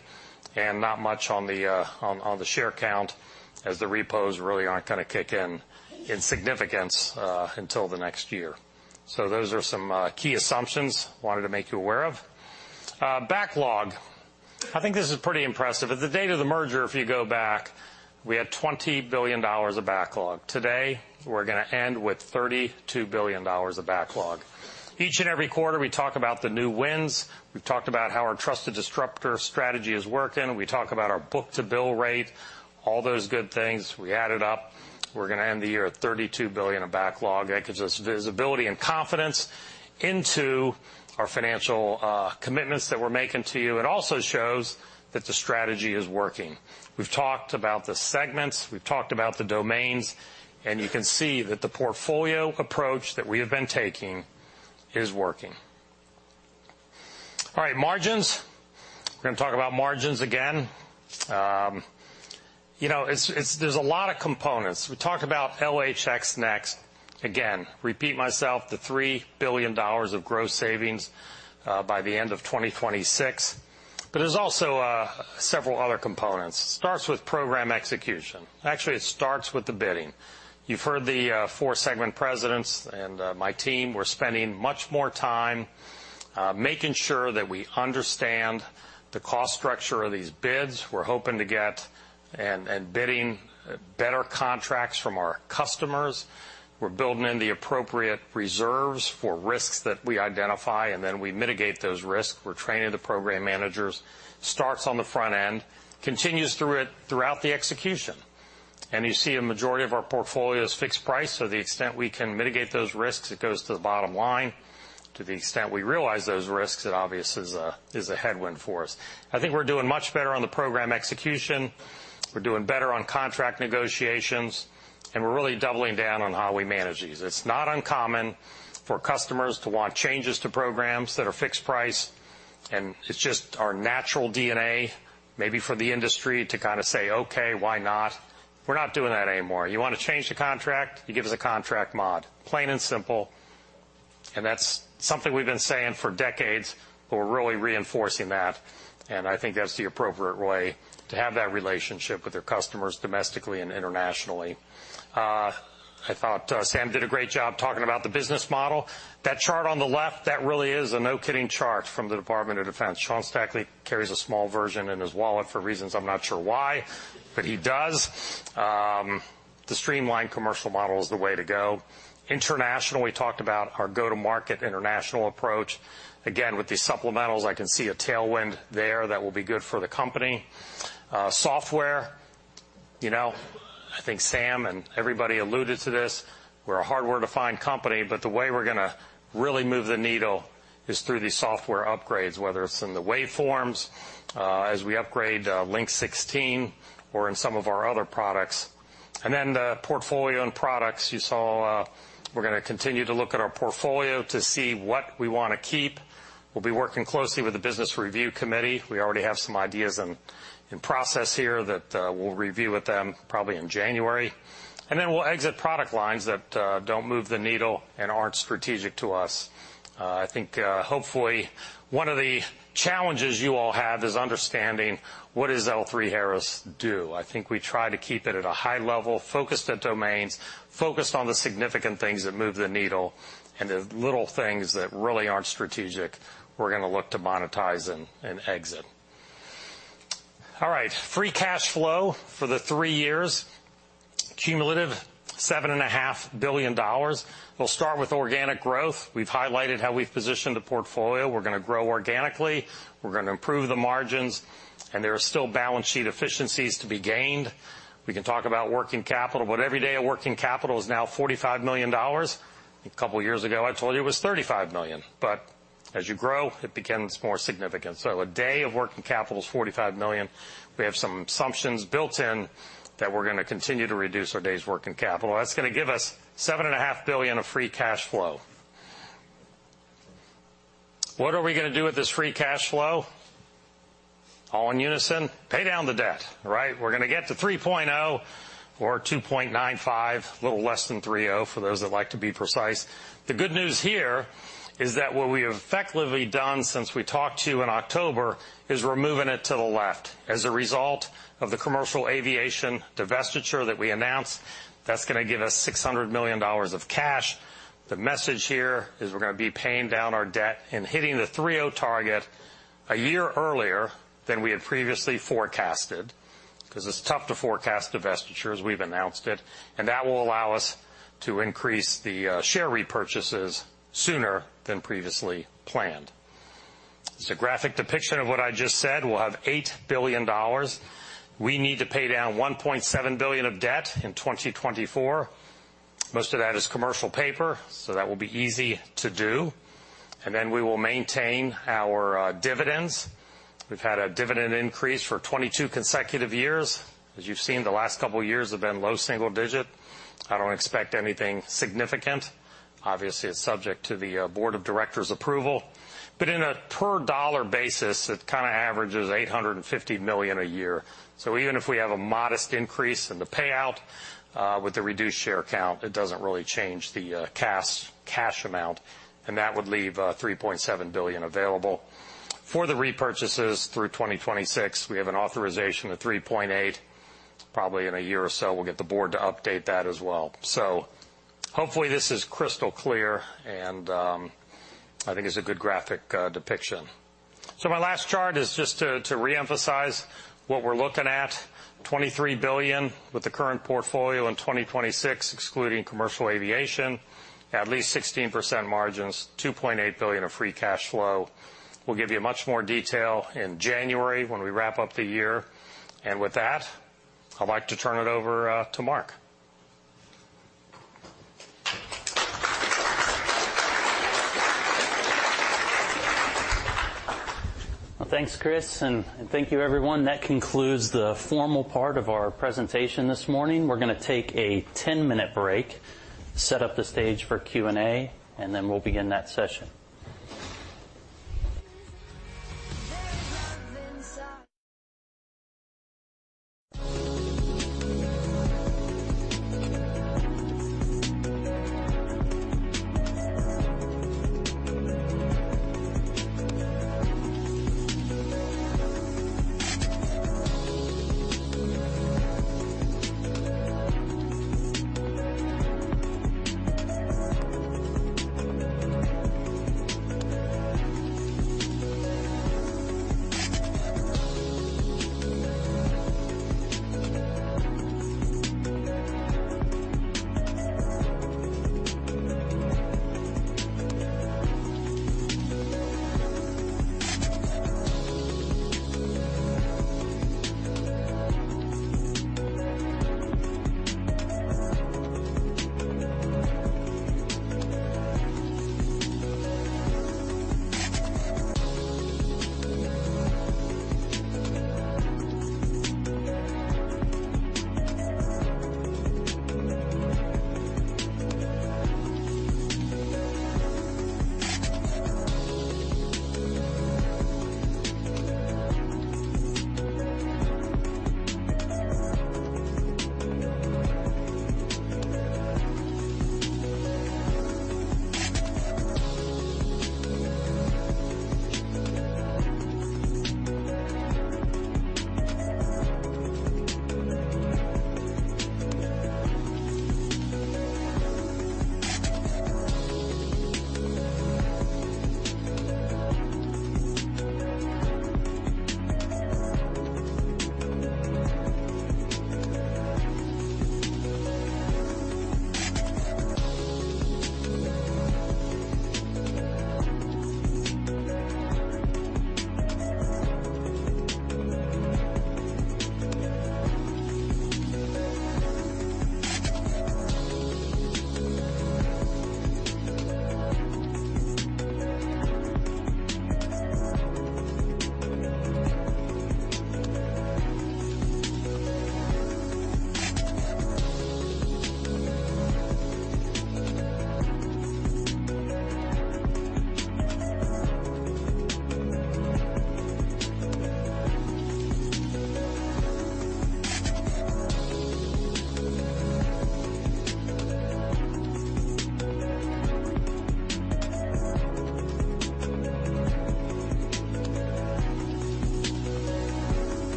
and not much on the share count as the repos really aren't going to kick in in significance until the next year. So those are some key assumptions I wanted to make you aware of. Backlog. I think this is pretty impressive. At the date of the merger, if you go back, we had $20 billion of backlog. Today, we're going to end with $32 billion of backlog. Each and every quarter, we talk about the new wins. We've talked about how our trusted disruptor strategy is working. We talk about our book-to-bill rate, all those good things. We add it up, we're going to end the year at $32 billion of backlog. That gives us visibility and confidence into our financial commitments that we're making to you. It also shows that the strategy is working. We've talked about the segments, we've talked about the domains, and you can see that the portfolio approach that we have been taking is working. All right, margins. We're going to talk about margins again. You know, it's. There's a lot of components. We talk about LHX NeXt. Again, repeat myself, the $3 billion of gross savings by the end of 2026, but there's also several other components. It starts with program execution. Actually, it starts with the bidding. You've heard the four segment presidents and my team. We're spending much more time making sure that we understand the cost structure of these bids. We're hoping to get and, and bidding better contracts from our customers. We're building in the appropriate reserves for risks that we identify, and then we mitigate those risks. We're training the program managers. Starts on the front end, continues through it throughout the execution. And you see a majority of our portfolio is fixed price, so the extent we can mitigate those risks, it goes to the bottom line. To the extent we realize those risks, it obviously is a, is a headwind for us. I think we're doing much better on the program execution. We're doing better on contract negotiations, and we're really doubling down on how we manage these. It's not uncommon for customers to want changes to programs that are fixed price, and it's just our natural DNA, maybe for the industry, to kind of say, "Okay, why not?" We're not doing that anymore. You want to change the contract, you give us a contract mod, plain and simple. And that's something we've been saying for decades, but we're really reinforcing that, and I think that's the appropriate way to have that relationship with your customers, domestically and internationally. I thought, Sam did a great job talking about the business model. That chart on the left, that really is a no-kidding chart from the Department of Defense. Sean Stackley carries a small version in his wallet for reasons I'm not sure why, but he does. The streamlined commercial model is the way to go. International, we talked about our go-to-market international approach. Again, with these supplementals, I can see a tailwind there that will be good for the company. Software, you know, I think Sam and everybody alluded to this. We're a hardware-defined company, but the way we're going to really move the needle is through these software upgrades, whether it's in the waveforms, as we upgrade, Link 16 or in some of our other products. And then the portfolio and products, you saw, we're going to continue to look at our portfolio to see what we want to keep. We'll be working closely with the business review committee. We already have some ideas in process here that we'll review with them probably in January. And then we'll exit product lines that don't move the needle and aren't strategic to us. I think, hopefully, one of the challenges you all have is understanding what does L3Harris do? I think we try to keep it at a high level, focused in domains, focused on the significant things that move the needle, and the little things that really aren't strategic, we're going to look to monetize and exit. All right, free cash flow for the three years, cumulative, $7.5 billion. We'll start with organic growth. We've highlighted how we've positioned the portfolio. We're going to grow organically, we're going to improve the margins, and there are still balance sheet efficiencies to be gained. We can talk about working capital, but every day, a working capital is now $45 million. A couple of years ago, I told you it was $35 million, but as you grow, it becomes more significant. So a day of working capital is $45 million. We have some assumptions built in that we're going to continue to reduce our days working capital. That's going to give us $7.5 billion of free cash flow. What are we goning to do with this free cash flow? All in unison, pay down the debt, right? We're goning to get to 3.0 or 2.95, a little less than 3.0, for those that like to be precise. The good news here is that what we have effectively done since we talked to you in October, is we're moving it to the left. As a result of the commercial aviation divestiture that we announced, that's going to give us $600 million of cash. The message here is we're going to be paying down our debt and hitting the 3.0 target a year earlier than we had previously forecasted, because it's tough to forecast divestitures. We've announced it, and that will allow us to increase the share repurchases sooner than previously planned. It's a graphic depiction of what I just said. We'll have $8 billion. We need to pay down $1.7 billion of debt in 2024. Most of that is commercial paper, so that will be easy to do. And then we will maintain our dividends. We've had a dividend increase for 22 consecutive years. As you've seen, the last couple of years have been low single digit. I don't expect anything significant. Obviously, it's subject to the board of directors' approval, but in a per dollar basis, it kind of averages $850 million a year. So even if we have a modest increase in the payout, with the reduced share count, it doesn't really change the cash amount, and that would leave $3.7 billion available. For the repurchases through 2026, we have an authorization of $3.8 billion. Probably in a year or so, we'll get the board to update that as well. So hopefully, this is crystal clear, and I think it's a good graphic depiction. So my last chart is just to reemphasize what we're looking at, $23 billion with the current portfolio in 2026, excluding commercial aviation, at least 16% margins, $2.8 billion of free cash flow. We'll give you much more detail in January when we wrap up the year, and with that, I'd like to turn it over to Mark. Well, thanks, Chris, and thank you, everyone. That concludes the formal part of our presentation this morning. We're going to take a 10-minute break, set up the stage for Q&A, and then we'll begin that session. ...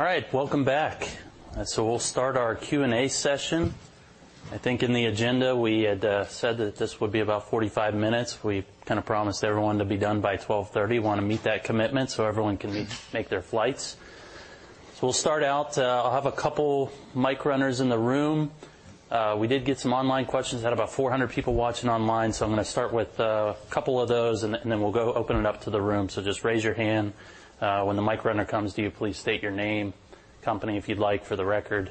Those lights. Mm-hmm. All right, welcome back. So we'll start our Q&A session. I think in the agenda, we had said that this would be about 45 minutes. We kind of promised everyone to be done by 12:30 P.M. Want to meet that commitment, so everyone can meet-- make their flights. So we'll start out. I'll have a couple mic runners in the room. We did get some online questions. Had about 400 people watching online, so I'm going to start with a couple of those, and then we'll go open it up to the room. So just raise your hand. When the mic runner comes to you, please state your name, company, if you'd like, for the record,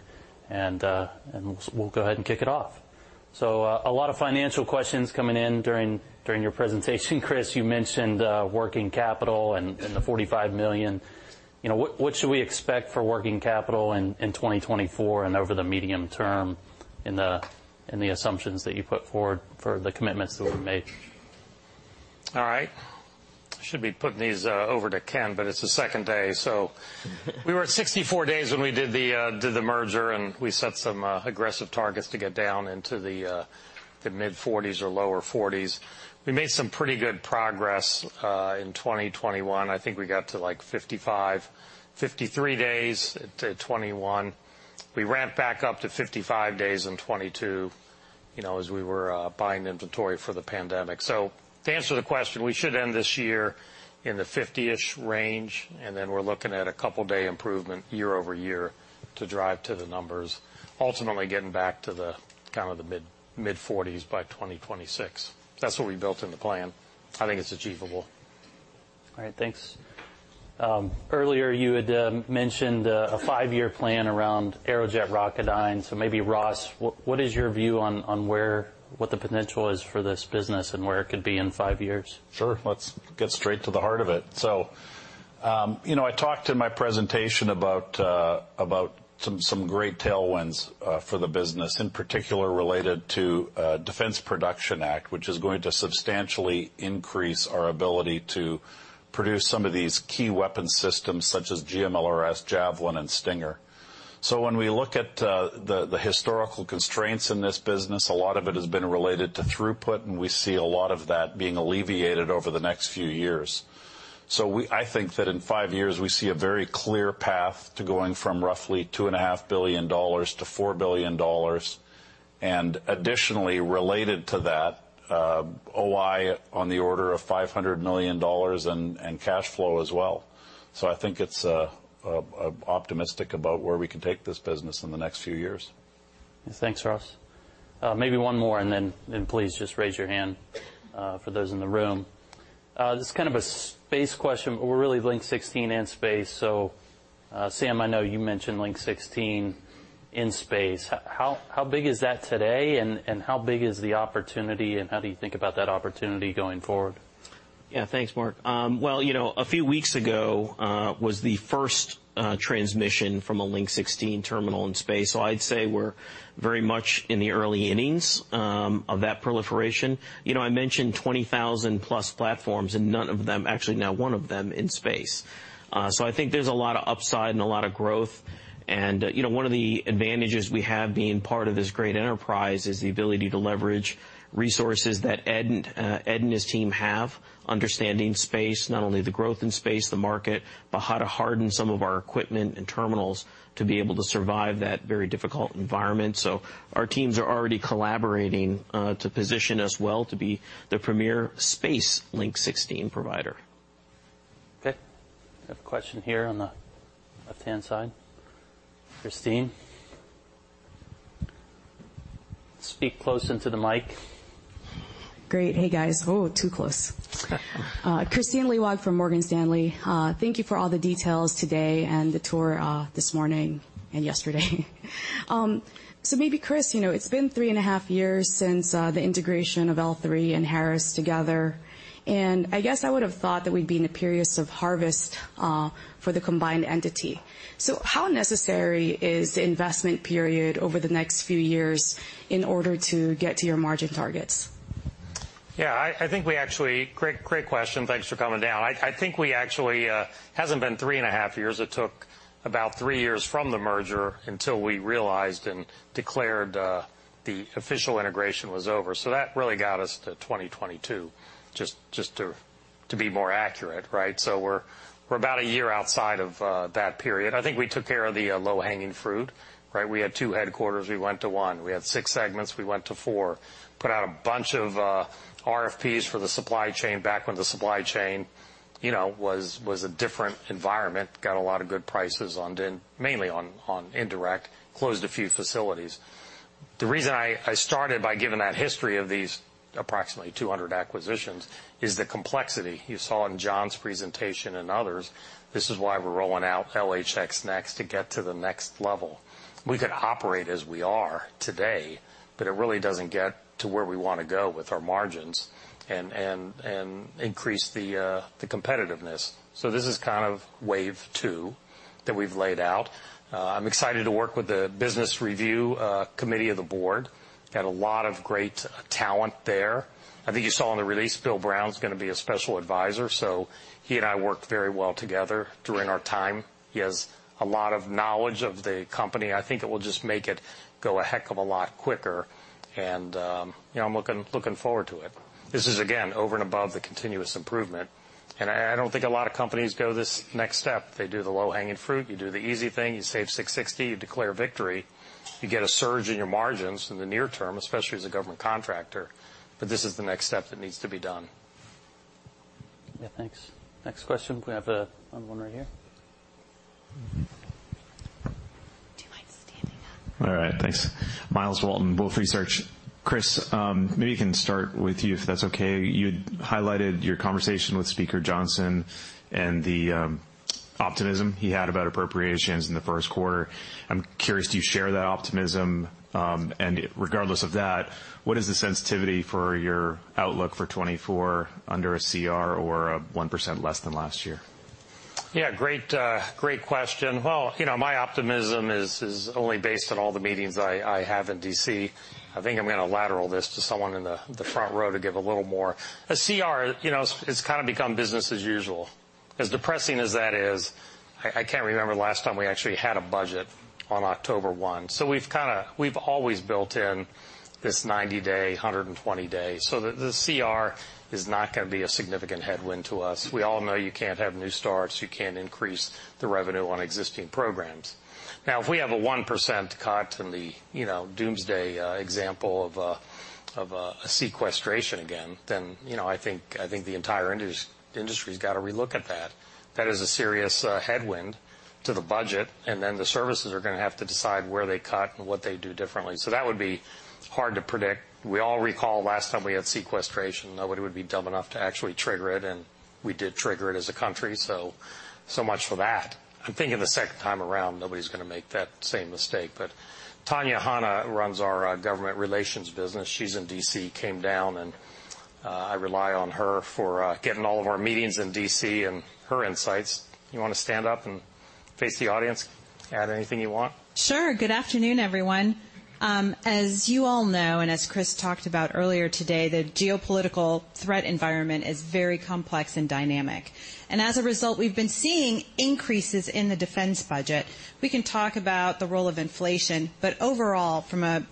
and we'll go ahead and kick it off. So, a lot of financial questions coming in during your presentation, Chris, you mentioned working capital and the $45 million. You know, what should we expect for working capital in 2024 and over the medium term, in the assumptions that you put forward for the commitments that we've made? All right. I should be putting these over to Ken, but it's the second day, so we were at 64 days when we did the merger, and we set some aggressive targets to get down into the mid-40s or lower 40s. We made some pretty good progress in 2021. I think we got to, like, 55, 53 days to 2021. We ramped back up to 55 days in 2022, you know, as we were buying inventory for the pandemic. So to answer the question, we should end this year in the 50-ish range, and then we're looking at a couple day improvement year-over-year to drive to the numbers, ultimately getting back to the kind of the mid, mid-40s by 2026. That's what we built in the plan. I think it's achievable. All right. Thanks. Earlier, you had mentioned a five-year plan around Aerojet Rocketdyne. So maybe, Ross, what is your view on where—what the potential is for this business and where it could be in five years? Sure. Let's get straight to the heart of it. So, you know, I talked in my presentation about about some some great tailwinds for the business, in particular related to Defense Production Act, which is going to substantially increase our ability to produce some of these key weapon systems, such as GMLRS, Javelin, and Stinger. So when we look at the the historical constraints in this business, a lot of it has been related to throughput, and we see a lot of that being alleviated over the next few years. So I think that in five years, we see a very clear path to going from roughly $2.5 billion to $4 billion, and additionally, related to that, OI on the order of $500 million, and cash flow as well. I think it's optimistic about where we can take this business in the next few years. Thanks, Ross. Maybe one more, and then please just raise your hand for those in the room. This is kind of a space question, but we're really Link 16 and space, so, Sam, I know you mentioned Link 16 in space. How big is that today, and how big is the opportunity, and how do you think about that opportunity going forward? Yeah, thanks, Mark. Well, you know, a few weeks ago was the first transmission from a Link 16 terminal in space. So I'd say we're very much in the early innings of that proliferation. You know, I mentioned 20,000 plus platforms, and none of them, actually, not one of them in space. So I think there's a lot of upside and a lot of growth. And, you know, one of the advantages we have being part of this great enterprise is the ability to leverage resources that Ed and Ed and his team have, understanding space, not only the growth in space, the market, but how to harden some of our equipment and terminals to be able to survive that very difficult environment. So our teams are already collaborating to position us well to be the premier space Link 16 provider. Okay. I have a question here on the left-hand side. Kristine, speak close into the mic. Great. Hey, guys. Oh, too close. Kristine Liwag from Morgan Stanley. Thank you for all the details today and the tour this morning and yesterday. So maybe, Chris, you know, it's been three and a half years since the integration of L3 and Harris together, and I guess I would have thought that we'd be in a period of harvest for the combined entity. So how necessary is the investment period over the next few years in order to get to your margin targets? Yeah, I think we actually. Great, great question. Thanks for coming down. I think we actually hasn't been three and half years. It took about three years from the merger until we realized and declared the official integration was over. So that really got us to 2022, just to be more accurate, right? So we're about a year outside of that period. I think we took care of the low-hanging fruit, right? We had two headquarters, we went to one. We had six segments, we went to four. Put out a bunch of RFPs for the supply chain back when the supply chain, you know, was a different environment. Got a lot of good prices on the, mainly on indirect. Closed a few facilities. The reason I started by giving that history of these approximately 200 acquisitions is the complexity. You saw in Jon's presentation and others, this is why we're rolling out LHX NeXt to get to the next level. We could operate as we are today, but it really doesn't get to where we want to go with our margins and increase the competitiveness. So this is kind of wave two that we've laid out. I'm excited to work with the business review committee of the board. Got a lot of great talent there. I think you saw in the release, Bill Brown's going to be a special advisor, so he and I worked very well together during our time. He has a lot of knowledge of the company. I think it will just make it go a heck of a lot quicker, and, you know, I'm looking forward to it. This is, again, over and above the continuous improvement, and I don't think a lot of companies go this next step. They do the low-hanging fruit, you do the easy thing, you save $660, you declare victory. You get a surge in your margins in the near term, especially as a government contractor, but this is the next step that needs to be done. Yeah, thanks. Next question. We have one right here. Do you mind standing up? All right, thanks. Myles Walton, Wolfe Research. Chris, maybe I can start with you, if that's okay. You highlighted your conversation with Speaker Johnson and the optimism he had about appropriations in the First Quarter. I'm curious, do you share that optimism? Regardless of that, what is the sensitivity for your outlook for 2024 under a CR or 1% less than last year? Yeah, great, great question. Well, you know, my optimism is only based on all the meetings I have in D.C. I think I'm going to lateral this to someone in the front row to give a little more. A CR, you know, it's kind of become business as usual. As depressing as that is, I can't remember the last time we actually had a budget on October 1. So we've kind of - we've always built in this 90-day, 120 days, so the CR is not going to be a significant headwind to us. We all know you can't have new starts, you can't increase the revenue on existing programs. Now, if we have a 1% cut in the, you know, doomsday example of a sequestration again, then, you know, I think the entire industry's got to relook at that. That is a serious headwind to the budget, and then the services are going to have to decide where they cut and what they do differently. So that would be hard to predict. We all recall last time we had sequestration, nobody would be dumb enough to actually trigger it, and we did trigger it as a country, so much for that. I'm thinking the second time around, nobody's going to make that same mistake. But Tanya Hanna runs our government relations business. She's in D.C., came down, and I rely on her for getting all of our meetings in D.C. and her insights. You want to stand up and face the audience, add anything you want? Sure. Good afternoon, everyone. As you all know, and as Chris talked about earlier today, the geopolitical threat environment is very complex and dynamic. And as a result, we've been seeing increases in the defense budget. We can talk about the role of inflation, but overall, from a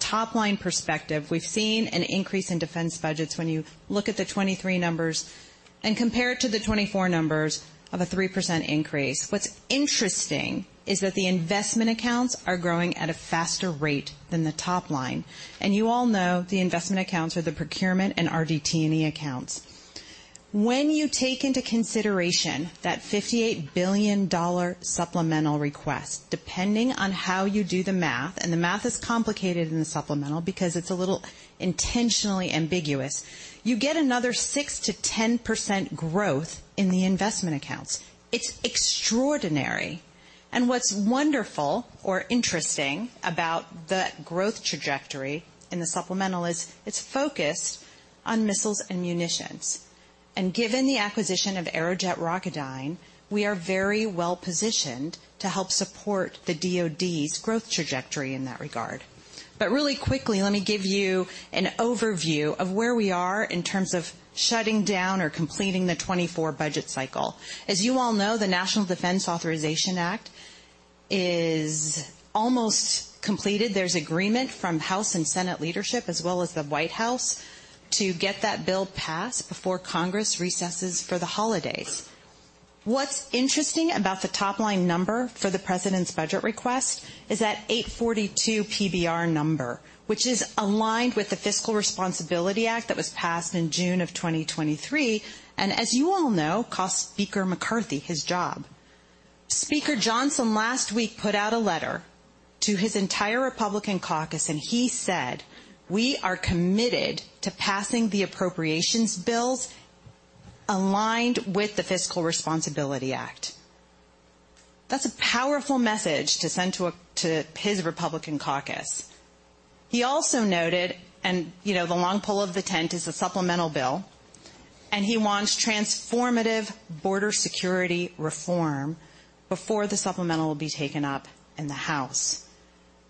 top-line perspective, we've seen an increase in defense budgets when you look at the 2023 numbers and compare it to the 2024 numbers of a 3% increase. What's interesting is that the investment accounts are growing at a faster rate than the top line, and you all know the investment accounts are the procurement and RDT&E accounts. When you take into consideration that $58 billion supplemental request, depending on how you do the math, and the math is complicated in the supplemental because it's a little intentionally ambiguous, you get another 6%-10% growth in the investment accounts. It's extraordinary. And what's wonderful or interesting about the growth trajectory in the supplemental is it's focused on missiles and munitions. And given the acquisition of Aerojet Rocketdyne, we are very well-positioned to help support the DoD's growth trajectory in that regard. But really quickly, let me give you an overview of where we are in terms of shutting down or completing the 2024 budget cycle. As you all know, the National Defense Authorization Act is almost completed. There's agreement from House and Senate leadership, as well as the White House, to get that bill passed before Congress recesses for the holidays. What's interesting about the top-line number for the president's budget request is that 842 PBR number, which is aligned with the Fiscal Responsibility Act that was passed in June of 2023, and as you all know, cost Speaker McCarthy his job. Speaker Johnson last week put out a letter to his entire Republican caucus, and he said, "We are committed to passing the appropriations bills aligned with the Fiscal Responsibility Act." That's a powerful message to send to his Republican caucus. He also noted, and, you know, the long pole of the tent is the supplemental bill, and he wants transformative border security reform before the supplemental will be taken up in the House.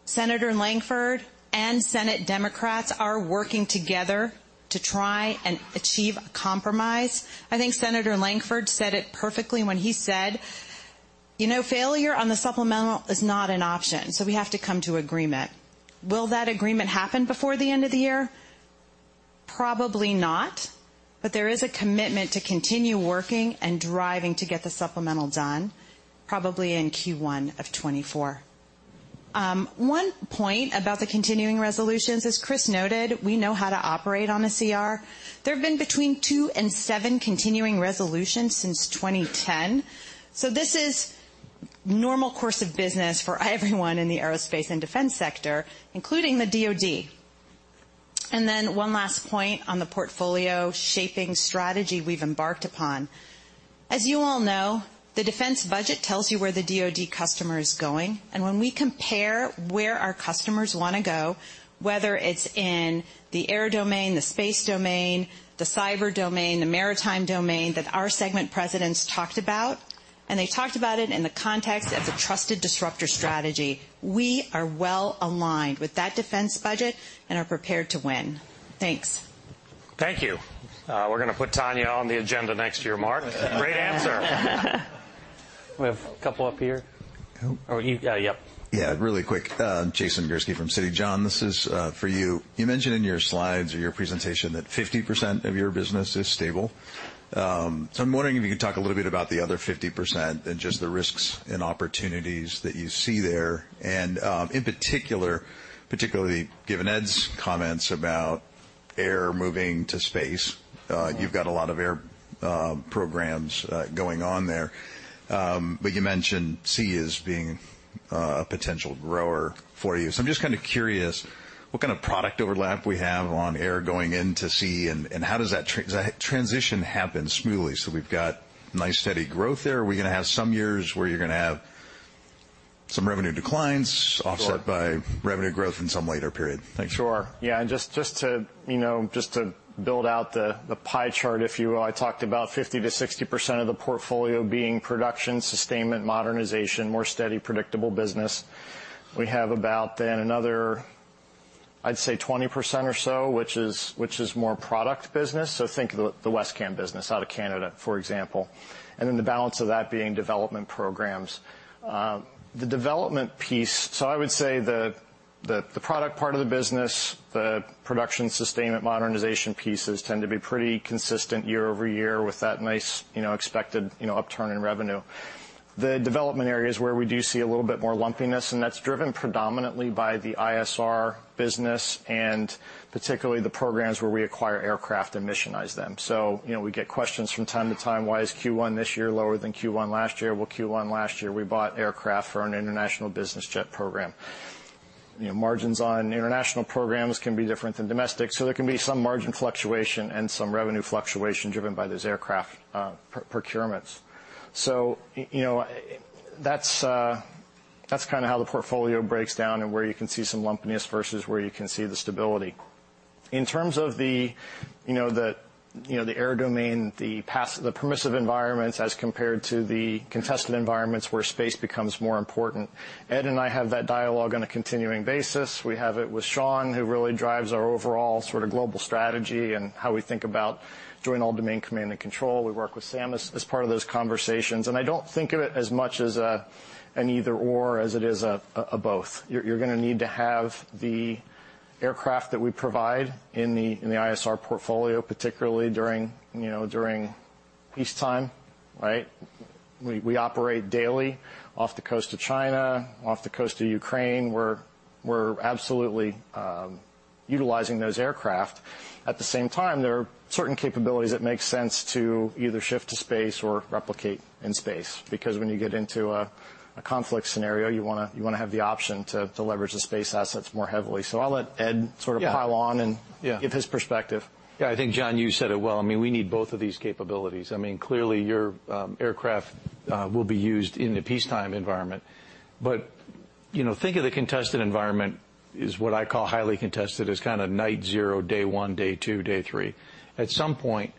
Senator Lankford and Senate Democrats are working together to try and achieve a compromise. I think Senator Lankford said it perfectly when he said, "You know, failure on the supplemental is not an option, so we have to come to agreement." Will that agreement happen before the end of the year? Probably not, but there is a commitment to continue working and driving to get the supplemental done, probably in Q1 of 2024. One point about the continuing resolutions, as Chris noted, we know how to operate on a CR. There have been between 2 and 7 continuing resolutions since 2010, so this is normal course of business for everyone in the aerospace and defense sector, including the DoD. Then one last point on the portfolio-shaping strategy we've embarked upon. As you all know, the defense budget tells you where the DoD customer is going, and when we compare where our customers want to go, whether it's in the air domain, the space domain, the cyber domain, the maritime domain, that our segment presidents talked about, and they talked about it in the context of the Trusted Disruptor strategy, we are well aligned with that defense budget and are prepared to win. Thanks. Thank you. We're going to put Tanya on the agenda next year, Mark. Great answer. We have a couple up here. Oh. Or you. Yep. Yeah, really quick. Jason Gursky from Citi. Jon, this is for you. You mentioned in your slides or your presentation that 50% of your business is stable. So I'm wondering if you could talk a little bit about the other 50% and just the risks and opportunities that you see there. And, in particular, particularly given Ed's comments about air moving to space, you've got a lot of air programs going on there. But you mentioned sea as being a potential grower for you. So I'm just kind of curious what kind of product overlap we have on air going into sea, and how does that transition happen smoothly so we've got nice, steady growth there? Are we going to have some years where you're going to have some revenue declines offset- Sure... by revenue growth in some later period? Thanks. Sure. Yeah, and just, just to, you know, just to build out the, the pie chart, if you will, I talked about 50%-60% of the portfolio being production, sustainment, modernization, more steady, predictable business. We have about then another, I'd say, 20% or so, which is, which is more product business, so think of the, the WESCAM business out of Canada, for example, and then the balance of that being development programs. The development piece. So I would say the, the, the product part of the business, the production sustainment modernization pieces tend to be pretty consistent year over year with that nice, you know, expected, you know, upturn in revenue. The development area is where we do see a little bit more lumpiness, and that's driven predominantly by the ISR business and particularly the programs where we acquire aircraft and missionize them. So, you know, we get questions from time to time, "Why is Q1 this year lower than Q1 last year?" Well, Q1 last year, we bought aircraft for an international business jet program. You know, margins on international programs can be different than domestic, so there can be some margin fluctuation and some revenue fluctuation driven by those aircraft procurements. So you know, that's, that's kind of how the portfolio breaks down and where you can see some lumpiness versus where you can see the stability. In terms of the, you know, the, you know, the air domain, the permissive environments as compared to the contested environments where space becomes more important, Ed and I have that dialogue on a continuing basis. We have it with Sean, who really drives our overall sort of global strategy and how we think about joint all-domain command and control. We work with Sam as part of those conversations. And I don't think of it as much as an either/or as it is both. You're going to need to have the aircraft that we provide in the ISR portfolio, particularly during, you know, during peacetime, right? We operate daily off the coast of China, off the coast of Ukraine, where we're absolutely utilizing those aircraft. At the same time, there are certain capabilities that make sense to either shift to space or replicate in space, because when you get into a conflict scenario, you want to have the option to leverage the space assets more heavily. So I'll let Ed sort of- Yeah... pile on and- Yeah give his perspective. Yeah, I think, Jon, you said it well. I mean, we need both of these capabilities. I mean, clearly your aircraft will be used in the peacetime environment, but-... You know, think of the contested environment as what I call highly contested, as kind of night zero, day one, day two, day three. At some point,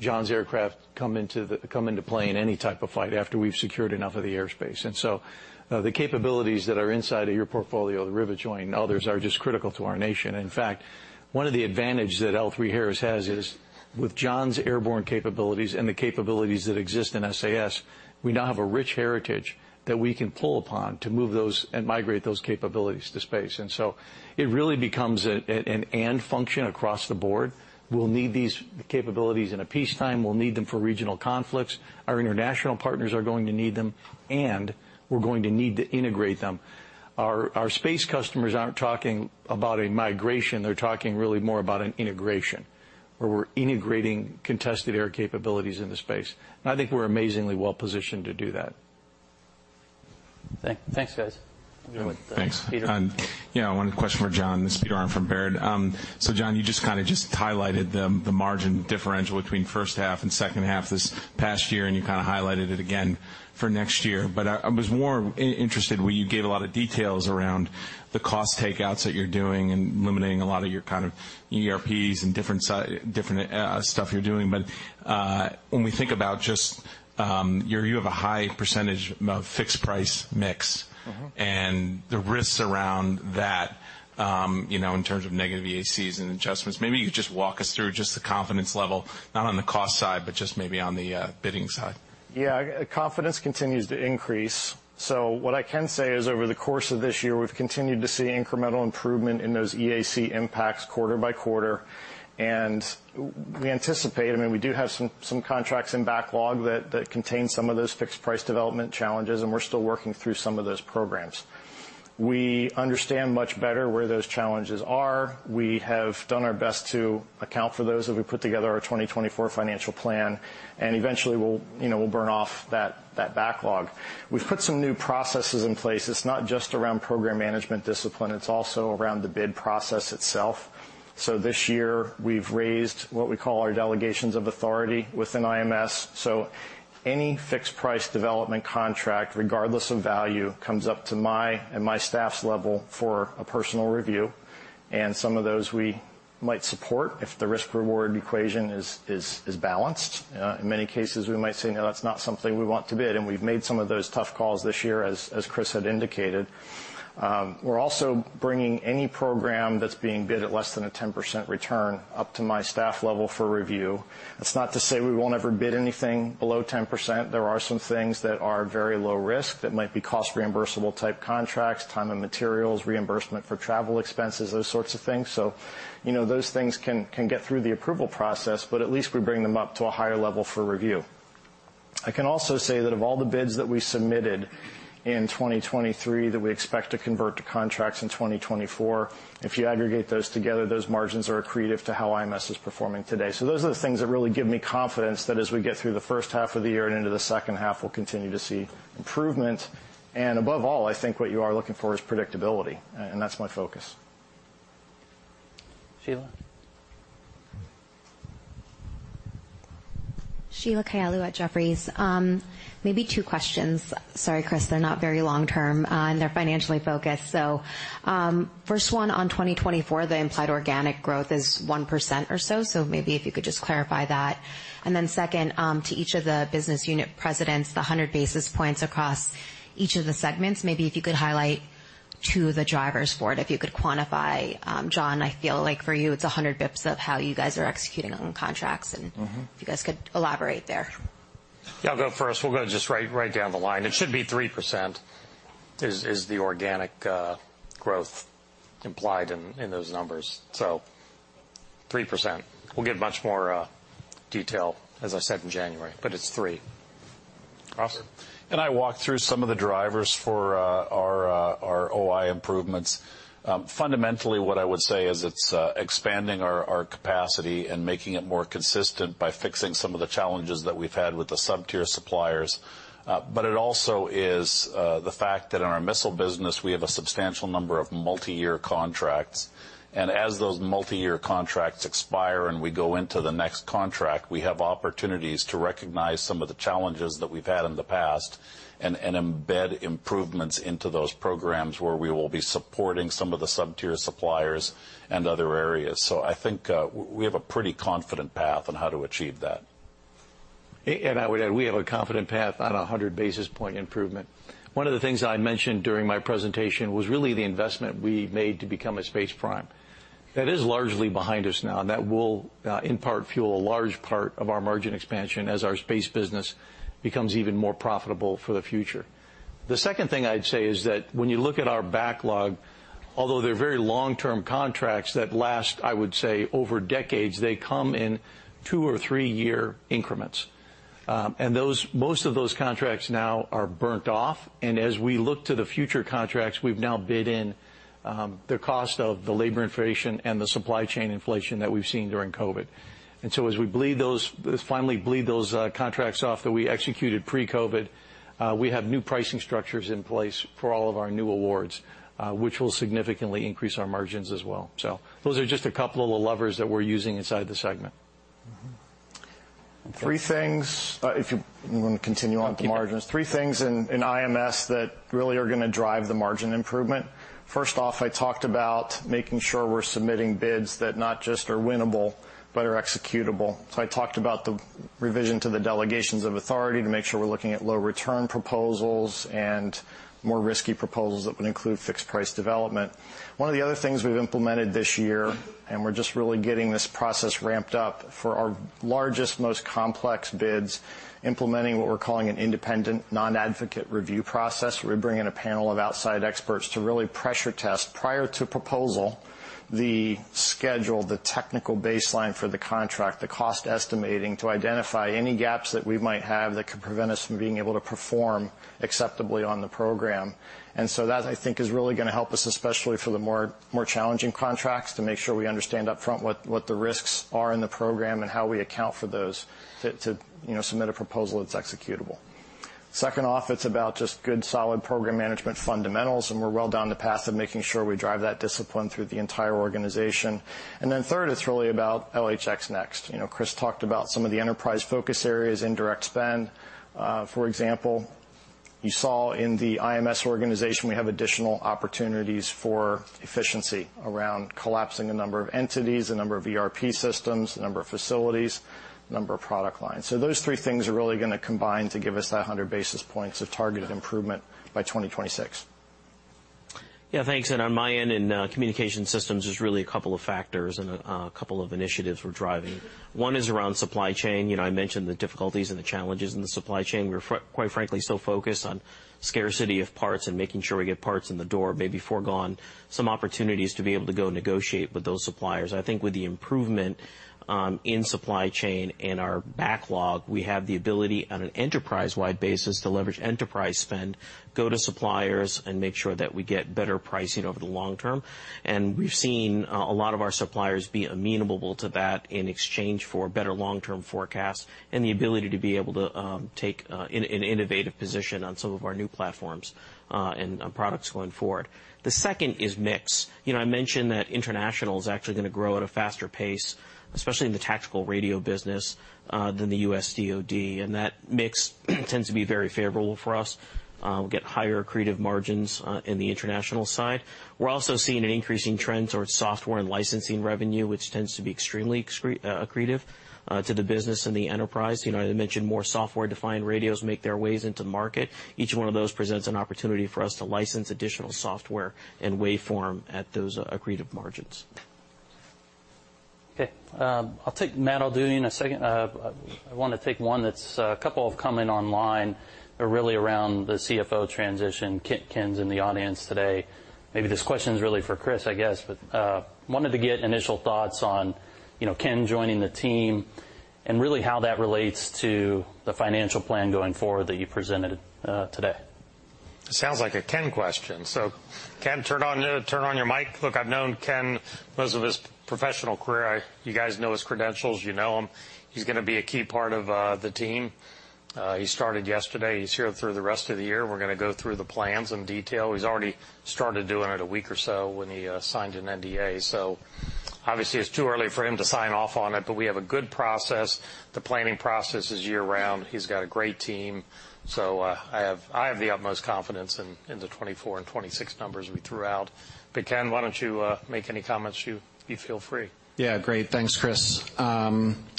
Jon's aircraft come into play in any type of fight, after we've secured enough of the airspace. And so, the capabilities that are inside of your portfolio, the Rivet Joint and others, are just critical to our nation. In fact, one of the advantages that L3Harris has is, with Jon's airborne capabilities and the capabilities that exist in SAS, we now have a rich heritage that we can pull upon to move those and migrate those capabilities to space. And so it really becomes an and function across the board. We'll need these capabilities in a peacetime, we'll need them for regional conflicts, our international partners are going to need them, and we're going to need to integrate them. Our space customers aren't talking about a migration, they're talking really more about an integration, where we're integrating contested air capabilities into space, and I think we're amazingly well positioned to do that. Thanks. Thanks, guys. Thanks. Peter? Yeah, one question for Jon. This is Peter Arment from Baird. So Jon, you just kind of just highlighted the margin differential between first half and second half this past year, and you kind of highlighted it again for next year. But I was more interested where you gave a lot of details around the cost takeouts that you're doing and eliminating a lot of your kind of ERPs and different stuff you're doing. But when we think about just, you have a high percentage of fixed price mix- Mm-hmm. -and the risks around that, you know, in terms of negative EACs and adjustments, maybe you could just walk us through just the confidence level, not on the cost side, but just maybe on the bidding side. Yeah, confidence continues to increase. So what I can say is, over the course of this year, we've continued to see incremental improvement in those EAC impacts quarter by quarter. And we anticipate, I mean, we do have some contracts in backlog that contain some of those fixed price development challenges, and we're still working through some of those programs. We understand much better where those challenges are. We have done our best to account for those as we put together our 2024 financial plan, and eventually we'll, you know, we'll burn off that backlog. We've put some new processes in place. It's not just around program management discipline, it's also around the bid process itself. So this year, we've raised what we call our delegations of authority within IMS. So any fixed price development contract, regardless of value, comes up to my and my staff's level for a personal review, and some of those we might support if the risk-reward equation is balanced. In many cases, we might say, "No, that's not something we want to bid." And we've made some of those tough calls this year, as Chris had indicated. We're also bringing any program that's being bid at less than a 10% return up to my staff level for review. That's not to say we won't ever bid anything below 10%. There are some things that are very low risk, that might be cost reimbursable type contracts, time and materials, reimbursement for travel expenses, those sorts of things. So, you know, those things can get through the approval process, but at least we bring them up to a higher level for review. I can also say that of all the bids that we submitted in 2023, that we expect to convert to contracts in 2024, if you aggregate those together, those margins are accretive to how IMS is performing today. So those are the things that really give me confidence that as we get through the first half of the year and into the second half, we'll continue to see improvement. And above all, I think what you are looking for is predictability, and that's my focus. Sheila? Sheila Kahyaoglu at Jefferies. Maybe two questions. Sorry, Chris, they're not very long term, and they're financially focused. So, first one, on 2024, the implied organic growth is 1% or so, so maybe if you could just clarify that. And then second, to each of the business unit presidents, the 100 basis points across each of the segments, maybe if you could highlight two of the drivers for it, if you could quantify. Jon, I feel like for you, it's a hundred bips of how you guys are executing on contracts, and- Mm-hmm. If you guys could elaborate there. Yeah, I'll go first. We'll go just right, right down the line. It should be 3%, is the organic growth implied in those numbers. So 3%. We'll give much more detail, as I said, in January, but it's 3%.? I walked through some of the drivers for our OI improvements. Fundamentally, what I would say is it's expanding our capacity and making it more consistent by fixing some of the challenges that we've had with the sub-tier suppliers. But it also is the fact that in our missile business, we have a substantial number of multi-year contracts, and as those multi-year contracts expire and we go into the next contract, we have opportunities to recognize some of the challenges that we've had in the past, and embed improvements into those programs, where we will be supporting some of the sub-tier suppliers and other areas. So I think we have a pretty confident path on how to achieve that. I would add, we have a confident path on a 100 basis point improvement. One of the things I mentioned during my presentation was really the investment we made to become a space prime. That is largely behind us now, and that will, in part, fuel a large part of our margin expansion as our space business becomes even more profitable for the future. The second thing I'd say is that when you look at our backlog, although they're very long-term contracts that last, I would say, over decades, they come in two to three year increments. And those, most of those contracts now are burnt off, and as we look to the future contracts, we've now bid in the cost of the labor inflation and the supply chain inflation that we've seen during COVID. And so as we bleed those, finally bleed those, contracts off that we executed pre-COVID, we have new pricing structures in place for all of our new awards, which will significantly increase our margins as well. So those are just a couple of the levers that we're using inside the segment.... Three things, if you want to continue on the margins. Three things in IMS that really are going to drive the margin improvement. First off, I talked about making sure we're submitting bids that not just are winnable but are executable. So I talked about the revision to the delegations of authority to make sure we're looking at low return proposals and more risky proposals that would include fixed price development. One of the other things we've implemented this year, and we're just really getting this process ramped up, for our largest, most complex bids, implementing what we're calling an independent non-advocate review process, where we bring in a panel of outside experts to really pressure test, prior to proposal, the schedule, the technical baseline for the contract, the cost estimating, to identify any gaps that we might have that could prevent us from being able to perform acceptably on the program. And so that, I think, is really going to help us, especially for the more, more challenging contracts, to make sure we understand upfront what, what the risks are in the program and how we account for those to, to, you know, submit a proposal that's executable. Second off, it's about just good, solid program management fundamentals, and we're well down the path of making sure we drive that discipline through the entire organization. And then third, it's really about LHX NeXt. You know, Chris talked about some of the enterprise focus areas, indirect spend. For example, you saw in the IMS organization, we have additional opportunities for efficiency around collapsing a number of entities, a number of ERP systems, a number of facilities, a number of product lines. So those three things are really going to combine to give us that 100 basis points of targeted improvement by 2026. Yeah, thanks. And on my end, in communication systems, there's really a couple of factors and a couple of initiatives we're driving. One is around supply chain. You know, I mentioned the difficulties and the challenges in the supply chain. We're quite frankly so focused on scarcity of parts and making sure we get parts in the door, maybe foregone some opportunities to be able to go negotiate with those suppliers. I think with the improvement in supply chain and our backlog, we have the ability on an enterprise-wide basis to leverage enterprise spend, go to suppliers, and make sure that we get better pricing over the long term. We've seen a lot of our suppliers be amenable to that in exchange for better long-term forecasts and the ability to take an innovative position on some of our new platforms and on products going forward. The second is mix. You know, I mentioned that international is actually going to grow at a faster pace, especially in the tactical radio business than the U.S. DoD, and that mix tends to be very favorable for us. We'll get higher accretive margins in the international side. We're also seeing an increasing trend towards software and licensing revenue, which tends to be extremely accretive to the business and the enterprise. You know, I mentioned more software-defined radios make their ways into market. Each one of those presents an opportunity for us to license additional software and waveform at those accretive margins. Okay, I'll take Matt Akers in a second. I want to take one that's, a couple have come in online, are really around the CFO transition. Ken's in the audience today. Maybe this question is really for Chris, I guess, but, wanted to get initial thoughts on, you know, Ken joining the team and really how that relates to the financial plan going forward that you presented, today. Sounds like a Ken question. So Ken, turn on your mic. Look, I've known Ken most of his professional career. You guys know his credentials. You know him. He's going to be a key part of the team. He started yesterday. He's here through the rest of the year. We're going to go through the plans in detail. He's already started doing it a week or so when he signed an NDA. So obviously, it's too early for him to sign off on it, but we have a good process. The planning process is year-round. He's got a great team, so I have the utmost confidence in the 2024 and 2026 numbers we threw out. But Ken, why don't you make any comments you feel free. Yeah, great. Thanks, Chris.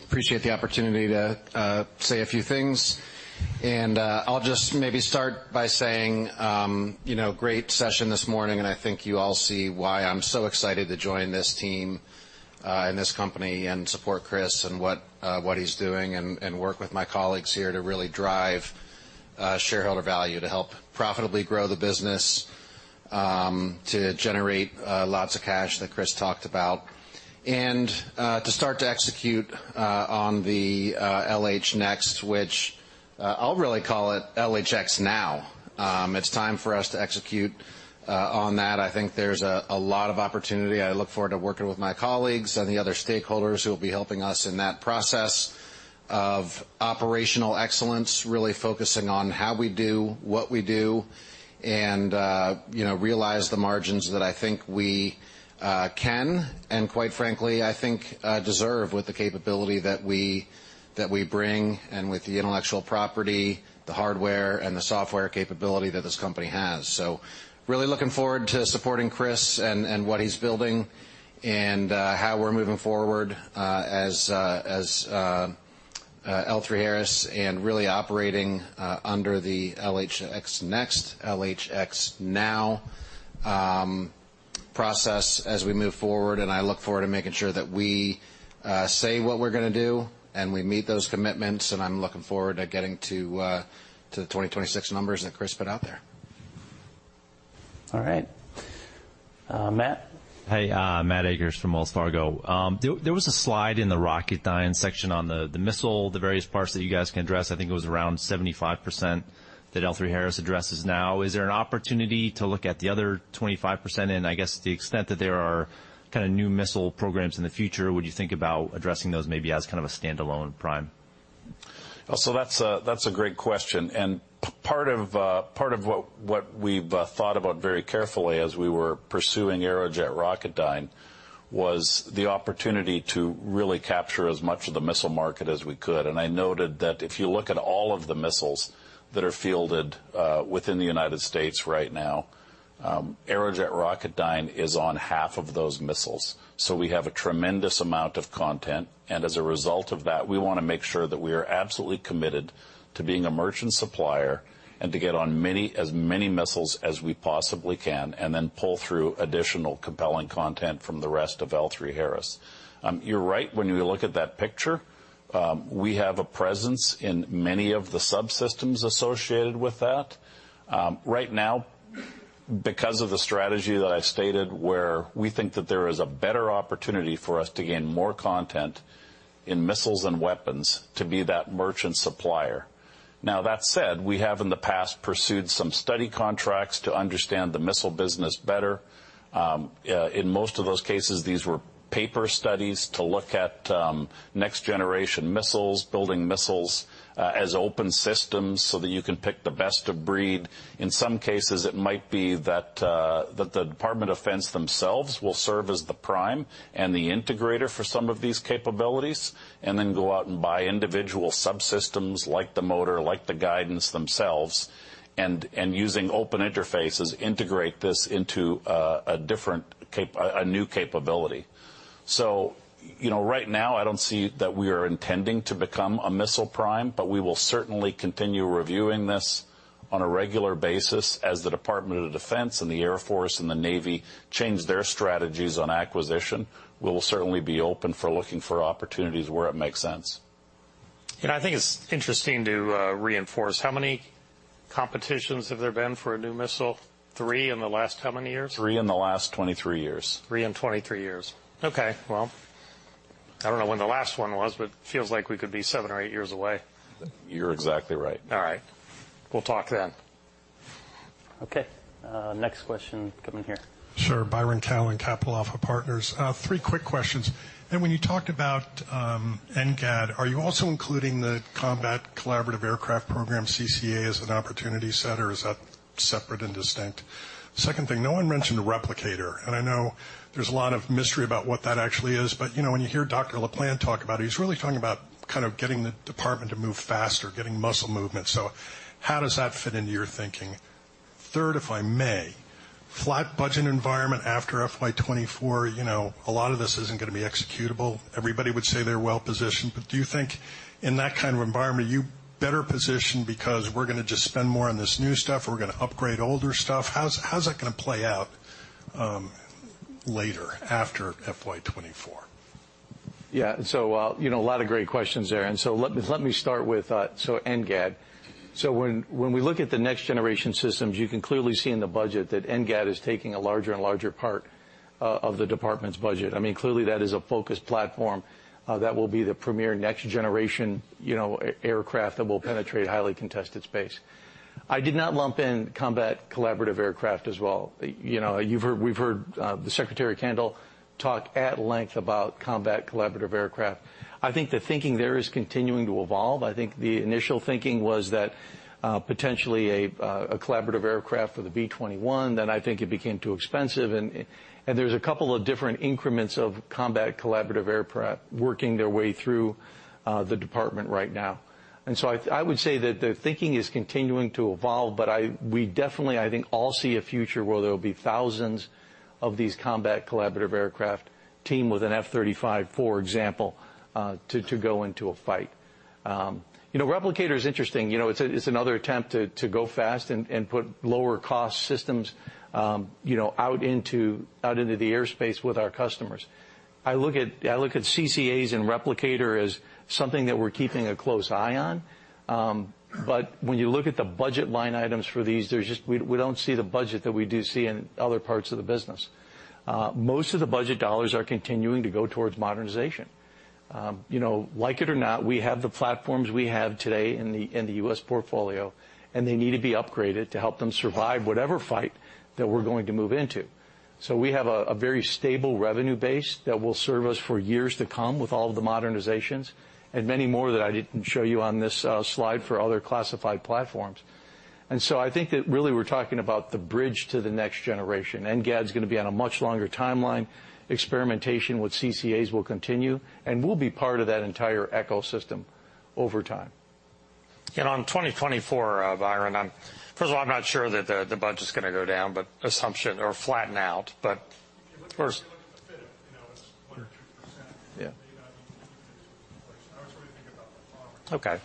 Appreciate the opportunity to say a few things. And, I'll just maybe start by saying, you know, great session this morning, and I think you all see why I'm so excited to join this team, and this company and support Chris and what, what he's doing, and, work with my colleagues here to really drive, shareholder value, to help profitably grow the business, to generate, lots of cash that Chris talked about, and, to start to execute, on the, LHX NeXt, which, I'll really call it LHX Now. It's time for us to execute, on that. I think there's a, lot of opportunity. I look forward to working with my colleagues and the other stakeholders who will be helping us in that process of operational excellence, really focusing on how we do what we do and, you know, realize the margins that I think we can, and quite frankly, I think deserve with the capability that we bring and with the intellectual property, the hardware, and the software capability that this company has. So really looking forward to supporting Chris and what he's building and how we're moving forward as L3Harris, and really operating under the LHX NeXt, LHX Now process as we move forward. I look forward to making sure that we say what we're going to do and we meet those commitments, and I'm looking forward to getting to the 2026 numbers that Chris put out there. All right. Matt? Hey, Matt Akers from Wells Fargo. There was a slide in the Rocketdyne section on the missile, the various parts that you guys can address. I think it was around 75% that L3Harris addresses now. Is there an opportunity to look at the other 25%? And I guess to the extent that there are kind of new missile programs in the future, would you think about addressing those maybe as kind of a standalone prime?... So that's a great question, and part of what we've thought about very carefully as we were pursuing Aerojet Rocketdyne was the opportunity to really capture as much of the missile market as we could. And I noted that if you look at all of the missiles that are fielded within the United States right now, Aerojet Rocketdyne is on half of those missiles. So we have a tremendous amount of content, and as a result of that, we want to make sure that we are absolutely committed to being a merchant supplier and to get on many, as many missiles as we possibly can, and then pull through additional compelling content from the rest of L3Harris. You're right, when you look at that picture, we have a presence in many of the subsystems associated with that. Right now, because of the strategy that I've stated, where we think that there is a better opportunity for us to gain more content in missiles and weapons to be that merchant supplier. Now, that said, we have in the past pursued some study contracts to understand the missile business better. In most of those cases, these were paper studies to look at next-generation missiles, building missiles as open systems so that you can pick the best of breed. In some cases, it might be that the Department of Defense themselves will serve as the prime and the integrator for some of these capabilities, and then go out and buy individual subsystems, like the motor, like the guidance themselves, and using open interfaces, integrate this into a new capability. So, you know, right now, I don't see that we are intending to become a missile prime, but we will certainly continue reviewing this on a regular basis. As the Department of Defense and the Air Force and the Navy change their strategies on acquisition, we will certainly be open for looking for opportunities where it makes sense. I think it's interesting to reinforce how many competitions have there been for a new missile? Three in the last how many years? three in the last 23 years. three in 23 years. Okay, well, I don't know when the last one was, but it feels like we could be seven or eight years away. You're exactly right. All right. We'll talk then. Okay, next question, coming here. Sure. Byron Callen, Capital Alpha Partners. Three quick questions. When you talked about NGAD, are you also including the Combat Collaborative Aircraft program, CCA, as an opportunity set, or is that separate and distinct? Second thing, no one mentioned Replicator, and I know there's a lot of mystery about what that actually is, but you know, when you hear Dr. LaPlante talk about it, he's really talking about kind of getting the department to move faster, getting muscle movement. So how does that fit into your thinking? Third, if I may, flat budget environment after FY 2024, you know, a lot of this isn't going to be executable. Everybody would say they're well positioned, but do you think in that kind of environment, are you better positioned because we're going to just spend more on this new stuff, or we're going to upgrade older stuff? How's, how's that going to play out later, after FY 2024? Yeah. So, you know, a lot of great questions there. And so let me, let me start with, so NGAD. So when, when we look at the next-generation systems, you can clearly see in the budget that NGAD is taking a larger and larger part, of the department's budget. I mean, clearly, that is a focused platform, that will be the premier next generation, you know, aircraft that will penetrate highly contested space. I did not lump in Combat Collaborative Aircraft as well. You know, you've heard, we've heard, the Secretary Kendall talk at length about Combat Collaborative Aircraft. I think the thinking there is continuing to evolve. I think the initial thinking was that, potentially a collaborative aircraft for the B-21, then I think it became too expensive, and there's a couple of different increments of Combat Collaborative Aircraft working their way through the department right now. And so I would say that the thinking is continuing to evolve, but we definitely, I think, all see a future where there will be thousands of these Combat Collaborative Aircraft teamed with an F-35, for example, to go into a fight. You know, Replicator is interesting. You know, it's another attempt to go fast and put lower-cost systems, you know, out into the airspace with our customers. I look at CCAs and Replicator as something that we're keeping a close eye on, but when you look at the budget line items for these, there's just we don't see the budget that we do see in other parts of the business. Most of the budget dollars are continuing to go towards modernization. You know, like it or not, we have the platforms we have today in the U.S. portfolio, and they need to be upgraded to help them survive whatever fight that we're going to move into. So we have a very stable revenue base that will serve us for years to come with all of the modernizations, and many more that I didn't show you on this slide for other classified platforms. And so I think that really, we're talking about the bridge to the next generation. NGAD's going to be on a much longer timeline. Experimentation with CCAs will continue, and we'll be part of that entire ecosystem over time. And on 2024, Byron, first of all, I'm not sure that the budget's going to go down, but assumption or flatten out. But first- If you look at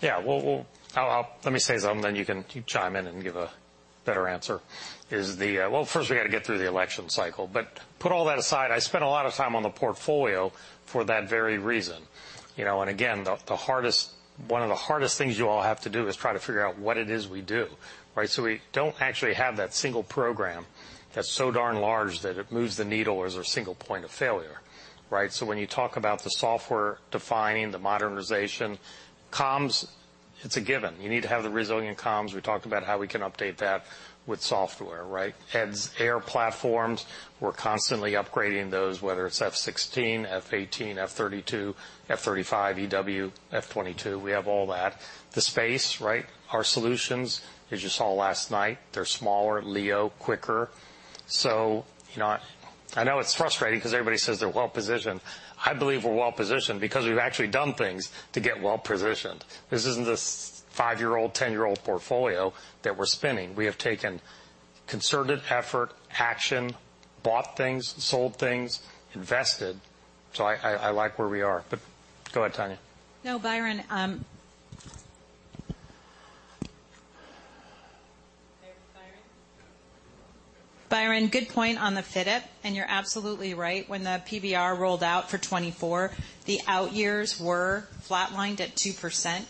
the FIT, you know, it's 1% or 2%. Yeah. May not even include inflation. I was trying to think about the following. Okay. Think about the following. Yeah, well, I'll let me say something, then you can chime in and give a better answer. Is the... Well, first, we got to get through the election cycle. But put all that aside, I spent a lot of time on the portfolio for that very reason. You know, and again, the hardest, one of the hardest things you all have to do is try to figure out what it is we do, right? So we don't actually have that single program that's so darn large that it moves the needle or is a single point of failure, right? So when you talk about the software defining, the modernization, comms-... It's a given. You need to have the resilient comms. We talked about how we can update that with software, right? Heads, air platforms, we're constantly upgrading those, whether it's F-16, F-18, F-32, F-35, EW, F-22, we have all that. The space, right? Our solutions, as you saw last night, they're smaller, LEO, quicker. So, you know, I know it's frustrating because everybody says they're well positioned. I believe we're well positioned because we've actually done things to get well positioned. This isn't this five-year-old, ten-year-old portfolio that we're spinning. We have taken concerted effort, action, bought things, sold things, invested. So I, I, I like where we are. But go ahead, Tanya. Byron, good point on the FITIP, and you're absolutely right. When the PBR rolled out for 2024, the out years were flatlined at 2%.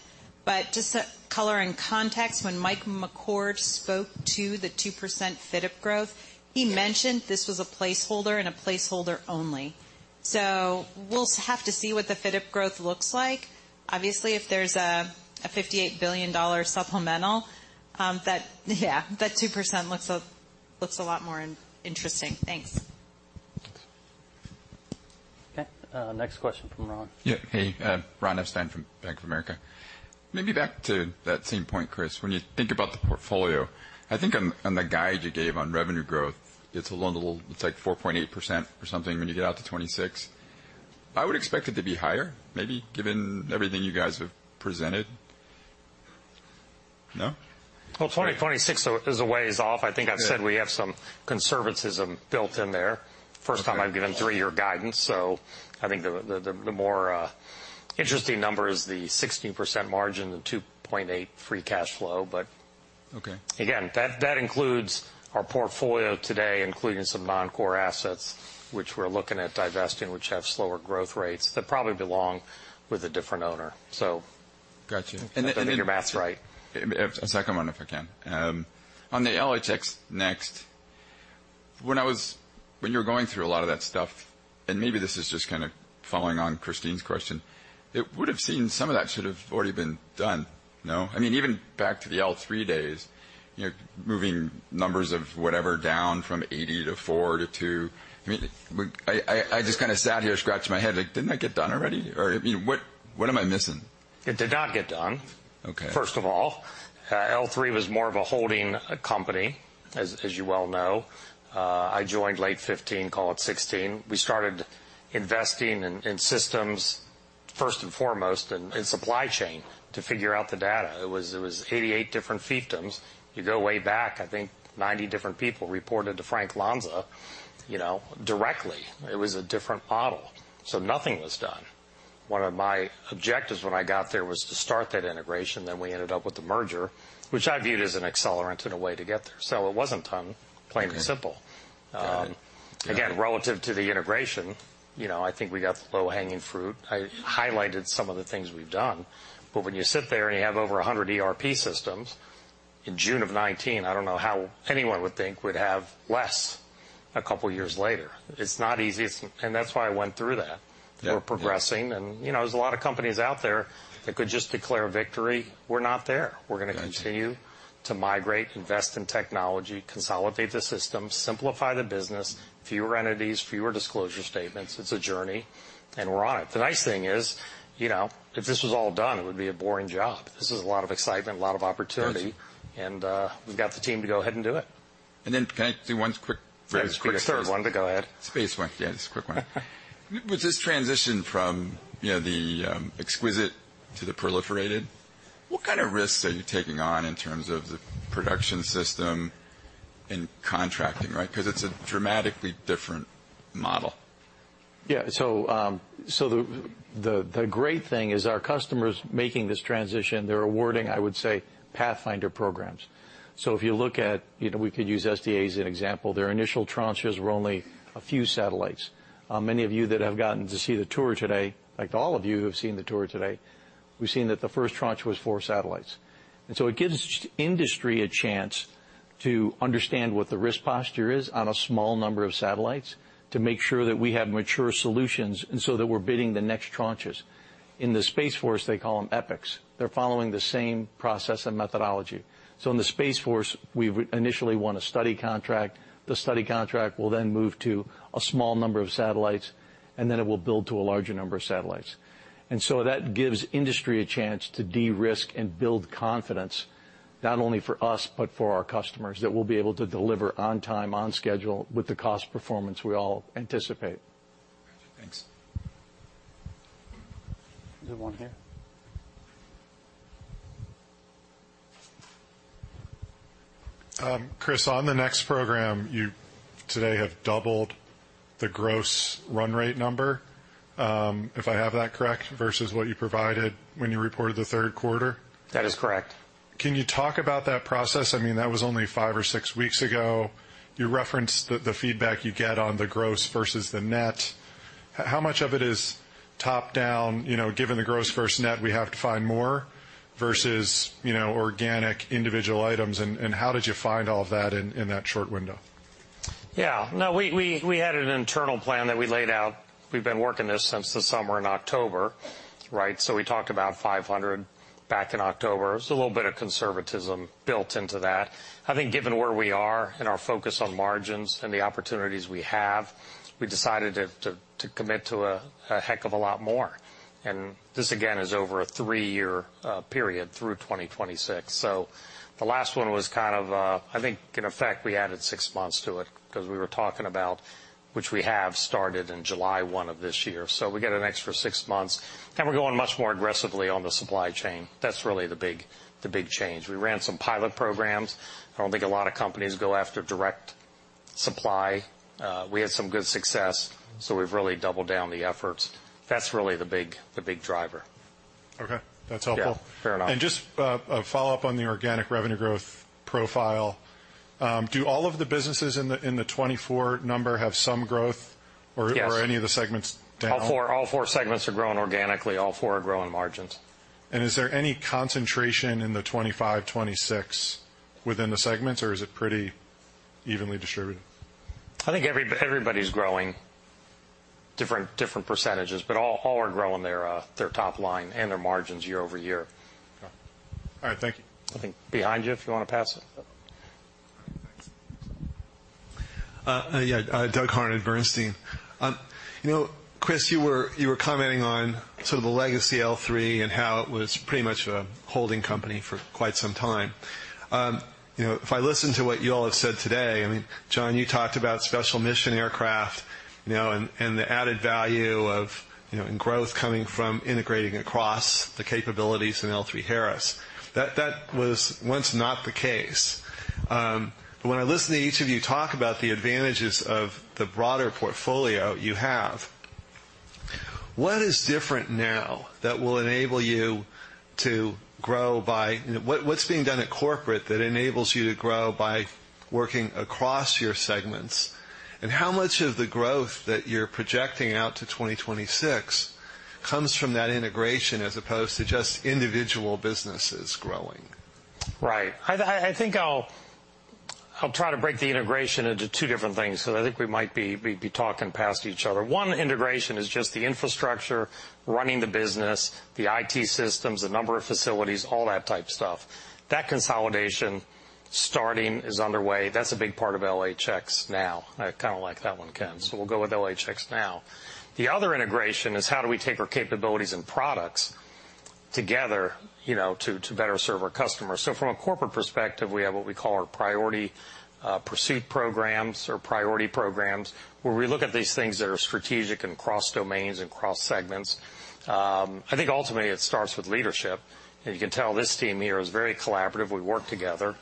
But just to color in context, when Mike McCord spoke to the 2% FITIP growth, he mentioned this was a placeholder, and a placeholder only. So we'll have to see what the FITIP growth looks like. Obviously, if there's a $58 billion supplemental, yeah, that 2% looks a lot more interesting. Thanks. Okay, next question from Ron. Yeah. Hey, Ron Epstein from Bank of America. Maybe back to that same point, Chris, when you think about the portfolio, I think on the guide you gave on revenue growth, it's a little, it's like 4.8% or something when you get out to 2026. I would expect it to be higher, maybe, given everything you guys have presented. No? Well, 2026 is a ways off. Yeah. I think I've said we have some conservatism built in there. Okay. First time I've given three-year guidance, so I think the more interesting number is the 16% margin, the $2.8 free cash flow, but- Okay. Again, that, that includes our portfolio today, including some non-core assets, which we're looking at divesting, which have slower growth rates, that probably belong with a different owner. So- Got you. I think your math's right. A second one, if I can. On the LHX NeXt, when you were going through a lot of that stuff, and maybe this is just kind of following on Christine's question, it would have seemed some of that should have already been done, no? I mean, even back to the L-3 days, you're moving numbers of whatever, down from 80 to 42. I mean, I, I, I just kind of sat here scratching my head, like, didn't that get done already? Or, I mean, what, what am I missing? It did not get done- Okay. First of all. L3 was more of a holding company, as you well know. I joined late 2015, call it 2016. We started investing in systems first and foremost, and in supply chain, to figure out the data. It was 88 different fiefdoms. You go way back, I think 90 different people reported to Frank Lanza, you know, directly. It was a different model, so nothing was done. One of my objectives when I got there was to start that integration, then we ended up with the merger, which I viewed as an accelerant in a way to get there. So it wasn't done, plain and simple. Okay. Again, relative to the integration, you know, I think we got the low-hanging fruit. I highlighted some of the things we've done, but when you sit there and you have over 100 ERP systems in June of 2019, I don't know how anyone would think we'd have less a couple of years later. It's not easy, it's and that's why I went through that. Yeah. We're progressing, and, you know, there's a lot of companies out there that could just declare victory. We're not there. Got you. We're going to continue to migrate, invest in technology, consolidate the system, simplify the business, fewer entities, fewer disclosure statements. It's a journey, and we're on it. The nice thing is, you know, if this was all done, it would be a boring job. This is a lot of excitement, a lot of opportunity. Got you. We've got the team to go ahead and do it. Can I do one quick, very quick third- Sure, go ahead. Space one. Yeah, just a quick one. With this transition from, you know, the exquisite to the proliferated, what kind of risks are you taking on in terms of the production system and contracting, right? Because it's a dramatically different model. Yeah. So the great thing is our customers making this transition, they're awarding, I would say, pathfinder programs. So if you look at, you know, we could use SDA as an example. Their initial tranches were only a few satellites. Many of you that have gotten to see the tour today, like all of you who have seen the tour today, we've seen that the first tranche was four satellites. And so it gives industry a chance to understand what the risk posture is on a small number of satellites, to make sure that we have mature solutions, and so that we're bidding the next tranches. In the Space Force, they call them Epochs. They're following the same process and methodology. So in the Space Force, we initially won a study contract. The study contract will then move to a small number of satellites, and then it will build to a larger number of satellites. And so that gives industry a chance to de-risk and build confidence, not only for us, but for our customers, that we'll be able to deliver on time, on schedule, with the cost performance we all anticipate. Thanks. There's one here. Chris, on the next program, you today have doubled the gross run rate number, if I have that correct, versus what you provided when you reported the Third Quarter? That is correct. Can you talk about that process? I mean, that was only five or six weeks ago. You referenced the feedback you get on the gross versus the net. How much of it is top-down, you know, given the gross versus net, we have to find more, versus, you know, organic, individual items, and how did you find all of that in that short window?... Yeah, no, we had an internal plan that we laid out. We've been working this since the summer in October, right? So we talked about 500 back in October. There's a little bit of conservatism built into that. I think given where we are and our focus on margins and the opportunities we have, we decided to commit to a heck of a lot more. And this, again, is over a 3-year period through 2026. So the last one was kind of, I think, in effect, we added six months to it because we were talking about, which we have started in July 1 of this year. So we get an extra six months, and we're going much more aggressively on the supply chain. That's really the big change. We ran some pilot programs. I don't think a lot of companies go after direct supply. We had some good success, so we've really doubled down the efforts. That's really the big, the big driver. Okay, that's helpful. Yeah, fair enough. Just a follow-up on the organic revenue growth profile. Do all of the businesses in the 24 number have some growth- Yes. Or, are any of the segments down? All four segments are growing organically. All four are growing margins. Is there any concentration in the 2025, 2026 within the segments, or is it pretty evenly distributed? I think everybody's growing. Different percentages, but all are growing their top line and their margins year-over-year. All right. Thank you. I think behind you, if you want to pass it. Thanks. Doug Harned, Bernstein. You know, Chris, you were commenting on sort of the legacy L3 and how it was pretty much a holding company for quite some time. You know, if I listen to what you all have said today, I mean, Jon, you talked about special mission aircraft, you know, and the added value of, you know, and growth coming from integrating across the capabilities in L3Harris. That was once not the case. But when I listen to each of you talk about the advantages of the broader portfolio you have, what is different now that will enable you to grow by—what's being done at corporate that enables you to grow by working across your segments? How much of the growth that you're projecting out to 2026 comes from that integration as opposed to just individual businesses growing? Right. I think I'll try to break the integration into two different things, so I think we might be talking past each other. One, integration is just the infrastructure, running the business, the IT systems, the number of facilities, all that type stuff. That consolidation, starting, is underway. That's a big part of LHX now. I kind of like that one, Ken, so we'll go with LHX now. The other integration is how do we take our capabilities and products together, you know, to better serve our customers? So from a corporate perspective, we have what we call our priority pursuit programs or priority programs, where we look at these things that are strategic and cross domains and cross segments. I think ultimately it starts with leadership. And you can tell this team here is very collaborative. We work together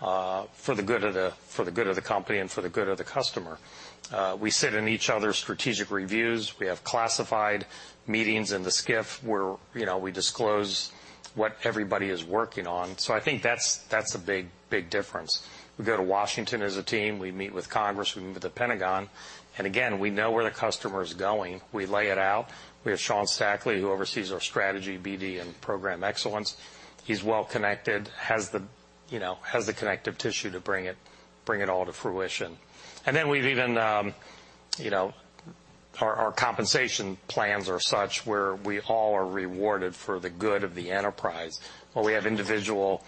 for the good of the, for the good of the company and for the good of the customer. We sit in each other's strategic reviews. We have classified meetings in the SCIF, where, you know, we disclose what everybody is working on. So I think that's, that's a big, big difference. We go to Washington as a team. We meet with Congress, we meet with the Pentagon, and again, we know where the customer is going. We lay it out. We have Sean Stackley, who oversees our strategy, BD, and program excellence. He's well connected, has the, you know, has the connective tissue to bring it, bring it all to fruition. And then we've even, you know, our, our compensation plans are such where we all are rewarded for the good of the enterprise. While we have individual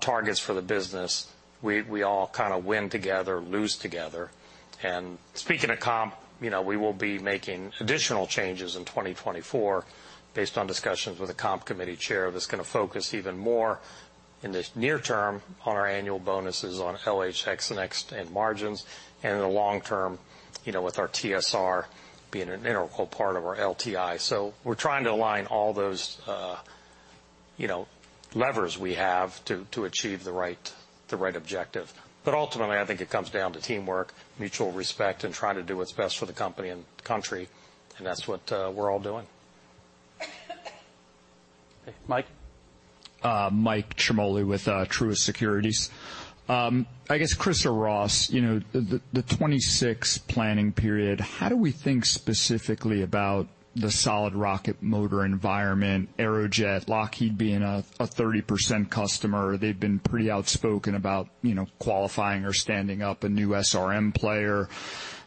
targets for the business, we, we all kind of win together, lose together. And speaking of comp, you know, we will be making additional changes in 2024 based on discussions with the comp committee chair, that's going to focus even more in the near term on our annual bonuses on LHX and X and margins, and in the long term, you know, with our TSR being an integral part of our LTI. So we're trying to align all those, you know, levers we have to, to achieve the right, the right objective. But ultimately, I think it comes down to teamwork, mutual respect, and trying to do what's best for the company and country, and that's what, we're all doing. Mike? Mike Ciarmoli with Truist Securities. I guess, Chris or Ross, you know, the 2026 planning period, how do we think specifically about the solid rocket motor environment, Aerojet, Lockheed being a 30% customer, they've been pretty outspoken about, you know, qualifying or standing up a new SRM player.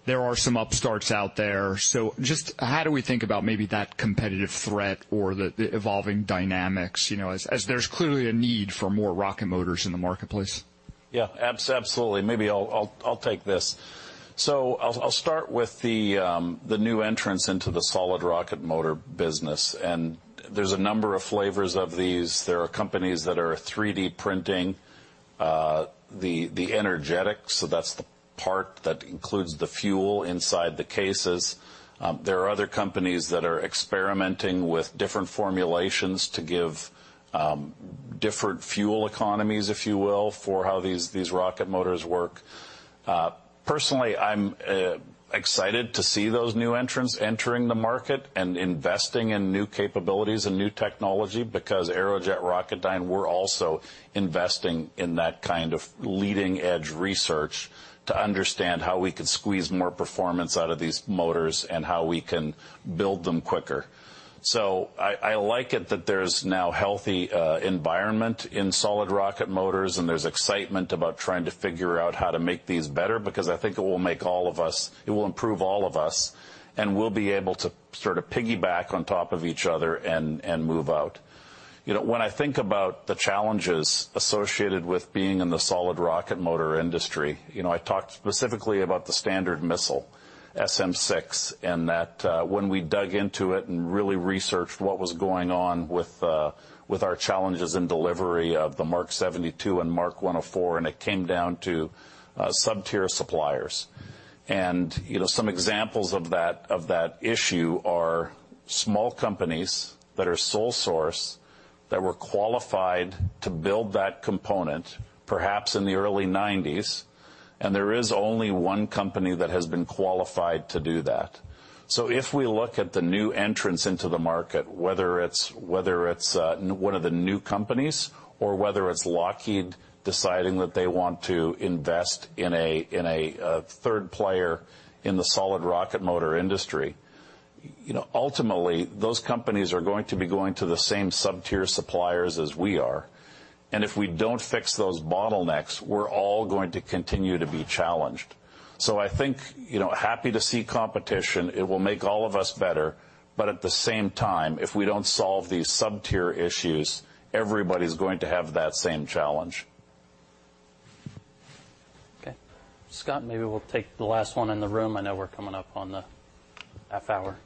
There are some upstarts out there. So just how do we think about maybe that competitive threat or the evolving dynamics? You know, as there's clearly a need for more rocket motors in the marketplace. Yeah, absolutely. Maybe I'll take this. So I'll start with the new entrants into the solid rocket motor business, and there's a number of flavors of these. There are companies that are 3D printing the energetics, so that's the part that includes the fuel inside the cases. There are other companies that are experimenting with different formulations to give different fuel economies, if you will, for how these rocket motors work. Personally, I'm excited to see those new entrants entering the market and investing in new capabilities and new technology, because Aerojet Rocketdyne, we're also investing in that kind of leading-edge research to understand how we could squeeze more performance out of these motors and how we can build them quicker. So I like it that there's now healthy environment in solid rocket motors, and there's excitement about trying to figure out how to make these better, because I think it will make all of us, it will improve all of us, and we'll be able to sort of piggyback on top of each other and move out. You know, when I think about the challenges associated with being in the solid rocket motor industry, you know, I talked specifically about the Standard Missile, SM-6, and that, when we dug into it and really researched what was going on with our challenges in delivery of the Mark 72 and Mark 104, and it came down to sub-tier suppliers. You know, some examples of that, of that issue are small companies that are sole source, that were qualified to build that component, perhaps in the early 1990s, and there is only one company that has been qualified to do that. So if we look at the new entrants into the market, whether it's one of the new companies, or whether it's Lockheed deciding that they want to invest in a third player in the solid rocket motor industry, you know, ultimately, those companies are going to be going to the same sub-tier suppliers as we are. And if we don't fix those bottlenecks, we're all going to continue to be challenged. So I think, you know, happy to see competition. It will make all of us better, but at the same time, if we don't solve these sub-tier issues, everybody's going to have that same challenge. Okay. Scott, maybe we'll take the last one in the room. I know we're coming up on the half hour.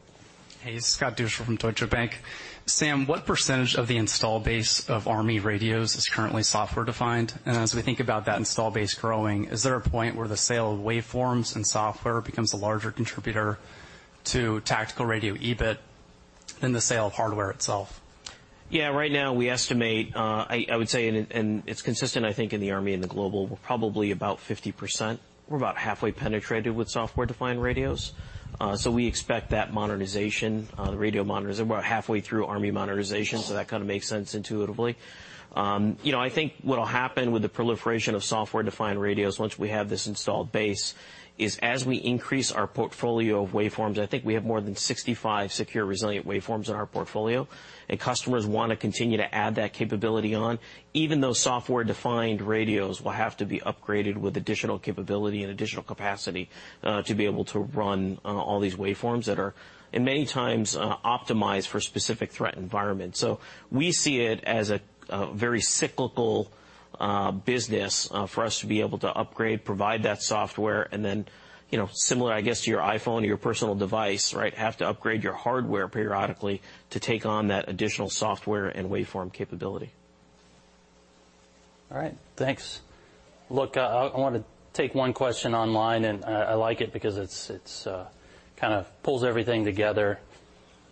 Hey, Scott Deuschle from Deutsche Bank. Sam, what percentage of the installed base of Army radios is currently software-defined? And as we think about that installed base growing, is there a point where the sale of waveforms and software becomes a larger contributor to tactical radio EBIT than the sale of hardware itself? Yeah, right now, we estimate, I would say, and it's consistent, I think, in the Army and the global, we're probably about 50%. We're about halfway penetrated with software-defined radios. So we expect that modernization, the radio modernization. We're about halfway through Army modernization, so that kind of makes sense intuitively. You know, I think what'll happen with the proliferation of software-defined radios once we have this installed base, is as we increase our portfolio of waveforms, I think we have more than 65 secure, resilient waveforms in our portfolio, and customers want to continue to add that capability on, even those software-defined radios will have to be upgraded with additional capability and additional capacity, to be able to run all these waveforms that are, in many times, optimized for specific threat environments. So we see it as a very cyclical business for us to be able to upgrade, provide that software, and then, you know, similar, I guess, to your iPhone or your personal device, right? Have to upgrade your hardware periodically to take on that additional software and waveform capability. All right. Thanks. Look, I want to take one question online, and I like it because it's kind of pulls everything together.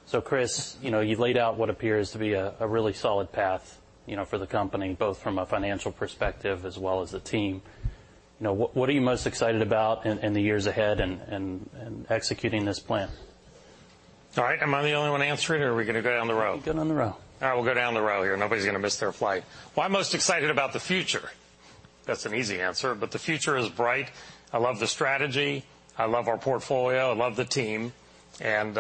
So, Chris, you know, you've laid out what appears to be a really solid path, you know, for the company, both from a financial perspective as well as a team. You know, what are you most excited about in the years ahead and executing this plan? All right. Am I the only one answering, or are we going to go down the row? Go down the row. All right, we'll go down the row here. Nobody's going to miss their flight. Well, I'm most excited about the future. That's an easy answer, but the future is bright. I love the strategy. I love our portfolio. I love the team, and,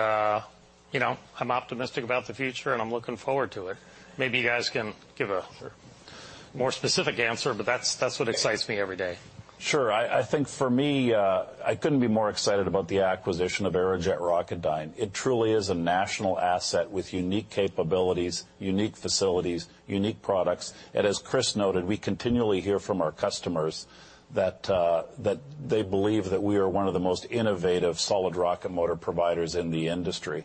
you know, I'm optimistic about the future, and I'm looking forward to it. Maybe you guys can give a more specific answer, but that's, that's what excites me every day. Sure. I, I think for me, I couldn't be more excited about the acquisition of Aerojet Rocketdyne. It truly is a national asset with unique capabilities, unique facilities, unique products, and as Chris noted, we continually hear from our customers that they believe that we are one of the most innovative solid rocket motor providers in the industry.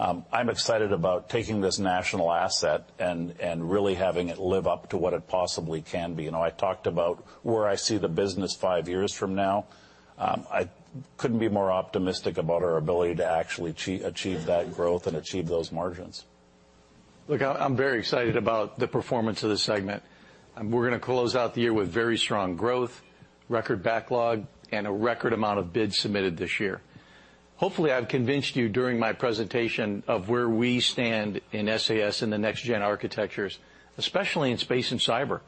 I'm excited about taking this national asset and, and really having it live up to what it possibly can be. You know, I talked about where I see the business five years from now. I couldn't be more optimistic about our ability to actually achieve that growth and achieve those margins. Look, I'm very excited about the performance of this segment. We're going to close out the year with very strong growth, record backlog, and a record amount of bids submitted this year. Hopefully, I've convinced you during my presentation of where we stand in SAS and the next-gen architectures, especially in space and cyber.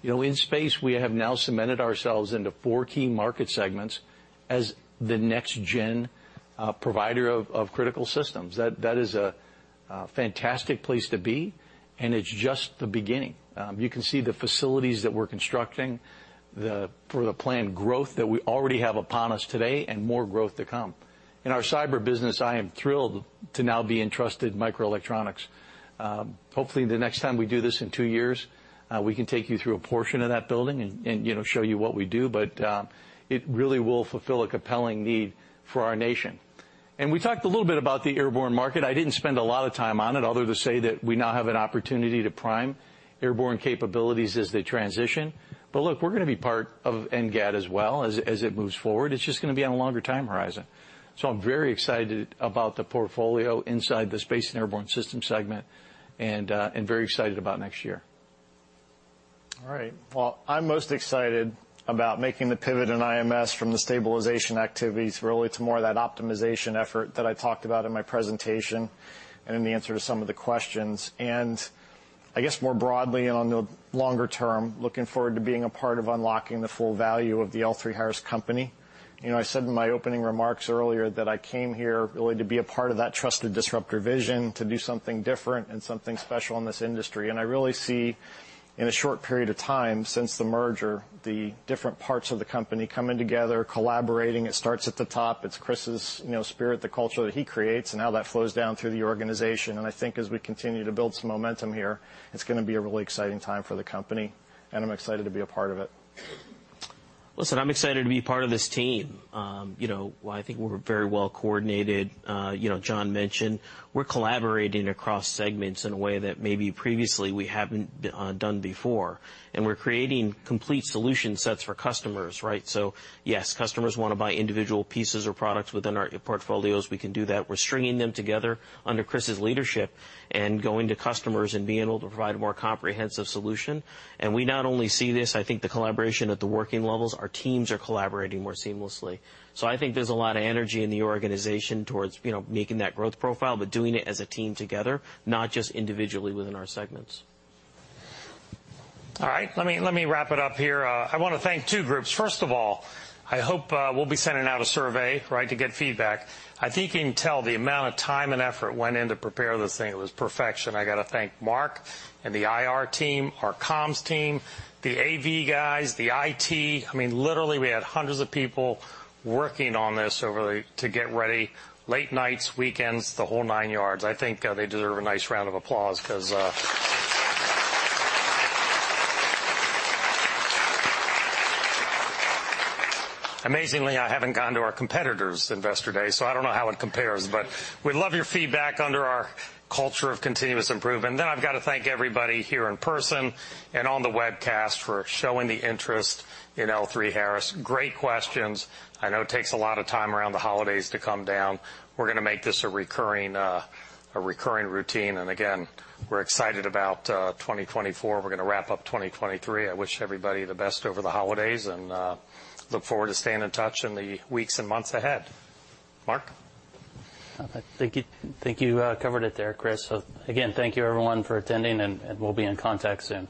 You know, in space, we have now cemented ourselves into four key market segments as the next-gen provider of critical systems. That is a fantastic place to be, and it's just the beginning. You can see the facilities that we're constructing for the planned growth that we already have upon us today and more growth to come. In our cyber business, I am thrilled to now be in trusted microelectronics. Hopefully, the next time we do this in two years, we can take you through a portion of that building and, you know, show you what we do, but it really will fulfill a compelling need for our nation. We talked a little bit about the airborne market. I didn't spend a lot of time on it, other to say that we now have an opportunity to prime airborne capabilities as they transition. Look, we're going to be part of NGAD as well as it moves forward. It's just going to be on a longer time horizon. I'm very excited about the portfolio inside the Space and Airborne Systems segment and very excited about next year. All right. Well, I'm most excited about making the pivot in IMS from the stabilization activities really to more of that optimization effort that I talked about in my presentation and in the answer to some of the questions. And I guess more broadly, and on the longer term, looking forward to being a part of unlocking the full value of the L3Harris company. You know, I said in my opening remarks earlier that I came here really to be a part of that trusted disruptor vision, to do something different and something special in this industry. And I really see, in a short period of time since the merger, the different parts of the company coming together, collaborating. It starts at the top. It's Chris's, you know, spirit, the culture that he creates, and how that flows down through the organization. I think as we continue to build some momentum here, it's going to be a really exciting time for the company, and I'm excited to be a part of it. ... Listen, I'm excited to be part of this team. You know, I think we're very well coordinated. You know, Jon mentioned we're collaborating across segments in a way that maybe previously we haven't done before, and we're creating complete solution sets for customers, right? So yes, customers want to buy individual pieces or products within our portfolios. We can do that. We're stringing them together under Chris's leadership and going to customers and being able to provide a more comprehensive solution. And we not only see this, I think, the collaboration at the working levels, our teams are collaborating more seamlessly. So I think there's a lot of energy in the organization towards, you know, making that growth profile, but doing it as a team together, not just individually within our segments. All right, let me wrap it up here. I want to thank two groups. First of all, I hope we'll be sending out a survey, right, to get feedback. I think you can tell the amount of time and effort went in to prepare this thing. It was perfection. I got to thank Mark and the IR team, our comms team, the AV guys, the IT. I mean, literally, we had hundreds of people working on this to get ready. Late nights, weekends, the whole nine yards. I think they deserve a nice round of applause because, amazingly, I haven't gone to our competitor's investor day, so I don't know how it compares, but we'd love your feedback under our culture of continuous improvement. Then I've got to thank everybody here in person and on the webcast for showing the interest in L3Harris. Great questions. I know it takes a lot of time around the holidays to come down. We're going to make this a recurring, a recurring routine. And again, we're excited about 2024. We're going to wrap up 2023. I wish everybody the best over the holidays and look forward to staying in touch in the weeks and months ahead. Mark? Thank you. I think you covered it there, Chris. So again, thank you, everyone, for attending, and, and we'll be in contact soon.